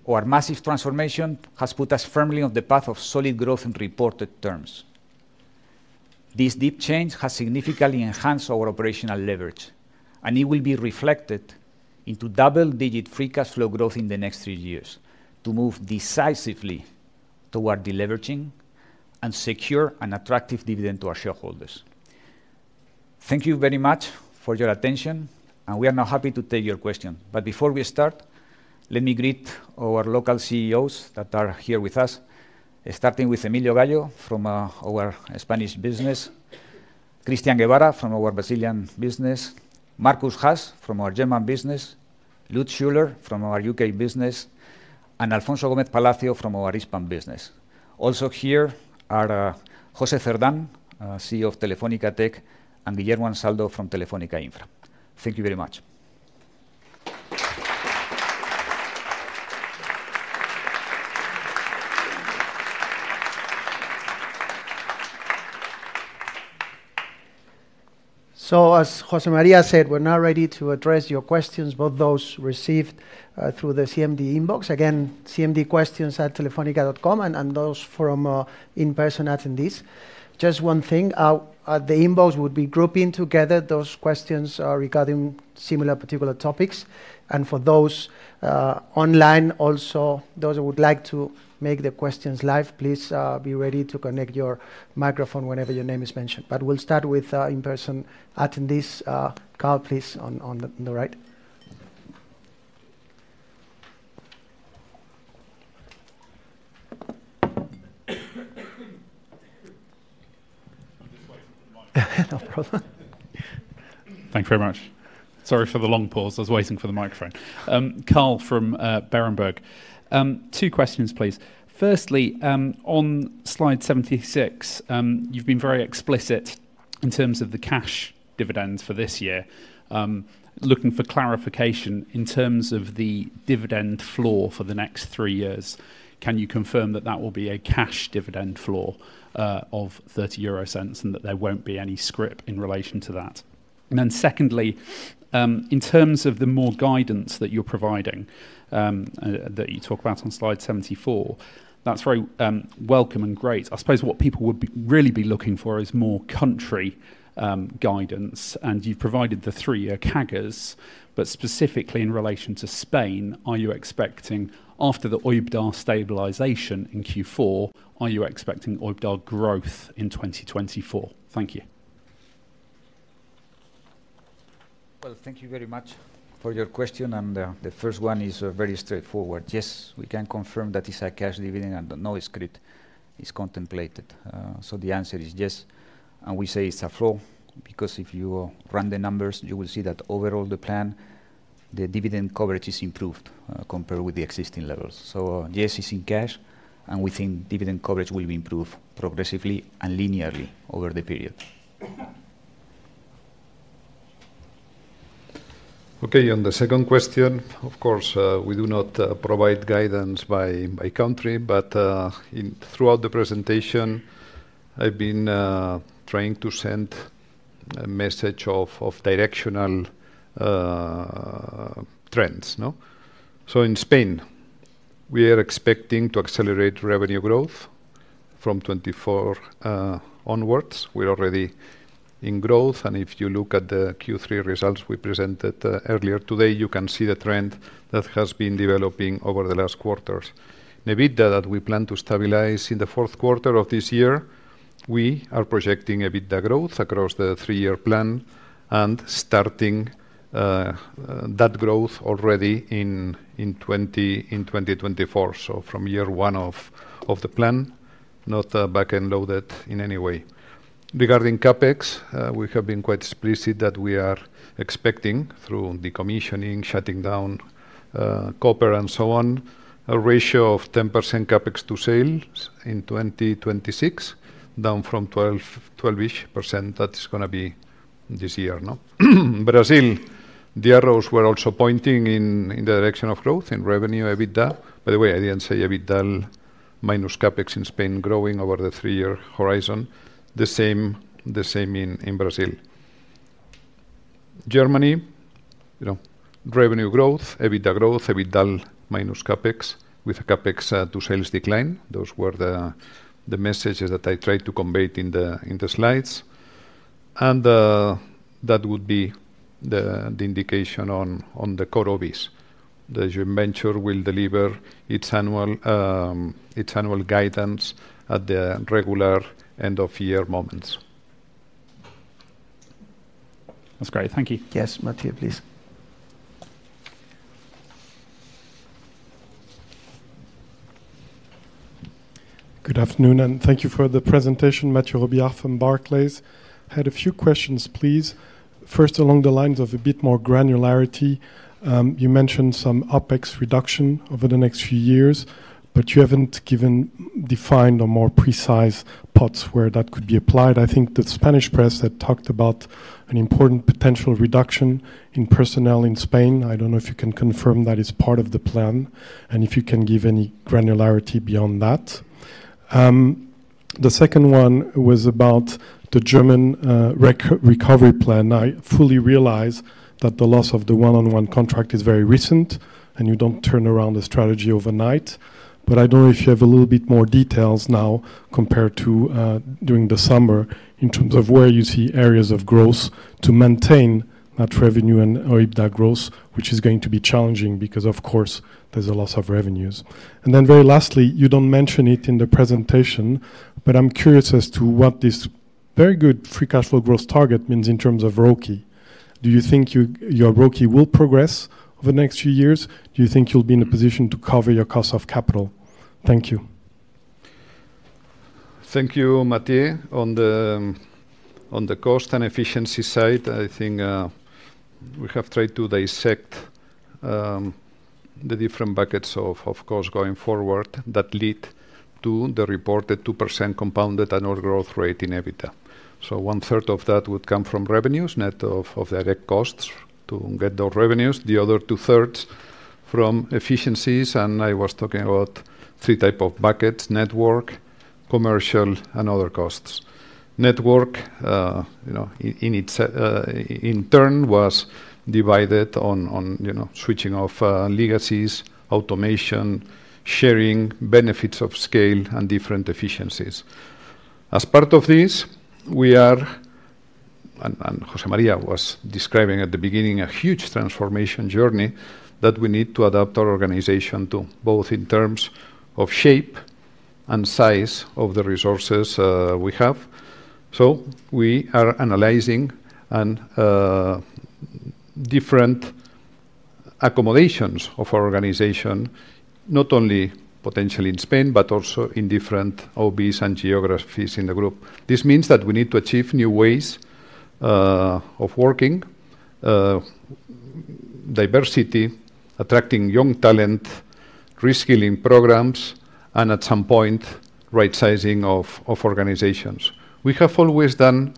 Our massive transformation has put us firmly on the path of solid growth in reported terms. This deep change has significantly enhanced our operational leverage, and it will be reflected into double-digit free cash flow growth in the next three years to move decisively toward deleveraging and secure an attractive dividend to our shareholders. Thank you very much for your attention, and we are now happy to take your question. But before we start, let me greet our local CEOs that are here with us, starting with Emilio Gayo from our Spanish business, Christian Gebara from our Brazilian business, Markus Haas from our German business, Lutz Schüler from our UK business, and Alfonso Gómez Palacio from our Hispam business. Also here are José Cerdán, CEO of Telefónica Tech, and Guillermo Ansaldo from Telefónica Infra. Thank you very much. So as José María said, we're now ready to address your questions, both those received through the CMD inbox. Again, cmdquestions@telefonica.com, and, and those from in-person attendees. Just one thing, at the inbox, we'll be grouping together those questions regarding similar particular topics. And for those online, also those who would like to make the questions live, please be ready to connect your microphone whenever your name is mentioned. But we'll start with in-person attendees. Carl, please, on, on the right. No problem. Thank you very much. Sorry for the long pause. I was waiting for the microphone. Carl from Berenberg. Two questions, please. Firstly, on slide 76, you've been very explicit in terms of the cash dividends for this year. Looking for clarification in terms of the dividend floor for the next three years, can you confirm that that will be a cash dividend floor of 0.30 and that there won't be any scrip in relation to that? And then secondly, in terms of the more guidance that you're providing, that you talk about on slide 74, that's very welcome and great. I suppose what people would really be looking for is more country guidance, and you've provided the three-year CAGRs. But specifically in relation to Spain, are you expecting... After the OIBDA stabilization in Q4, are you expecting OIBDA growth in 2024? Thank you. Well, thank you very much for your question, and, the first one is, very straightforward. Yes, we can confirm that it's a cash dividend and no scrip is contemplated. So the answer is yes, and we say it's a floor because if you run the numbers, you will see that overall the plan, the dividend coverage is improved, compared with the existing levels. So yes, it's in cash, and we think dividend coverage will improve progressively and linearly over the period. Okay, and the second question, of course, we do not provide guidance by country, but throughout the presentation, I've been trying to send a message of directional trends. No? So in Spain, we are expecting to accelerate revenue growth from 2024 onwards. We're already in growth, and if you look at the Q3 results we presented earlier today, you can see the trend that has been developing over the last quarters. In EBITDA that we plan to stabilize in the fourth quarter of this year, we are projecting EBITDA growth across the three-year plan and starting that growth already in 2024. So from year one of the plan, not back-end loaded in any way. Regarding CapEx, we have been quite explicit that we are expecting, through decommissioning, shutting down, copper and so on, a ratio of 10% CapEx to sales in 2026, down from 12, 12-ish% that's gonna be this year, no? Brazil, the arrows were also pointing in the direction of growth in revenue, EBITDA. By the way, I didn't say EBITDA minus CapEx in Spain growing over the three-year horizon. The same, the same in Brazil. Germany revenue growth, EBITDA growth, EBITDA minus CapEx, with CapEx to sales decline. Those were the messages that I tried to convey in the slides. And that would be the indication on the core OIBDA. As you mentioned, we'll deliver its annual, its annual guidance at the regular end-of-year moments. That's great. Thank you. Yes, Mathieu, please. Good afternoon, and thank you for the presentation. Mathieu Robillard from Barclays. I had a few questions, please. First, along the lines of a bit more granularity, you mentioned some OpEx reduction over the next few years, but you haven't given defined or more precise parts where that could be applied. I think the Spanish press had talked about an important potential reduction in personnel in Spain. I don't know if you can confirm that is part of the plan, and if you can give any granularity beyond that. The second one was about the German recovery plan. I fully realize that the loss of the one-on-one contract is very recent, and you don't turn around a strategy overnight. But I don't know if you have a little bit more details now compared to during the summer, in terms of where you see areas of growth to maintain that revenue and OIBDA growth, which is going to be challenging because, of course, there's a loss of revenues. And then very lastly, you don't mention it in the presentation, but I'm curious as to what this very good free cash flow growth target means in terms of ROCE. Do you think you, your ROCE will progress over the next few years? Do you think you'll be in a position to cover your cost of capital? Thank you. Thank you, Mathieu. On the cost and efficiency side, I think we have tried to dissect the different buckets of costs going forward that lead to the reported 2% compounded annual growth rate in EBITDA. So one-third of that would come from revenues, net of the direct costs to get those revenues. The other two-thirds from efficiencies, and I was talking about three types of buckets: network, commercial and other costs. network in its turn, was divided on switching off legacies, automation, sharing, benefits of scale, and different efficiencies. As part of this, we are, and José María was describing at the beginning, a huge transformation journey that we need to adapt our organization to, both in terms of shape and size of the resources we have. So we are analyzing and different accommodations of our organization, not only potentially in Spain, but also in different OBs and geographies in the group. This means that we need to achieve new ways of working, diversity, attracting young talent, reskilling programs, and at some point, right-sizing of organizations. We have always done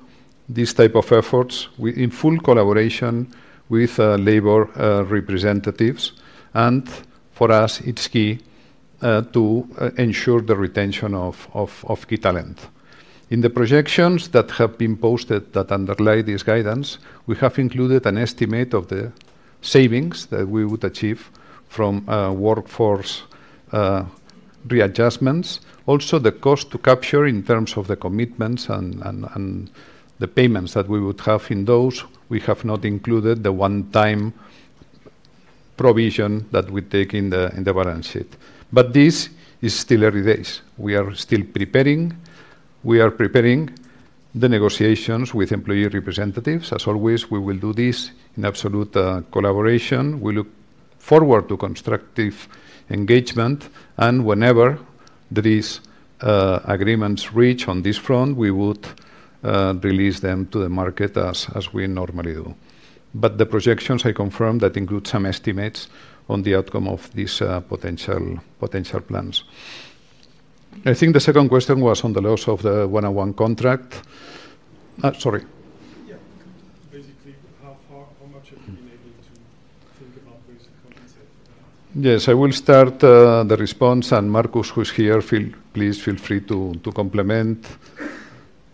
these type of efforts in full collaboration with labor representatives. And for us, it's key to ensure the retention of key talent. In the projections that have been posted that underlie this guidance, we have included an estimate of the savings that we would achieve from workforce readjustments. Also, the cost to capture in terms of the commitments and the payments that we would have in those, we have not included the one-time provision that we take in the balance sheet. But this is still early days. We are still preparing. We are preparing the negotiations with employee representatives. As always, we will do this in absolute collaboration. We look forward to constructive engagement, and whenever there is agreements reached on this front, we would release them to the market as we normally do. But the projections, I confirm, that include some estimates on the outcome of these potential plans. I think the second question was on the loss of the one-on-one contract. Sorry. Yeah. Basically, how far, how much have you been able to think about ways to compensate for that? Yes, I will start the response, and Marcus, who's here, please feel free to complement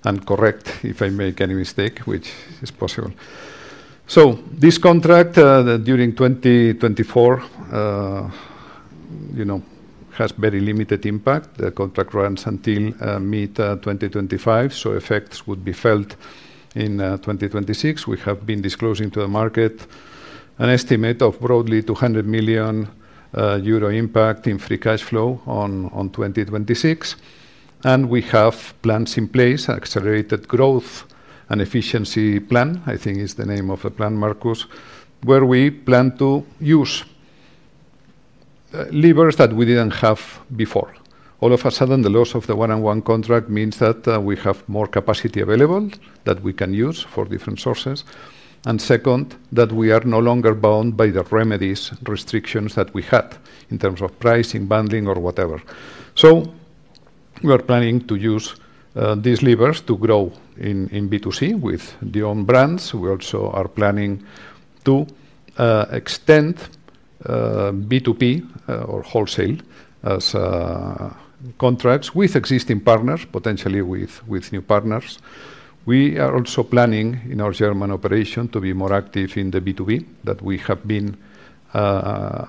and correct if I make any mistake, which is possible. So this contract that during 2024 has very limited impact. The contract runs until mid-2025, so effects would be felt in 2026. We have been disclosing to the market an estimate of broadly 200 million euro impact in free cash flow on 2026. And we have plans in place, Accelerated Growth and Efficiency plan, I think is the name of the plan, Marcus, where we plan to use levers that we didn't have before. All of a sudden, the loss of the one-on-one contract means that we have more capacity available that we can use for different sources. And second, that we are no longer bound by the remedies, restrictions that we had in terms of pricing, bundling, or whatever. So we are planning to use these levers to grow in B2C with the own brands. We also are planning to extend B2B or wholesale contracts with existing partners, potentially with new partners. We are also planning, in our German operation, to be more active in the B2B than we have been,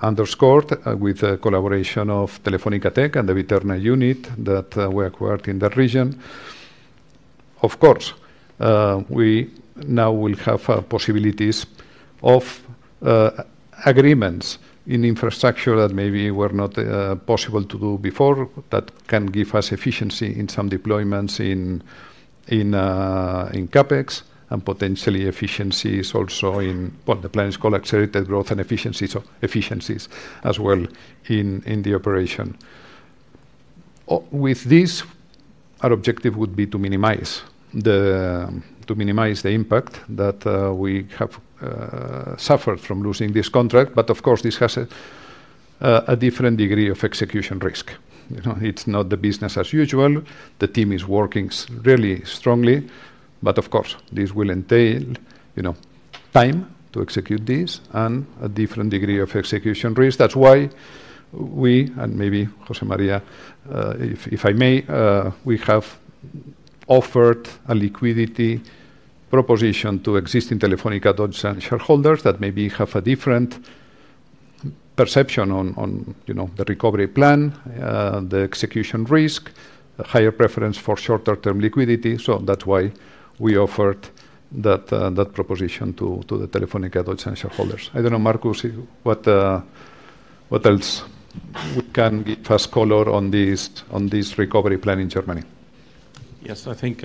underscored with the collaboration of Telefónica Tech and the Viterna unit that we acquired in that region. Of course, we now will have possibilities of agreements in infrastructure that maybe were not possible to do before. That can give us efficiency in some deployments in, in, in CapEx, and potentially efficiencies also in what the plan is called Accelerated Growth and Efficiencies, so efficiencies as well in, in the operation. With this, our objective would be to minimize the, to minimize the impact that, we have, suffered from losing this contract. But of course, this has a, a different degree of execution risk. You know, it's not the business as usual. The team is working really strongly, but of course, this will entail time to execute this and a different degree of execution risk. That's why we, and maybe José María, if I may, we have offered a liquidity proposition to existing Telefónica Deutschland shareholders that maybe have a different perception on the recovery plan, the execution risk, a higher preference for shorter-term liquidity. So that's why we offered that proposition to the Telefónica Deutschland shareholders. I don't know, Markus, what else can give us color on this, this recovery plan in Germany? Yes, I think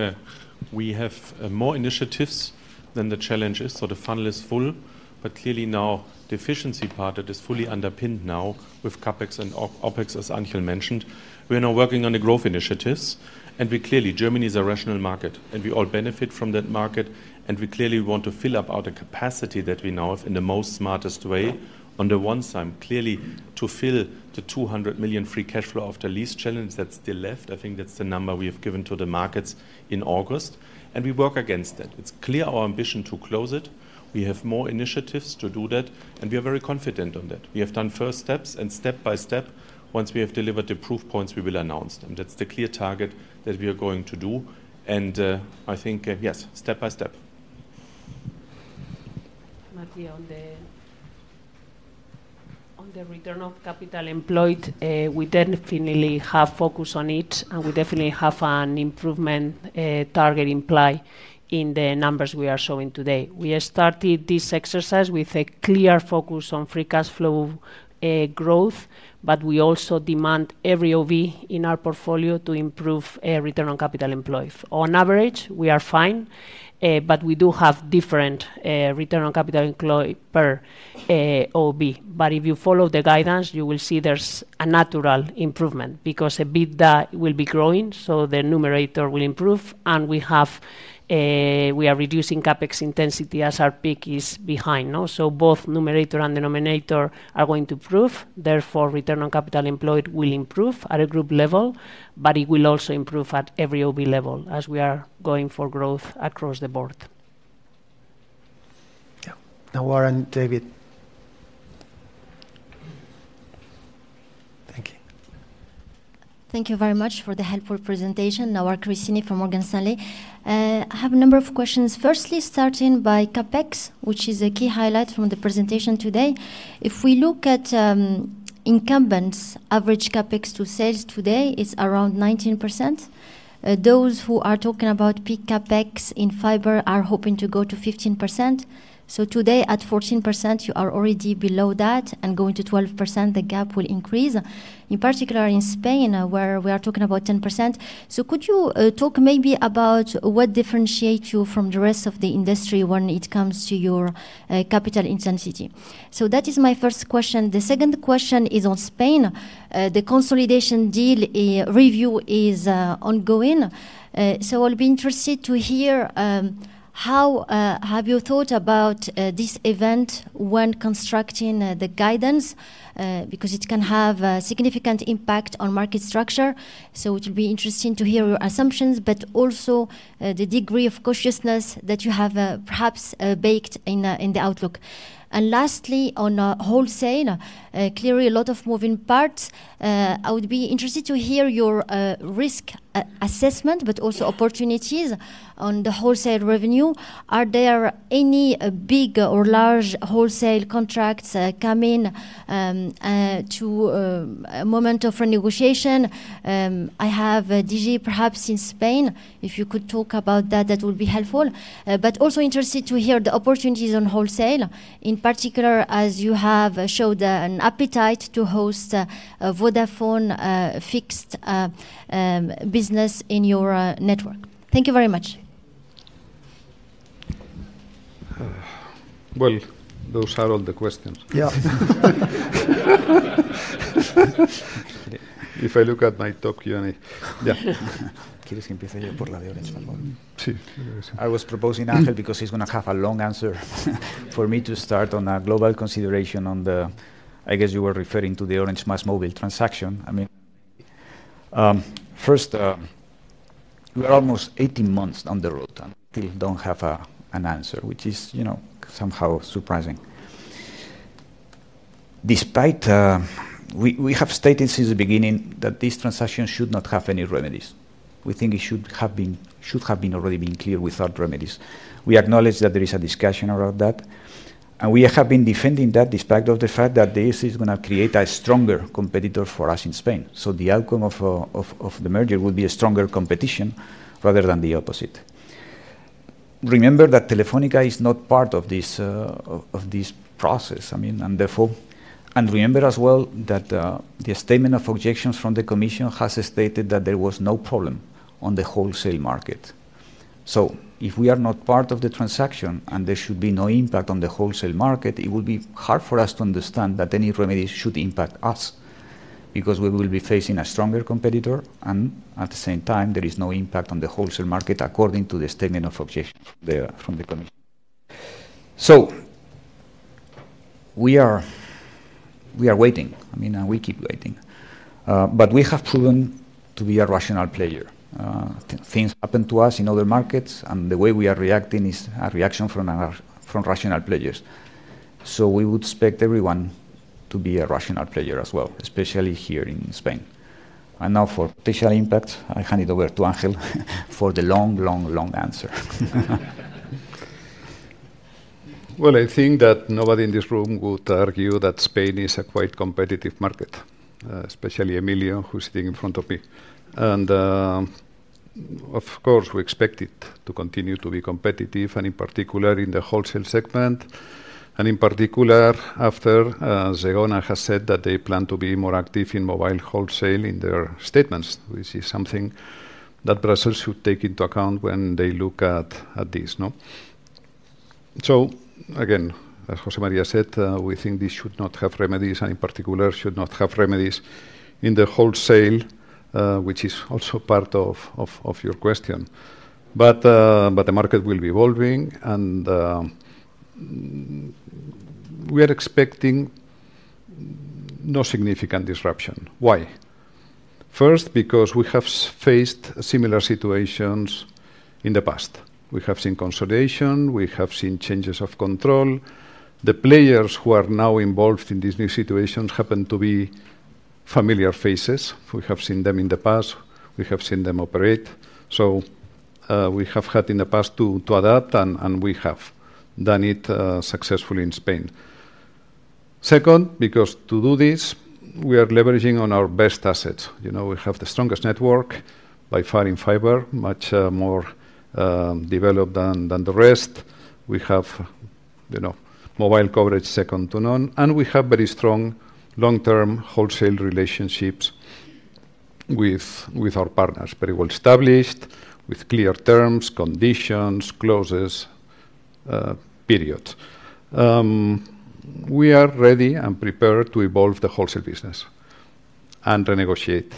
we have more initiatives than the challenges, so the funnel is full. But clearly now, the efficiency part, it is fully underpinned now with CapEx and OpEx, as Ángel mentioned. We are now working on the growth initiatives, and we clearly, Germany is a rational market, and we all benefit from that market, and we clearly want to fill up all the capacity that we now have in the most smartest way. On the one side, clearly, to fill the 200 million free cash flow after lease challenge that's still left, I think that's the number we have given to the markets in August, and we work against that. It's clear our ambition to close it. We have more initiatives to do that, and we are very confident on that. We have done first steps, and step by step, once we have delivered the proof points, we will announce them. That's the clear target that we are going to do, and, I think, yes, step by step. Mathieu, on the, on the return of capital employed, we definitely have focus on it, and we definitely have an improvement, target implied in the numbers we are showing today. We have started this exercise with a clear focus on free cash flow, growth, but we also demand every OV in our portfolio to improve, return on capital employed. On average, we are fine, but we do have different, return on capital employed per, OV. But if you follow the guidance, you will see there's a natural improvement, because EBITDA will be growing, so the numerator will improve, and we have, we are reducing CapEx intensity as our peak is behind, no? So both numerator and denominator are going to improve, therefore, Return on Capital Employed will improve at a group level, but it will also improve at every OV level as we are going for growth across the board. Yeah. Now, Warren, David. Thank you. Thank you very much for the helpful presentation. Nawar Cristini from Morgan Stanley. I have a number of questions. Firstly, starting by CapEx, which is a key highlight from the presentation today. If we look at incumbents, average CapEx to sales today is around 19%. Those who are talking about peak CapEx in fiber are hoping to go to 15%. Today, at 14%, you are already below that, and going to 12%, the gap will increase. In particular, in Spain, where we are talking about 10%. Could you talk maybe about what differentiates you from the rest of the industry when it comes to your capital intensity? That is my first question. The second question is on Spain. The consolidation deal review is ongoing. So I'll be interested to hear how have you thought about this event when constructing the guidance? Because it can have a significant impact on market structure. So it will be interesting to hear your assumptions, but also the degree of cautiousness that you have perhaps baked in the outlook. And lastly, on wholesale, clearly a lot of moving parts. I would be interested to hear your risk assessment, but also opportunities on the wholesale revenue. Are there any big or large wholesale contracts coming to a moment of renegotiation? I have a Digi, perhaps in Spain. If you could talk about that, that would be helpful. But also interested to hear the opportunities on wholesale, in particular, as you have showed an appetite to host a Vodafone fixed business in your network. Thank you very much. Well, those are all the questions. Yeah. If I look at my talk here, and I... Yeah. I was proposing Ángel because he's gonna have a long answer. For me to start on a global consideration on the, I guess you were referring to the Orange MásMóvil transaction. I mean, first, we are almost 18 months on the road and still don't have a, an answer, which is somehow surprising. Despite... We have stated since the beginning that this transaction should not have any remedies. We think it should have been, should have been already been cleared without remedies. We acknowledge that there is a discussion around that, and we have been defending that, despite of the fact that this is gonna create a stronger competitor for us in Spain. So the outcome of the merger will be a stronger competition rather than the opposite. Remember that Telefónica is not part of this of this process. I mean, and therefore... And remember as well, that the statement of objections from the commission has stated that there was no problem on the wholesale market. So if we are not part of the transaction and there should be no impact on the wholesale market, it would be hard for us to understand that any remedies should impact us, because we will be facing a stronger competitor, and at the same time, there is no impact on the wholesale market, according to the statement of objection from the commission. So we are, we are waiting. I mean, we keep waiting. But we have proven to be a rational player. Things happen to us in other markets, and the way we are reacting is a reaction from our, from rational players. So we would expect everyone to be a rational player as well, especially here in Spain. And now for potential impact, I hand it over to Ángel, for the long, long, long answer. Well, I think that nobody in this room would argue that Spain is a quite competitive market, especially Emilio, who's sitting in front of me. And, of course, we expect it to continue to be competitive, and in particular, in the wholesale segment, and in particular, after Zigona has said that they plan to be more active in mobile wholesale in their statements. We see something that Brussels should take into account when they look at this, no? So again, as José María said, we think this should not have remedies, and in particular, should not have remedies in the wholesale, which is also part of your question. But the market will be evolving, and we are expecting no significant disruption. Why? First, because we have faced similar situations in the past. We have seen consolidation. We have seen changes of control. The players who are now involved in these new situations happen to be familiar faces. We have seen them in the past. We have seen them operate. So, we have had in the past to adapt, and we have done it successfully in Spain. Second, because to do this, we are leveraging on our best assets. You know, we have the strongest network by far in fiber, much more developed than the rest. We have mobile coverage second to none, and we have very strong long-term wholesale relationships with our partners. Very well established, with clear terms, conditions, clauses, period. We are ready and prepared to evolve the wholesale business and renegotiate,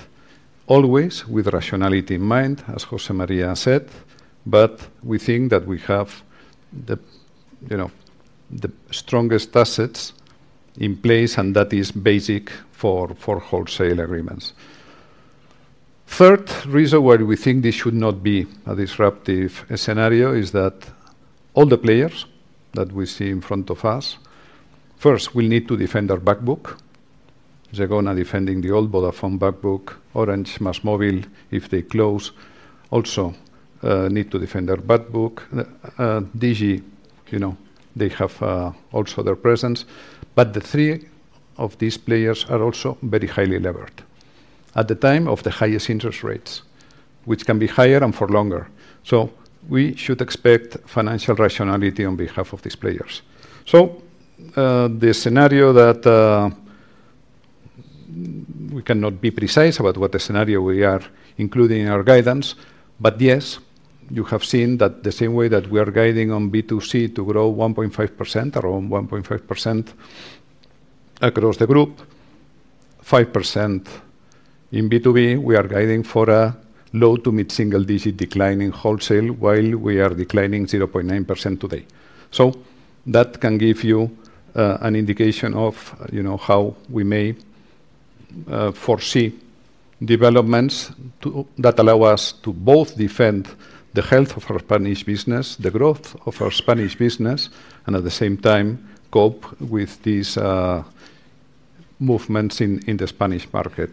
always with rationality in mind, as José María said, but we think that we have the the strongest assets in place, and that is basic for, for wholesale agreements. Third reason why we think this should not be a disruptive scenario is that all the players that we see in front of us, first will need to defend their back book. Zigona defending the old Vodafone back book. Orange, MásMóvil, if they close, also, need to defend their back book. digi they have, also their presence. But the three of these players are also very highly levered at the time of the highest interest rates, which can be higher and for longer. So, the scenario that... We cannot be precise about what the scenario we are including in our guidance, but yes, you have seen that the same way that we are guiding on B2C to grow 1.5%, around 1.5% across the group. 5% in B2B, we are guiding for a low to mid-single digit decline in wholesale, while we are declining 0.9% today. So that can give you an indication of how we may foresee developments that allow us to both defend the health of our Spanish business, the growth of our Spanish business, and at the same time, cope with these movements in the Spanish market.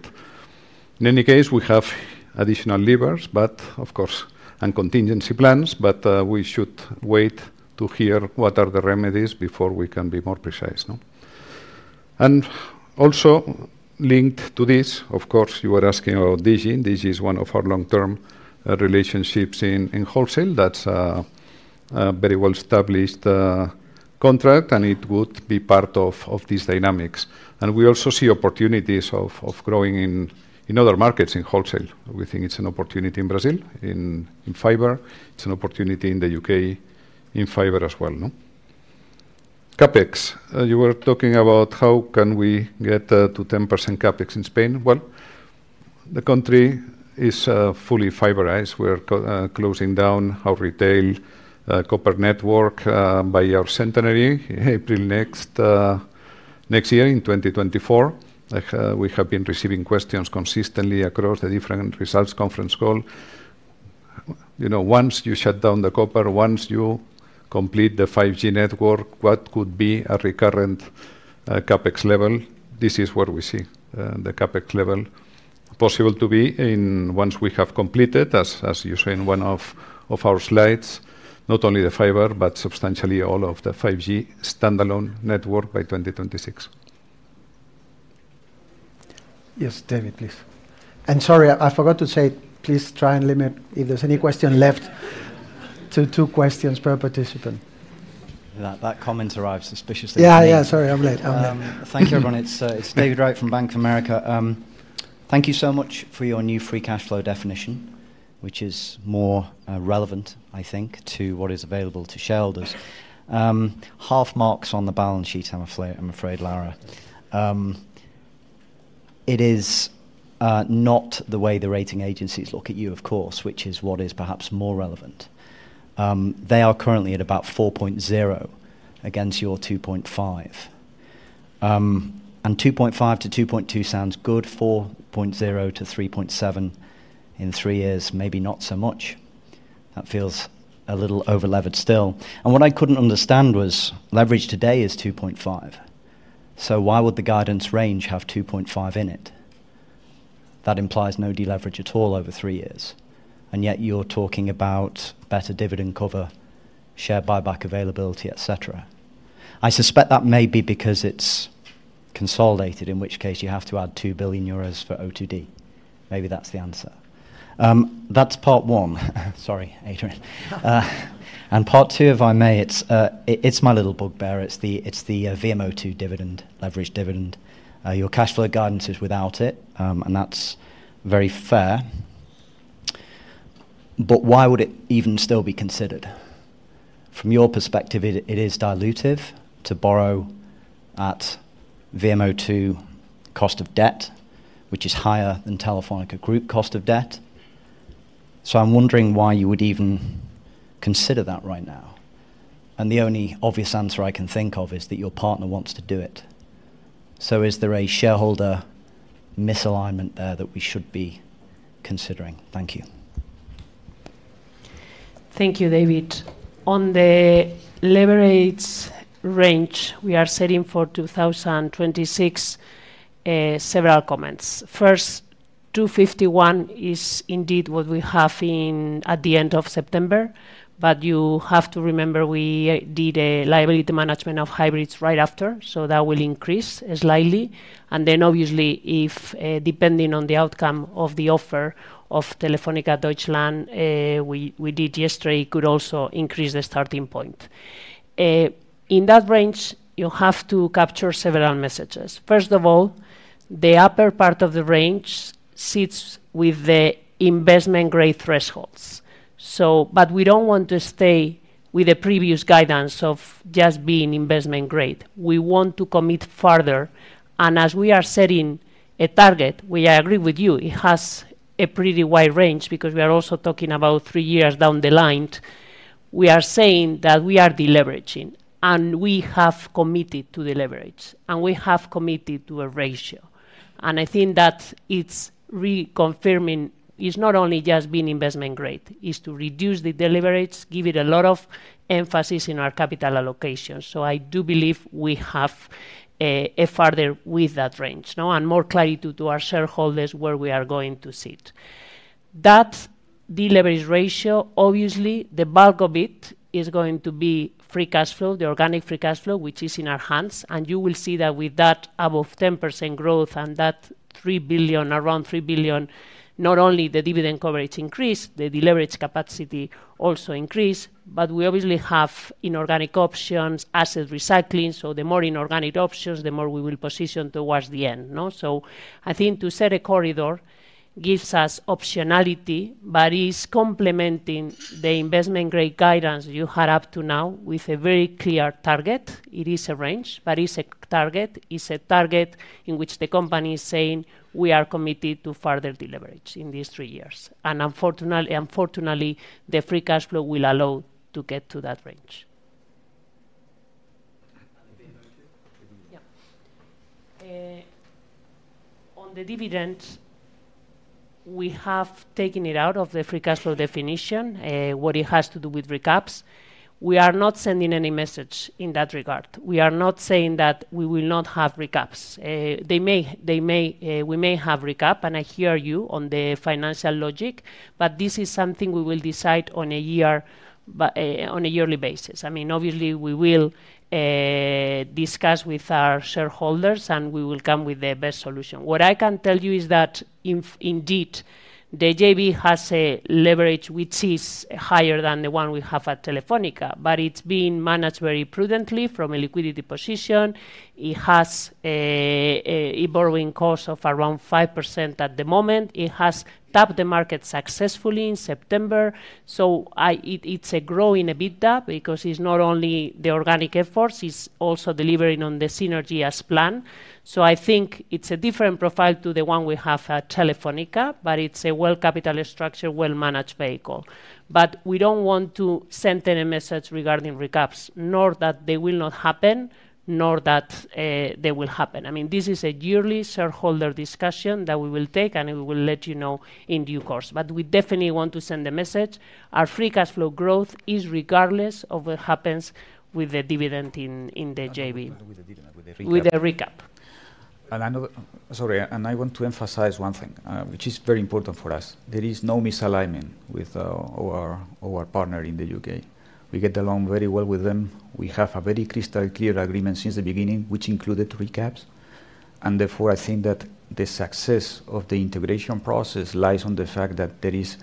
In any case, we have additional levers, but of course, and contingency plans, but we should wait to hear what are the remedies before we can be more precise, no? And also linked to this, of course, you were asking about Digi. Digi is one of our long-term relationships in wholesale. That's a very well-established contract, and it would be part of these dynamics. And we also see opportunities of growing in other markets in wholesale. We think it's an opportunity in Brazil, in fiber. It's an opportunity in the UK, in fiber as well, no? CapEx, you were talking about how can we get to 10% CapEx in Spain? Well, the country is fully fiberized. We're closing down our retail copper network by our centenary, April next, next year in 2024. Like, we have been receiving questions consistently across the different results conference call. You know, once you shut down the copper, once you complete the 5G network, what could be a recurrent CapEx level? This is what we see, the CapEx level possible to be in once we have completed, as you saw in one of our slides, not only the fiber, but substantially all of the 5G Standalone network by 2026. Yes, David, please. And sorry, I forgot to say, please try and limit, if there's any question left, to two questions per participant. That comment arrived suspiciously. Yeah, yeah. Sorry, I'm late. I'm late. Thank you, everyone. It's David Wright from Bank of America. Thank you so much for your new free cash flow definition, which is more relevant, I think, to what is available to shareholders. Half marks on the balance sheet, I'm afraid, Laura. It is not the way the rating agencies look at you, of course, which is what is perhaps more relevant. They are currently at about 4.0 against your 2.5. And 2.5-2.2 sounds good. 4.0-3.7 in three years, maybe not so much. That feels a little over-levered still. And what I couldn't understand was leverage today is 2.5, so why would the guidance range have 2.5 in it? That implies no deleverage at all over three years, and yet you're talking about better dividend cover, share buyback availability, et cetera. I suspect that may be because it's consolidated, in which case you have to add 2 billion euros for O2D. Maybe that's the answer. That's part one. Sorry, Adrian. And part two, if I may, it's my little bugbear. It's the VM O2 dividend, leverage dividend. Your cash flow guidance is without it, and that's very fair. But why would it even still be considered? From your perspective, it is dilutive to borrow at VM O2 cost of debt, which is higher than Telefónica group cost of debt. So I'm wondering why you would even consider that right now, and the only obvious answer I can think of is that your partner wants to do it. Is there a shareholder misalignment there that we should be considering? Thank you.... Thank you, David. On the leverage range we are setting for 2026, several comments. First, 2.51 is indeed what we have in at the end of September, but you have to remember we did a liability management of hybrids right after, so that will increase slightly. And then obviously, if depending on the outcome of the offer of Telefónica Deutschland we did yesterday, could also increase the starting point. In that range, you have to capture several messages. First of all, the upper part of the range sits with the investment-grade thresholds, so... But we don't want to stay with the previous guidance of just being investment-grade. We want to commit further, and as we are setting a target, we agree with you, it has a pretty wide range because we are also talking about 3 years down the line. We are saying that we are deleveraging, and we have committed to deleverage, and we have committed to a ratio. And I think that it's reconfirming it's not only just being investment-grade, it's to reduce the deleverage, give it a lot of emphasis in our capital allocation. So I do believe we have a, a farther with that range, no, and more clarity to our shareholders where we are going to sit. That deleverage ratio, obviously, the bulk of it is going to be free cash flow, the organic free cash flow, which is in our hands. And you will see that with that above 10% growth and that 3 billion, around 3 billion, not only the dividend coverage increase, the deleverage capacity also increase. But we obviously have inorganic options, asset recycling, so the more inorganic options, the more we will position towards the end, no? I think to set a corridor gives us optionality but is complementing the investment-grade guidance you had up to now with a very clear target. It is a range, but it's a target. It's a target in which the company is saying, "We are committed to further deleverage in these three years." Unfortunately, the free cash flow will allow to get to that range. Yeah. On the dividend, we have taken it out of the free cash flow definition, what it has to do with recaps. We are not sending any message in that regard. We are not saying that we will not have recaps. They may, they may, we may have recap, and I hear you on the financial logic, but this is something we will decide on a year, but on a yearly basis. I mean, obviously, we will discuss with our shareholders, and we will come with the best solution. What I can tell you is that indeed, the JV has a leverage which is higher than the one we have at Telefónica, but it's being managed very prudently from a liquidity position. It has a borrowing cost of around 5% at the moment. It has tapped the market successfully in September, so it's growing a bit up because it's not only the organic efforts, it's also delivering on the synergy as planned. So I think it's a different profile to the one we have at Telefónica, but it's a well-capitalized structure, well-managed vehicle. But we don't want to send any message regarding recaps, nor that they will not happen, nor that they will happen. I mean, this is a yearly shareholder discussion that we will take, and we will let you know in due course. But we definitely want to send a message. Our free cash flow growth is regardless of what happens with the dividend in the JV. With the dividend, with the recap. With the recap. I want to emphasize one thing, which is very important for us. There is no misalignment with our partner in the UK. We get along very well with them. We have a very crystal clear agreement since the beginning, which included recaps, and therefore, I think that the success of the integration process lies on the fact that there is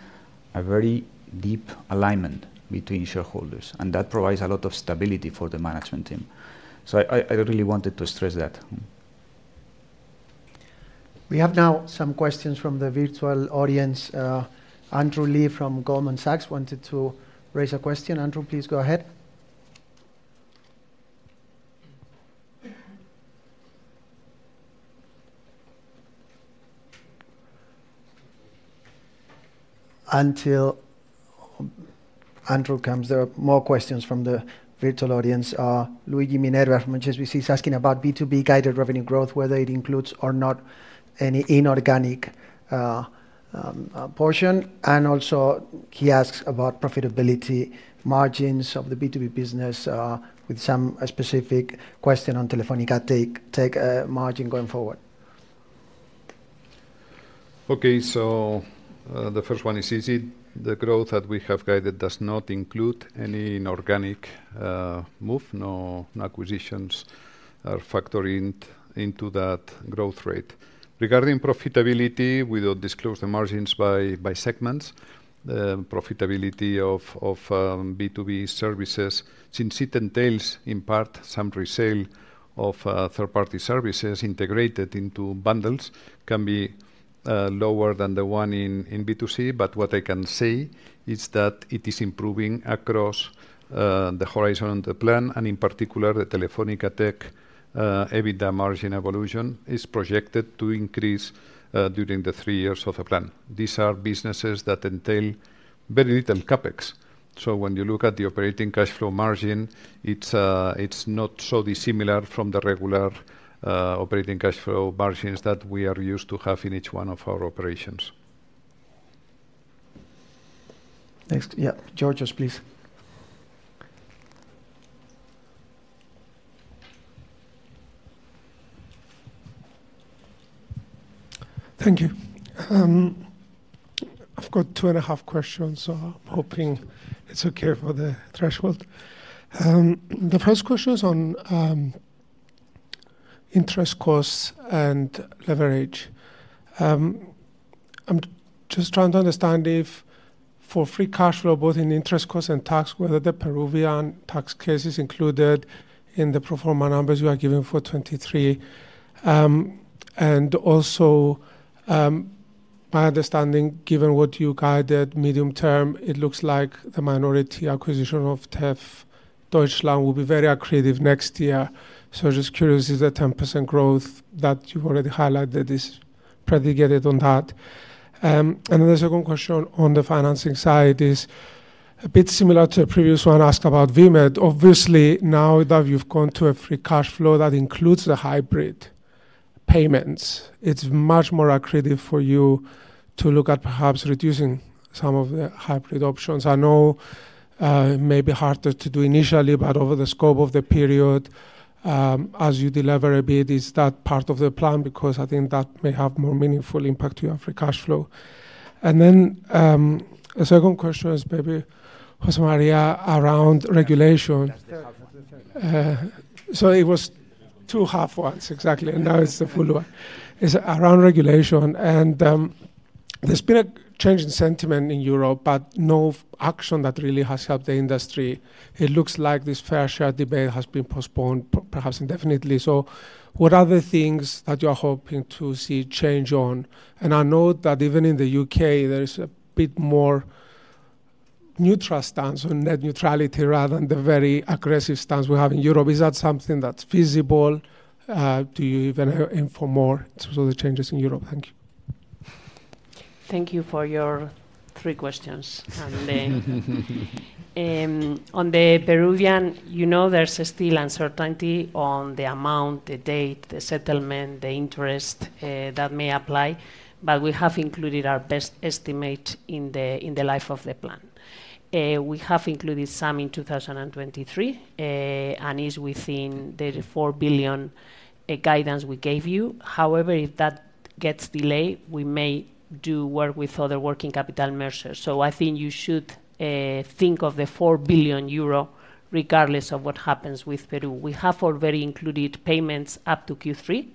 a very deep alignment between shareholders, and that provides a lot of stability for the management team. So I really wanted to stress that. We have now some questions from the virtual audience. Andrew Lee from Goldman Sachs wanted to raise a question. Andrew, please go ahead. Until Andrew comes, there are more questions from the virtual audience. Luigi Minerva from HSBC is asking about B2B guided revenue growth, whether it includes or not any inorganic portion. And also, he asks about profitability margins of the B2B business, with some specific question on Telefónica Tech margin going forward. Okay, so the first one is easy. The growth that we have guided does not include any inorganic move, no, no acquisitions are factored into that growth rate. Regarding profitability, we don't disclose the margins by segments. The profitability of B2B services, since it entails, in part, some resale of third-party services integrated into bundles, can be lower than the one in B2C. But what I can say is that it is improving across the horizon, the plan, and in particular, the Telefónica Tech EBITDA margin evolution is projected to increase during the three years of the plan. These are businesses that entail very little CapEx. So when you look at the operating cash flow margin, it's, it's not so dissimilar from the regular, operating cash flow margins that we are used to have in each one of our operations. Next. Yeah, Georges, please. ... Thank you. I've got two and a half questions, so I'm hoping it's okay for the threshold. The first question is on interest costs and leverage. I'm just trying to understand if for free cash flow, both in interest costs and tax, whether the Peruvian tax case is included in the pro forma numbers you are giving for 2023. And also, my understanding, given what you guided medium term, it looks like the minority acquisition of Tef Deutschland will be very accretive next year. So just curious, is the 10% growth that you've already highlighted predicated on that? And then the second question on the financing side is a bit similar to a previous one asked about VMed. Obviously, now that you've gone to a free cash flow that includes the hybrid payments, it's much more accretive for you to look at perhaps reducing some of the hybrid options. I know, it may be harder to do initially, but over the scope of the period, as you deliver a bit, is that part of the plan? Because I think that may have more meaningful impact to your free cash flow. And then, the second question is maybe, José María, around regulation. That's the half of the thing. So it was two half ones. Exactly, and now it's the full one. It's around regulation and, there's been a change in sentiment in Europe, but no action that really has helped the industry. It looks like this fair share debate has been postponed, perhaps indefinitely. So what are the things that you're hoping to see change on? And I know that even in the UK, there is a bit more neutral stance on net neutrality rather than the very aggressive stance we have in Europe. Is that something that's feasible? Do you even aim for more sort of changes in Europe? Thank you. Thank you for your 3 questions. On the Peruvian there's still uncertainty on the amount, the date, the settlement, the interest that may apply, but we have included our best estimate in the life of the plan. We have included some in 2023, and is within the 4 billion guidance we gave you. However, if that gets delayed, we may do work with other working capital measures. I think you should think of the 4 billion euro regardless of what happens with Peru. We have already included payments up to Q3,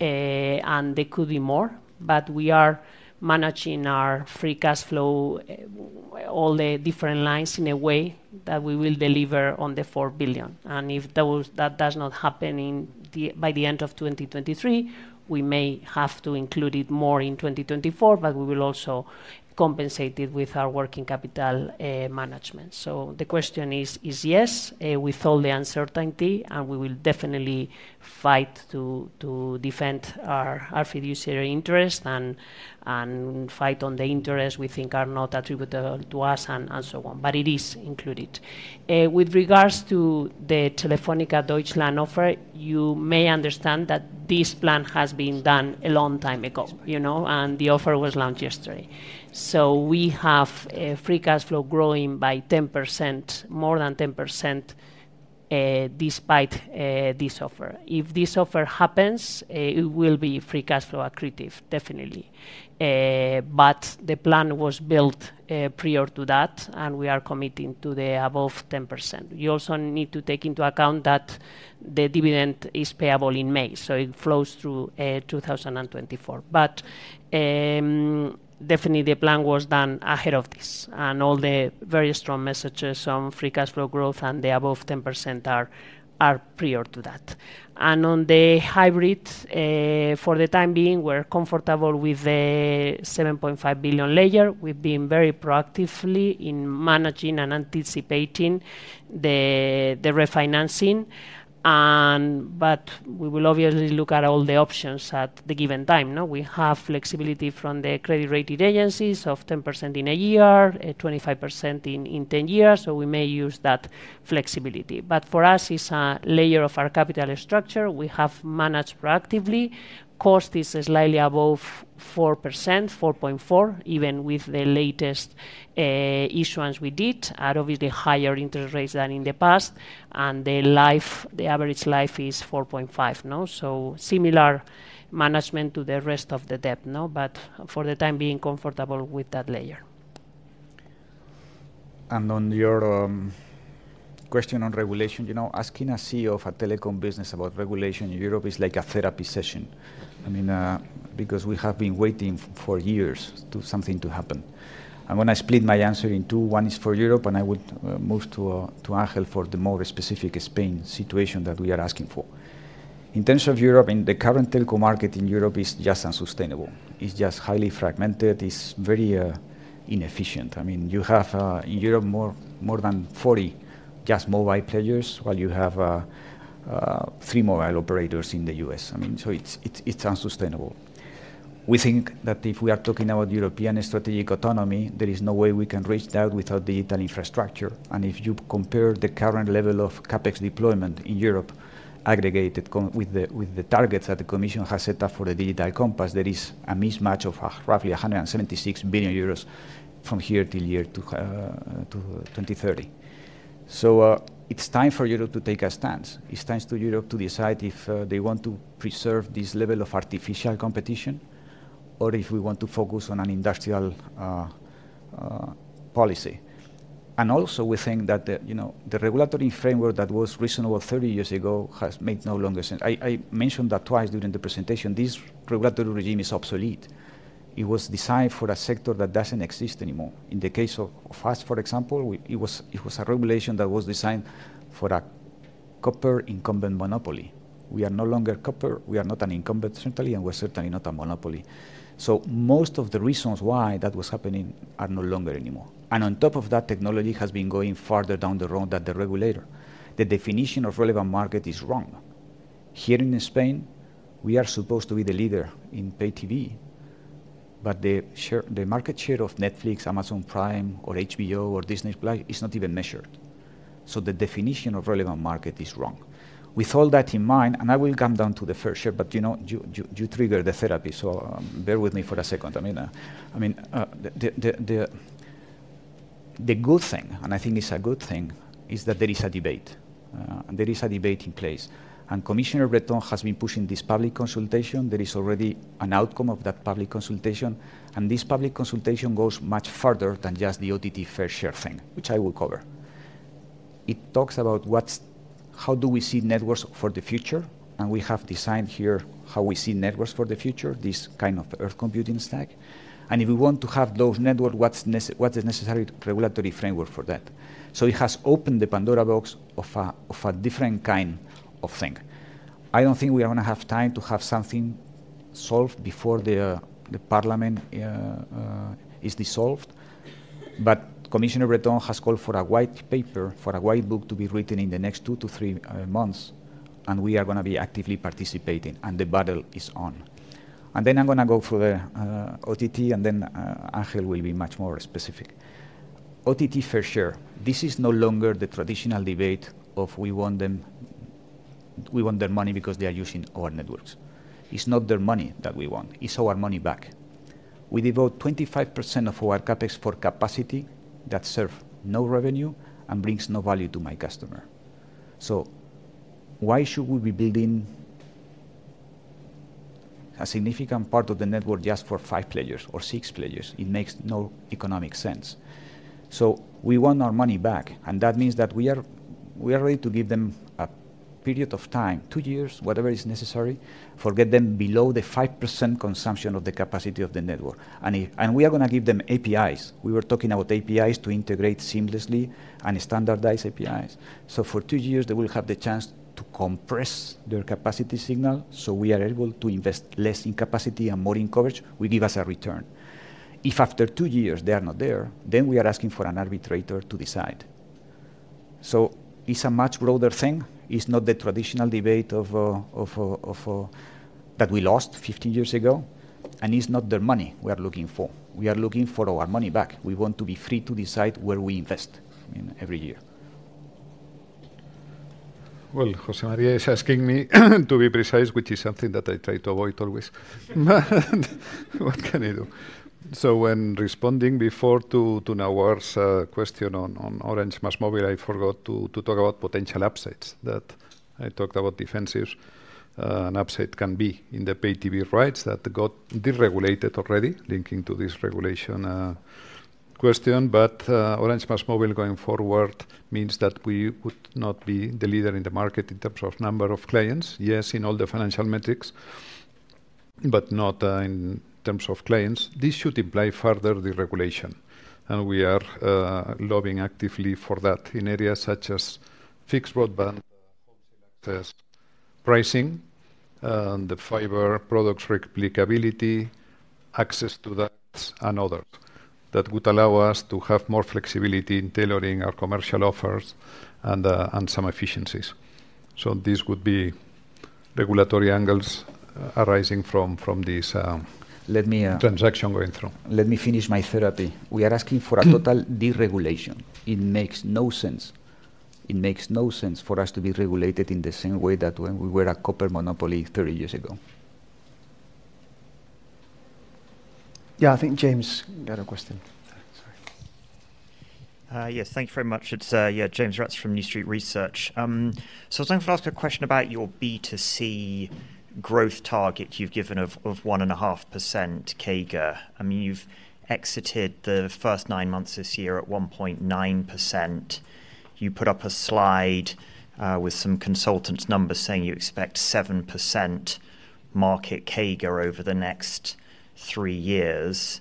and there could be more, but we are managing our free cash flow all the different lines, in a way that we will deliver on the 4 billion. If that does not happen by the end of 2023, we may have to include it more in 2024, but we will also compensate it with our working capital management. So the question is yes, with all the uncertainty, and we will definitely fight to defend our fiduciary interest and fight on the interest we think are not attributable to us and so on, but it is included. With regards to the Telefónica Deutschland offer, you may understand that this plan has been done a long time ago and the offer was launched yesterday. So we have a free cash flow growing by 10%, more than 10%, despite this offer. If this offer happens, it will be free cash flow accretive, definitely. But the plan was built prior to that, and we are committing to the above 10%. You also need to take into account that the dividend is payable in May, so it flows through 2024. But definitely the plan was done ahead of this, and all the very strong messages on free cash flow growth and the above 10% are prior to that. And on the hybrid, for the time being, we're comfortable with the 7.5 billion layer. We've been very proactively in managing and anticipating the refinancing and. But we will obviously look at all the options at the given time, no? We have flexibility from the credit rating agencies of 10% in a year, 25% in 10 years, so we may use that flexibility. But for us, it's a layer of our capital structure we have managed proactively. Cost is slightly above 4%, 4.4, even with the latest issuance we did at obviously higher interest rates than in the past, and the life, the average life is 4.5, no? So similar management to the rest of the debt, no, but for the time being, comfortable with that layer. On your question on regulation asking a CEO of a telecom business about regulation in Europe is like a therapy session. I mean, because we have been waiting for years for something to happen. I'm gonna split my answer in two. One is for Europe, and I would move to Ángel for the more specific Spain situation that we are asking for. In terms of Europe, the current telco market in Europe is just unsustainable. It's just highly fragmented. It's very inefficient. I mean, you have in Europe more than 40 just mobile players, while you have three mobile operators in the US. I mean, so it's unsustainable. We think that if we are talking about European strategic autonomy, there is no way we can reach that without digital infrastructure. If you compare the current level of CapEx deployment in Europe, aggregated, with the targets that the Commission has set up for the Digital Compass, there is a mismatch of roughly 176 billion euros from here to 2030. It's time for Europe to take a stance. It's time to Europe to decide if they want to preserve this level of artificial competition or if we want to focus on an industrial policy. And also, we think that the regulatory framework that was reasonable 30 years ago has made no longer sense. I mentioned that twice during the presentation. This regulatory regime is obsolete. It was designed for a sector that doesn't exist anymore. In the case of us, for example, we, it was a regulation that was designed for a copper incumbent monopoly. We are no longer copper, we are not an incumbent certainly, and we're certainly not a monopoly. So most of the reasons why that was happening are no longer anymore, and on top of that, technology has been going farther down the road than the regulator. The definition of relevant market is wrong. Here in Spain, we are supposed to be the leader in pay TV, but the share, the market share of Netflix, Amazon Prime or HBO or Disney Plus is not even measured. So the definition of relevant market is wrong. With all that in mind, and I will come down to the fair share, but you trigger the therapy, so, bear with me for a second. I mean, I mean, the good thing, and I think it's a good thing, is that there is a debate. There is a debate in place, and Commissioner Breton has been pushing this public consultation. There is already an outcome of that public consultation, and this public consultation goes much further than just the OTT fair share thing, which I will cover. It talks about what's - how do we see networks for the future? And we have designed here how we see networks for the future, this kind of edge computing stack. And if we want to have those networks, what's necessary, what is necessary regulatory framework for that? So it has opened the Pandora's box of a different kind of thing. I don't think we are gonna have time to have something solved before the, the Parliament, is dissolved, but Commissioner Breton has called for a white paper, for a white book to be written in the next 2-3 months, and we are gonna be actively participating, and the battle is on. And then I'm gonna go for the, OTT, and then, Ángel will be much more specific. OTT, fair share. This is no longer the traditional debate of we want them, we want their money because they are using our networks. It's not their money that we want. It's our money back. We devote 25% of our CapEx for capacity that serve no revenue and brings no value to my customer. So why should we be building a significant part of the network just for 5 players or 6 players? It makes no economic sense. So we want our money back, and that means that we are ready to give them a period of time, two years, whatever is necessary, to get them below the 5% consumption of the capacity of the network. And we are gonna give them APIs. We were talking about APIs to integrate seamlessly and standardize APIs. So for two years, they will have the chance to compress their capacity signal, so we are able to invest less in capacity and more in coverage, will give us a return. If after two years they are not there, then we are asking for an arbitrator to decide. So it's a much broader thing. It's not the traditional debate of, of, of, that we lost 15 years ago, and it's not their money we are looking for. We are looking for our money back. We want to be free to decide where we invest in every year. Well, José María is asking me to be precise, which is something that I try to avoid always. What can I do? So when responding before to Nawar's question on Orange MásMóvil, I forgot to talk about potential upsides, that I talked about defensives. An upside can be in the pay TV rights that got deregulated already, linking to this regulation question. But, Orange MásMóvil going forward means that we would not be the leader in the market in terms of number of clients. Yes, in all the financial metrics, but not in terms of clients. This should imply further deregulation, and we are lobbying actively for that in areas such as fixed broadband, wholesale access, pricing, and the fiber products replicability, access to that and others, that would allow us to have more flexibility in tailoring our commercial offers and some efficiencies. So these would be regulatory angles arising from this. Let me transaction we're going through. Let me finish my therapy. We are asking for a total deregulation. It makes no sense. It makes no sense for us to be regulated in the same way that when we were a copper monopoly 30 years ago. Yeah, I think James got a question. Sorry. Yes, thank you very much. It's, yeah, James Ratzer from New Street Research. So I was going to ask a question about your B2C growth target you've given of one and a half percent CAGR. I mean, you've exited the first nine months this year at one point nine percent. You put up a slide with some consultant numbers saying you expect seven percent market CAGR over the next three years.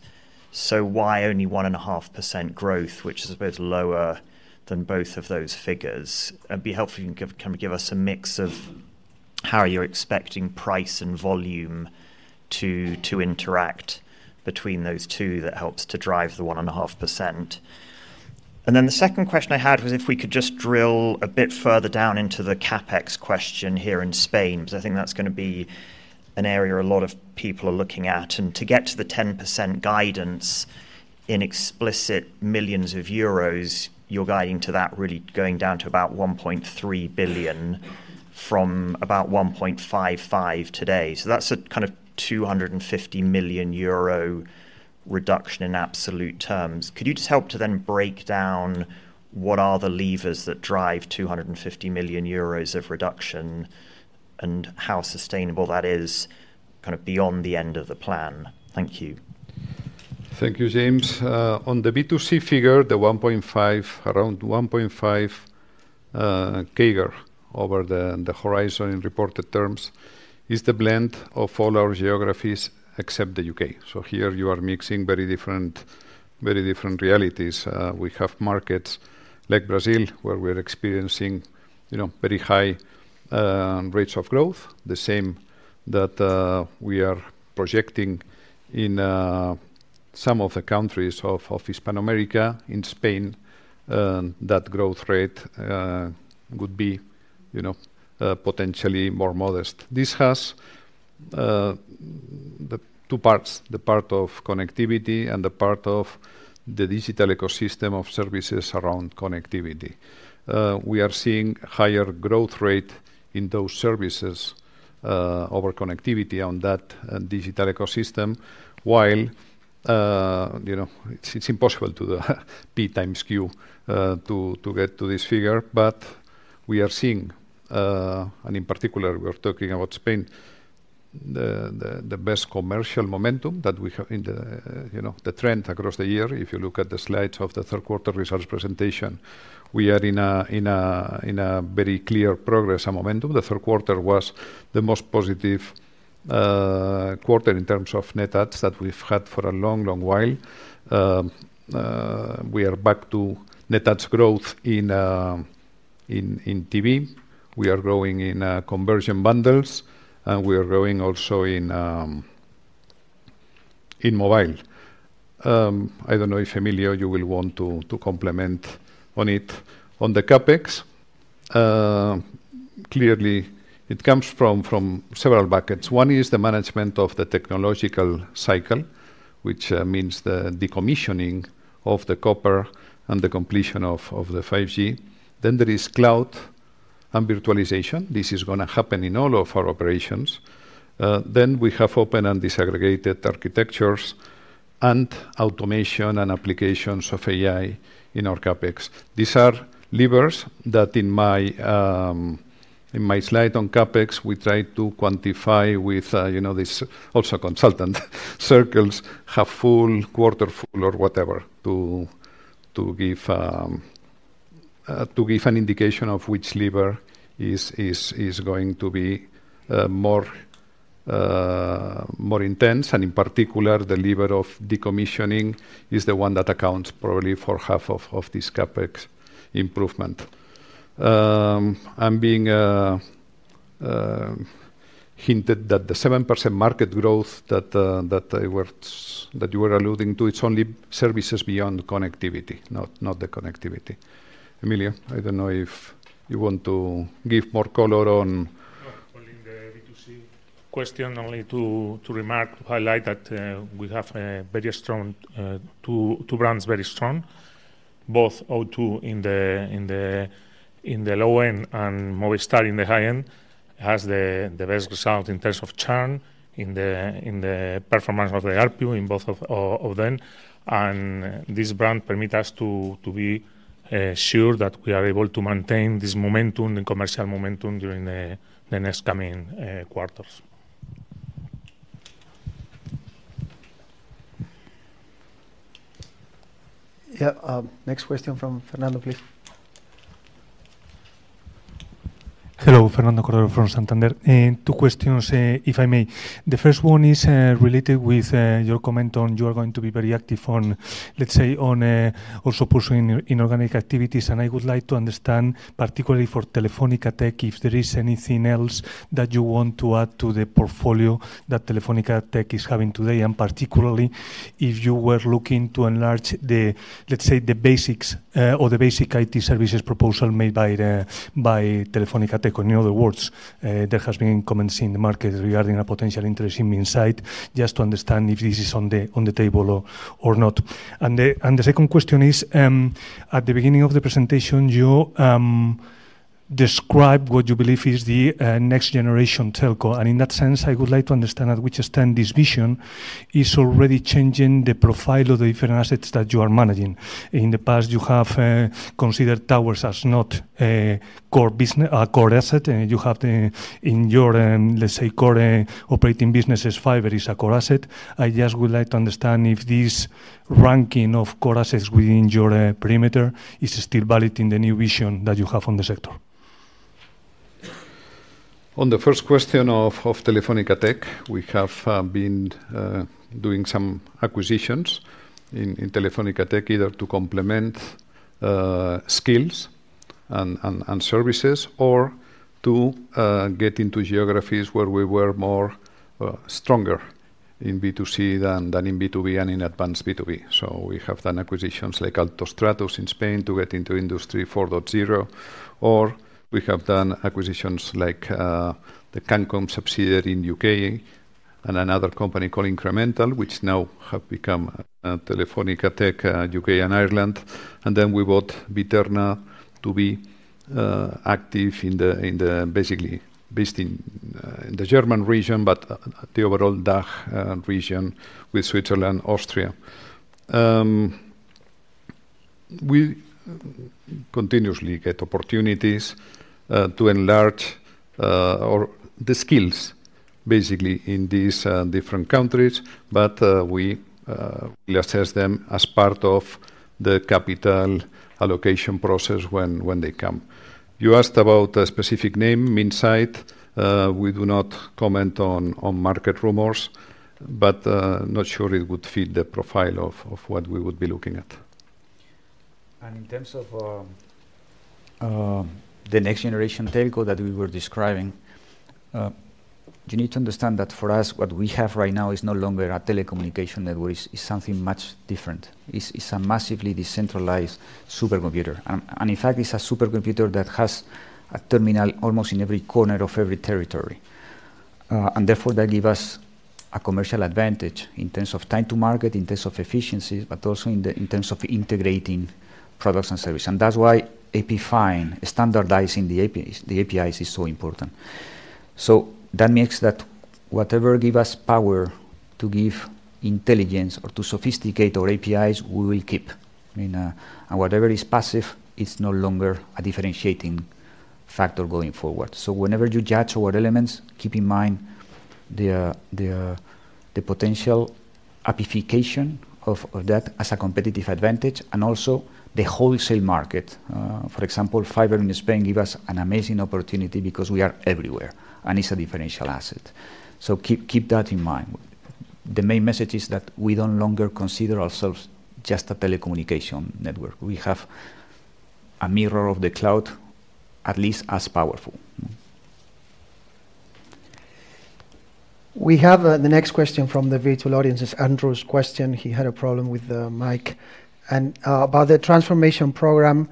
So why only one and a half percent growth, which is a bit lower than both of those figures? It'd be helpful if you can give, kind of give us a mix of how you're expecting price and volume to interact between those two that helps to drive the one and a half percent. And then the second question I had was if we could just drill a bit further down into the CapEx question here in Spain, because I think that's gonna be an area a lot of people are looking at. And to get to the 10% guidance in explicit millions of euros, you're guiding to that really going down to about 1.3 billion from about 1.55 billion today. So that's a kind of 250 million euro reduction in absolute terms. Could you just help to then break down what are the levers that drive 250 million euros of reduction?... and how sustainable that is kind of beyond the end of the plan? Thank you. Thank you, James. On the B2C figure, the 1.5, around 1.5, CAGR over the horizon in reported terms, is the blend of all our geographies except the UK. So here you are mixing very different, very different realities. We have markets like Brazil, where we're experiencing very high rates of growth, the same that we are projecting in some of the countries of Hispanic America. In Spain, that growth rate would be potentially more modest. This has the two parts: the part of connectivity and the part of the digital ecosystem of services around connectivity. We are seeing higher growth rate in those services over connectivity on that digital ecosystem, while it's, it's impossible to the 3Q to get to this figure. But we are seeing, and in particular, we are talking about Spain, the best commercial momentum that we have in the the trend across the year. If you look at the slides of the third quarter results presentation, we are in a very clear progress and momentum. The third quarter was the most positive quarter in terms of net adds that we've had for a long, long while. We are back to net adds growth in TV. We are growing in conversion bundles, and we are growing also in mobile. I don't know if, Emilio, you will want to comment on it. On the CapEx, clearly it comes from several buckets. One is the management of the technological cycle, which means the decommissioning of the copper and the completion of the 5G. Then there is cloud and virtualization. This is gonna happen in all of our operations. Then we have open and disaggregated architectures and automation and applications of AI in our CapEx. These are levers that in my slide on CapEx, we try to quantify with this also consultant circles, half full, quarter full or whatever, to give an indication of which lever is going to be more intense. In particular, the lever of decommissioning is the one that accounts probably for half of this CapEx improvement. I'm being hinted that the 7% market growth that you were alluding to, it's only services beyond connectivity, not the connectivity. Emilio, I don't know if you want to give more color on- Well, in the B2C question, only to remark, to highlight that we have a very strong 2 brands, very strong. Both O2 in the low end and Movistar in the high end has the best result in terms of churn, in the performance of the ARPU in both of them. And this brand permit us to be sure that we are able to maintain this momentum, the commercial momentum, during the next coming quarters. Yeah. Next question from Fernando, please. Hello, Fernando Cordero from Santander. Two questions, if I may. The first one is related with your comment on you are going to be very active on, let's say, on also pushing in, in organic activities. I would like to understand, particularly for Telefónica Tech, if there is anything else that you want to add to the portfolio that Telefónica Tech is having today, and particularly, if you were looking to enlarge the, let's say, the basics, or the basic IT services proposal made by the by Telefónica Tech. In other words, there has been comments in the market regarding a potential interest in Minsait, just to understand if this is on the, on the table or, or not. The second question is, at the beginning of the presentation, you described what you believe is the next generation telco. And in that sense, I would like to understand at which extent this vision is already changing the profile of the different assets that you are managing. In the past, you have considered towers as not a core business, a core asset, and you have the, in your, let's say, core, operating business as fiber is a core asset. I just would like to understand if this ranking of core assets within your perimeter is still valid in the new vision that you have on the sector. On the first question of Telefónica Tech, we have been doing some acquisitions in Telefónica Tech, either to complement skills and services or to get into geographies where we were more stronger in B2C than in B2B and in advanced B2B. So we have done acquisitions like Altostratus in Spain to get into Industry 4.0, or we have done acquisitions like the Cancom subsidiary in UK and another company called Incremental, which now have become Telefónica Tech UK and Ireland. And then we bought Biterna to be active in the... Basically, based in the German region, but the overall DACH region with Switzerland, Austria. We continuously get opportunities to enlarge or the skills basically in these different countries, but we assess them as part of the capital allocation process when they come. You asked about a specific name, Minsait. We do not comment on market rumors, but not sure it would fit the profile of what we would be looking at. In terms of the next generation telco that we were describing, you need to understand that for us, what we have right now is no longer a telecommunication network. It's something much different. It's a massively decentralized supercomputer. And in fact, it's a supercomputer that has a terminal almost in every corner of every territory. And therefore, that give us a commercial advantage in terms of time to market, in terms of efficiencies, but also in terms of integrating products and services. And that's why defining, standardizing the APIs is so important. So that means that whatever give us power to give intelligence or to sophisticate our APIs, we will keep. I mean, and whatever is passive, it's no longer a differentiating factor going forward. So whenever you judge what elements, keep in mind the potential appification of that as a competitive advantage and also the wholesale market. For example, fiber in Spain give us an amazing opportunity because we are everywhere, and it's a differential asset. So keep that in mind. The main message is that we no longer consider ourselves just a telecommunication network. We have a mirror of the cloud, at least as powerful. We have the next question from the virtual audience. It's Andrew's question. He had a problem with the mic. And about the transformation program,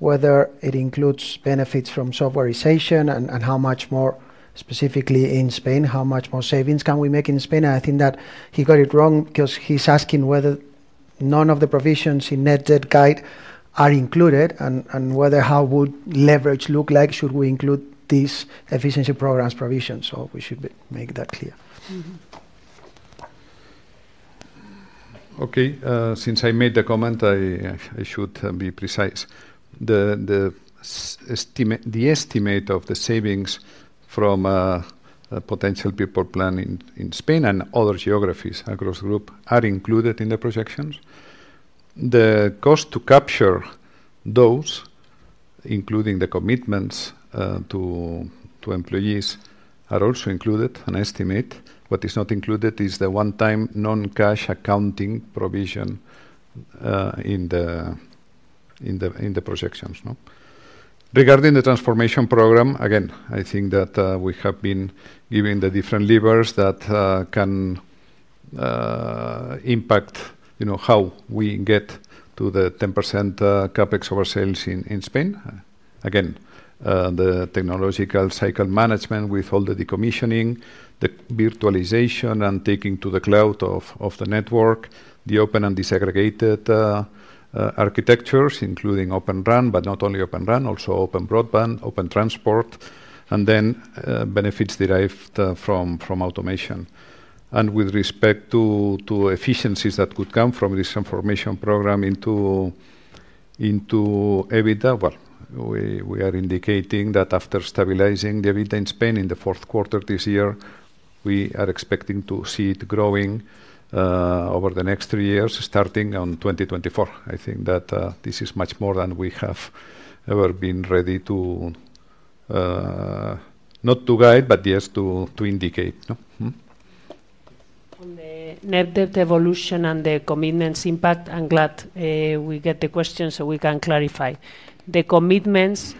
whether it includes benefits from softwarization and how much more specifically in Spain, how much more savings can we make in Spain? I think that he got it wrong 'cause he's asking whether none of the provisions in net debt guide are included and whether how would leverage look like should we include these efficiency programs provisions. So we should make that clear. Mm-hmm. Okay, since I made the comment, I should be precise. The estimate of the savings from a potential people plan in Spain and other geographies across group are included in the projections. The cost to capture those, including the commitments to employees, are also included, an estimate. What is not included is the one-time non-cash accounting provision in the projections, no? Regarding the transformation program, again, I think that we have been giving the different levers that can impact how we get to the 10% CapEx over sales in Spain. Again, the technological cycle management with all the decommissioning, the virtualization and taking to the cloud of the network, the open and disaggregated architectures, including Open RAN, but not only Open RAN, also Open Broadband, open transport, and then benefits derived from automation. And with respect to efficiencies that could come from this transformation program into EBITDA, well, we are indicating that after stabilizing the EBITDA in Spain in the fourth quarter this year, we are expecting to see it growing over the next three years, starting on 2024. I think that this is much more than we have ever been ready to... Not to guide, but yes, to indicate, no? Mm-hmm. On the net debt evolution and the commitments impact, I'm glad we get the question so we can clarify. The commitments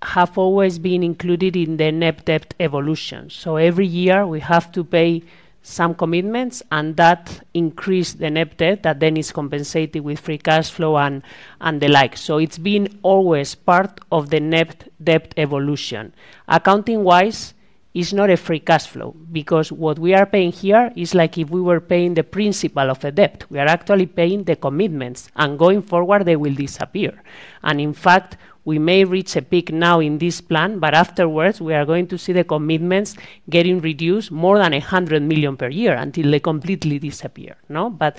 have always been included in the net debt evolution. So every year, we have to pay some commitments, and that increase the net debt that then is compensated with free cash flow and, and the like. So it's been always part of the net debt evolution. Accounting-wise, it's not a free cash flow because what we are paying here is like if we were paying the principal of the debt. We are actually paying the commitments, and going forward, they will disappear. And in fact, we may reach a peak now in this plan, but afterwards, we are going to see the commitments getting reduced more than 100 million per year until they completely disappear, no? But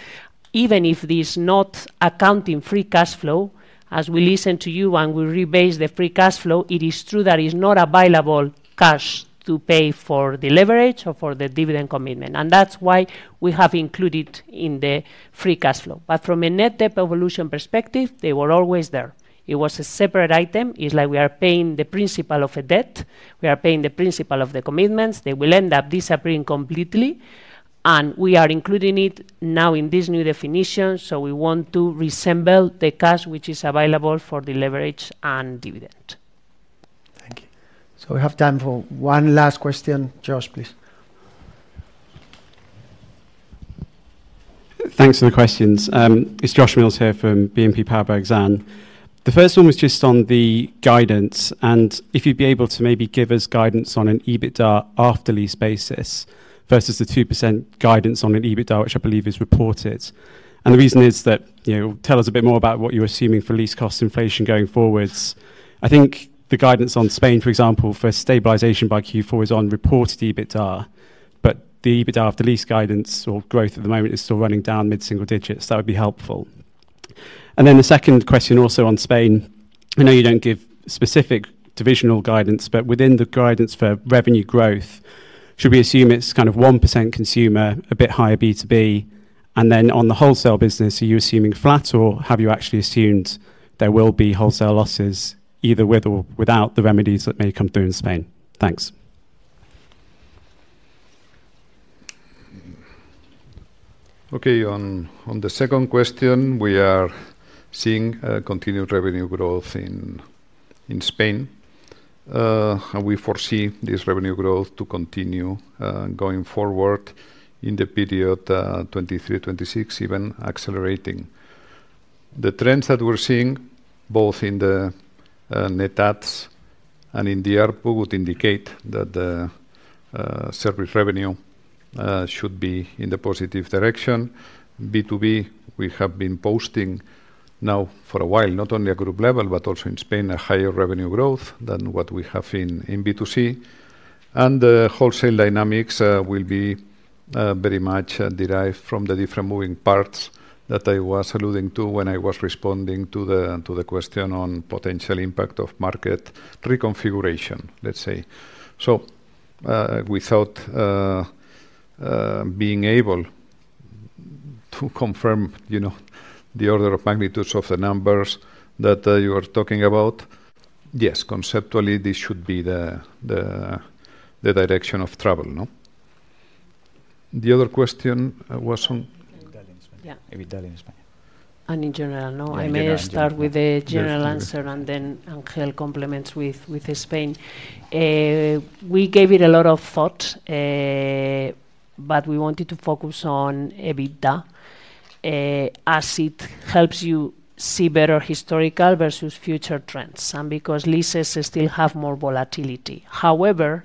even if there's not accounting free cash flow, as we listen to you and we rebase the free cash flow, it is true that it's not available cash to pay for the leverage or for the dividend commitment, and that's why we have included in the free cash flow. But from a net debt evolution perspective, they were always there. It was a separate item. It's like we are paying the principal of a debt. We are paying the principal of the commitments. They will end up disappearing completely, and we are including it now in this new definition, so we want to resemble the cash which is available for the leverage and dividend. Thank you. So we have time for one last question. Josh, please. Thanks for the questions. It's Josh Mills here from BNP Paribas Exane. The first one was just on the guidance, and if you'd be able to maybe give us guidance on an EBITDA after lease basis versus the 2% guidance on an EBITDA, which I believe is reported. And the reason is that tell us a bit more about what you're assuming for lease cost inflation going forwards. I think the guidance on Spain, for example, for stabilization by Q4, is on reported EBITDA, but the EBITDA after lease guidance or growth at the moment is still running down mid-single digits. That would be helpful. And then the second question also on Spain. I know you don't give specific divisional guidance, but within the guidance for revenue growth, should we assume it's kind of 1% consumer, a bit higher B2B? On the wholesale business, are you assuming flat, or have you actually assumed there will be wholesale losses either with or without the remedies that may come through in Spain? Thanks. Okay. On the second question, we are seeing continued revenue growth in Spain. And we foresee this revenue growth to continue going forward in the period 2023-2026, even accelerating. The trends that we're seeing, both in the net adds and in the ARPU, would indicate that the service revenue should be in the positive direction. B2B, we have been posting now for a while, not only at group level, but also in Spain, a higher revenue growth than what we have in B2C. And the wholesale dynamics will be very much derived from the different moving parts that I was alluding to when I was responding to the question on potential impact of market reconfiguration, let's say. So, without being able to confirm the order of magnitudes of the numbers that you are talking about, yes, conceptually, this should be the direction of travel, no? The other question was on- EBITDA in Spain. Yeah. EBITDA in Spain. In general, no- Yeah, in general. I may start with the general answer, and then Ángel complements with Spain. We gave it a lot of thought, but we wanted to focus on EBITDA, as it helps you see better historical versus future trends and because leases still have more volatility. However,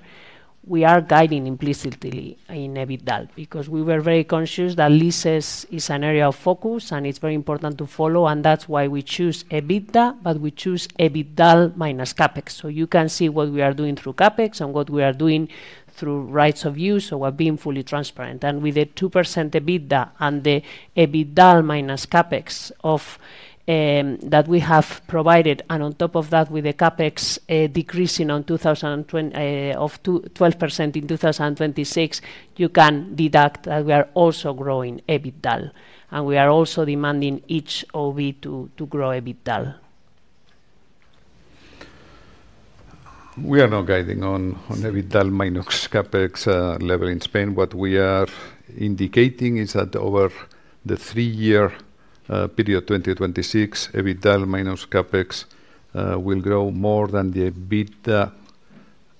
we are guiding implicitly in EBITDA because we were very conscious that leases is an area of focus, and it's very important to follow, and that's why we choose EBITDA, but we choose EBITDA minus CapEx. So you can see what we are doing through CapEx and what we are doing through rights of use, so we're being fully transparent. And with a 2% EBITDA and the EBITDA minus CapEx of that we have provided, and on top of that, with the CapEx decreasing in 2020... of 2-12% in 2026, you can deduct that we are also growing EBITDA, and we are also demanding each OB to grow EBITDA. We are not guiding on EBITDA minus CapEx level in Spain. What we are indicating is that over the three-year period, 2020-2026, EBITDA minus CapEx will grow more than the EBITDA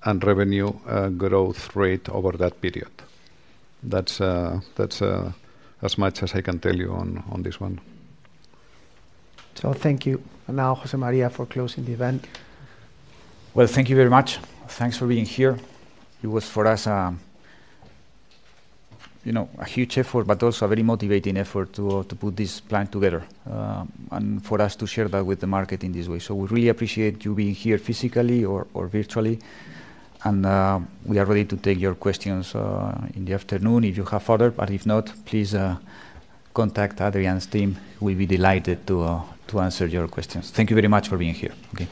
and revenue growth rate over that period. That's as much as I can tell you on this one. Thank you. Now, José María, for closing the event. Well, thank you very much. Thanks for being here. It was, for us a huge effort, but also a very motivating effort to, to put this plan together, and for us to share that with the market in this way. So we really appreciate you being here physically or, or virtually. And, we are ready to take your questions in the afternoon, if you have further, but if not, please, contact Adrián's team. We'll be delighted to, to answer your questions. Thank you very much for being here. Okay.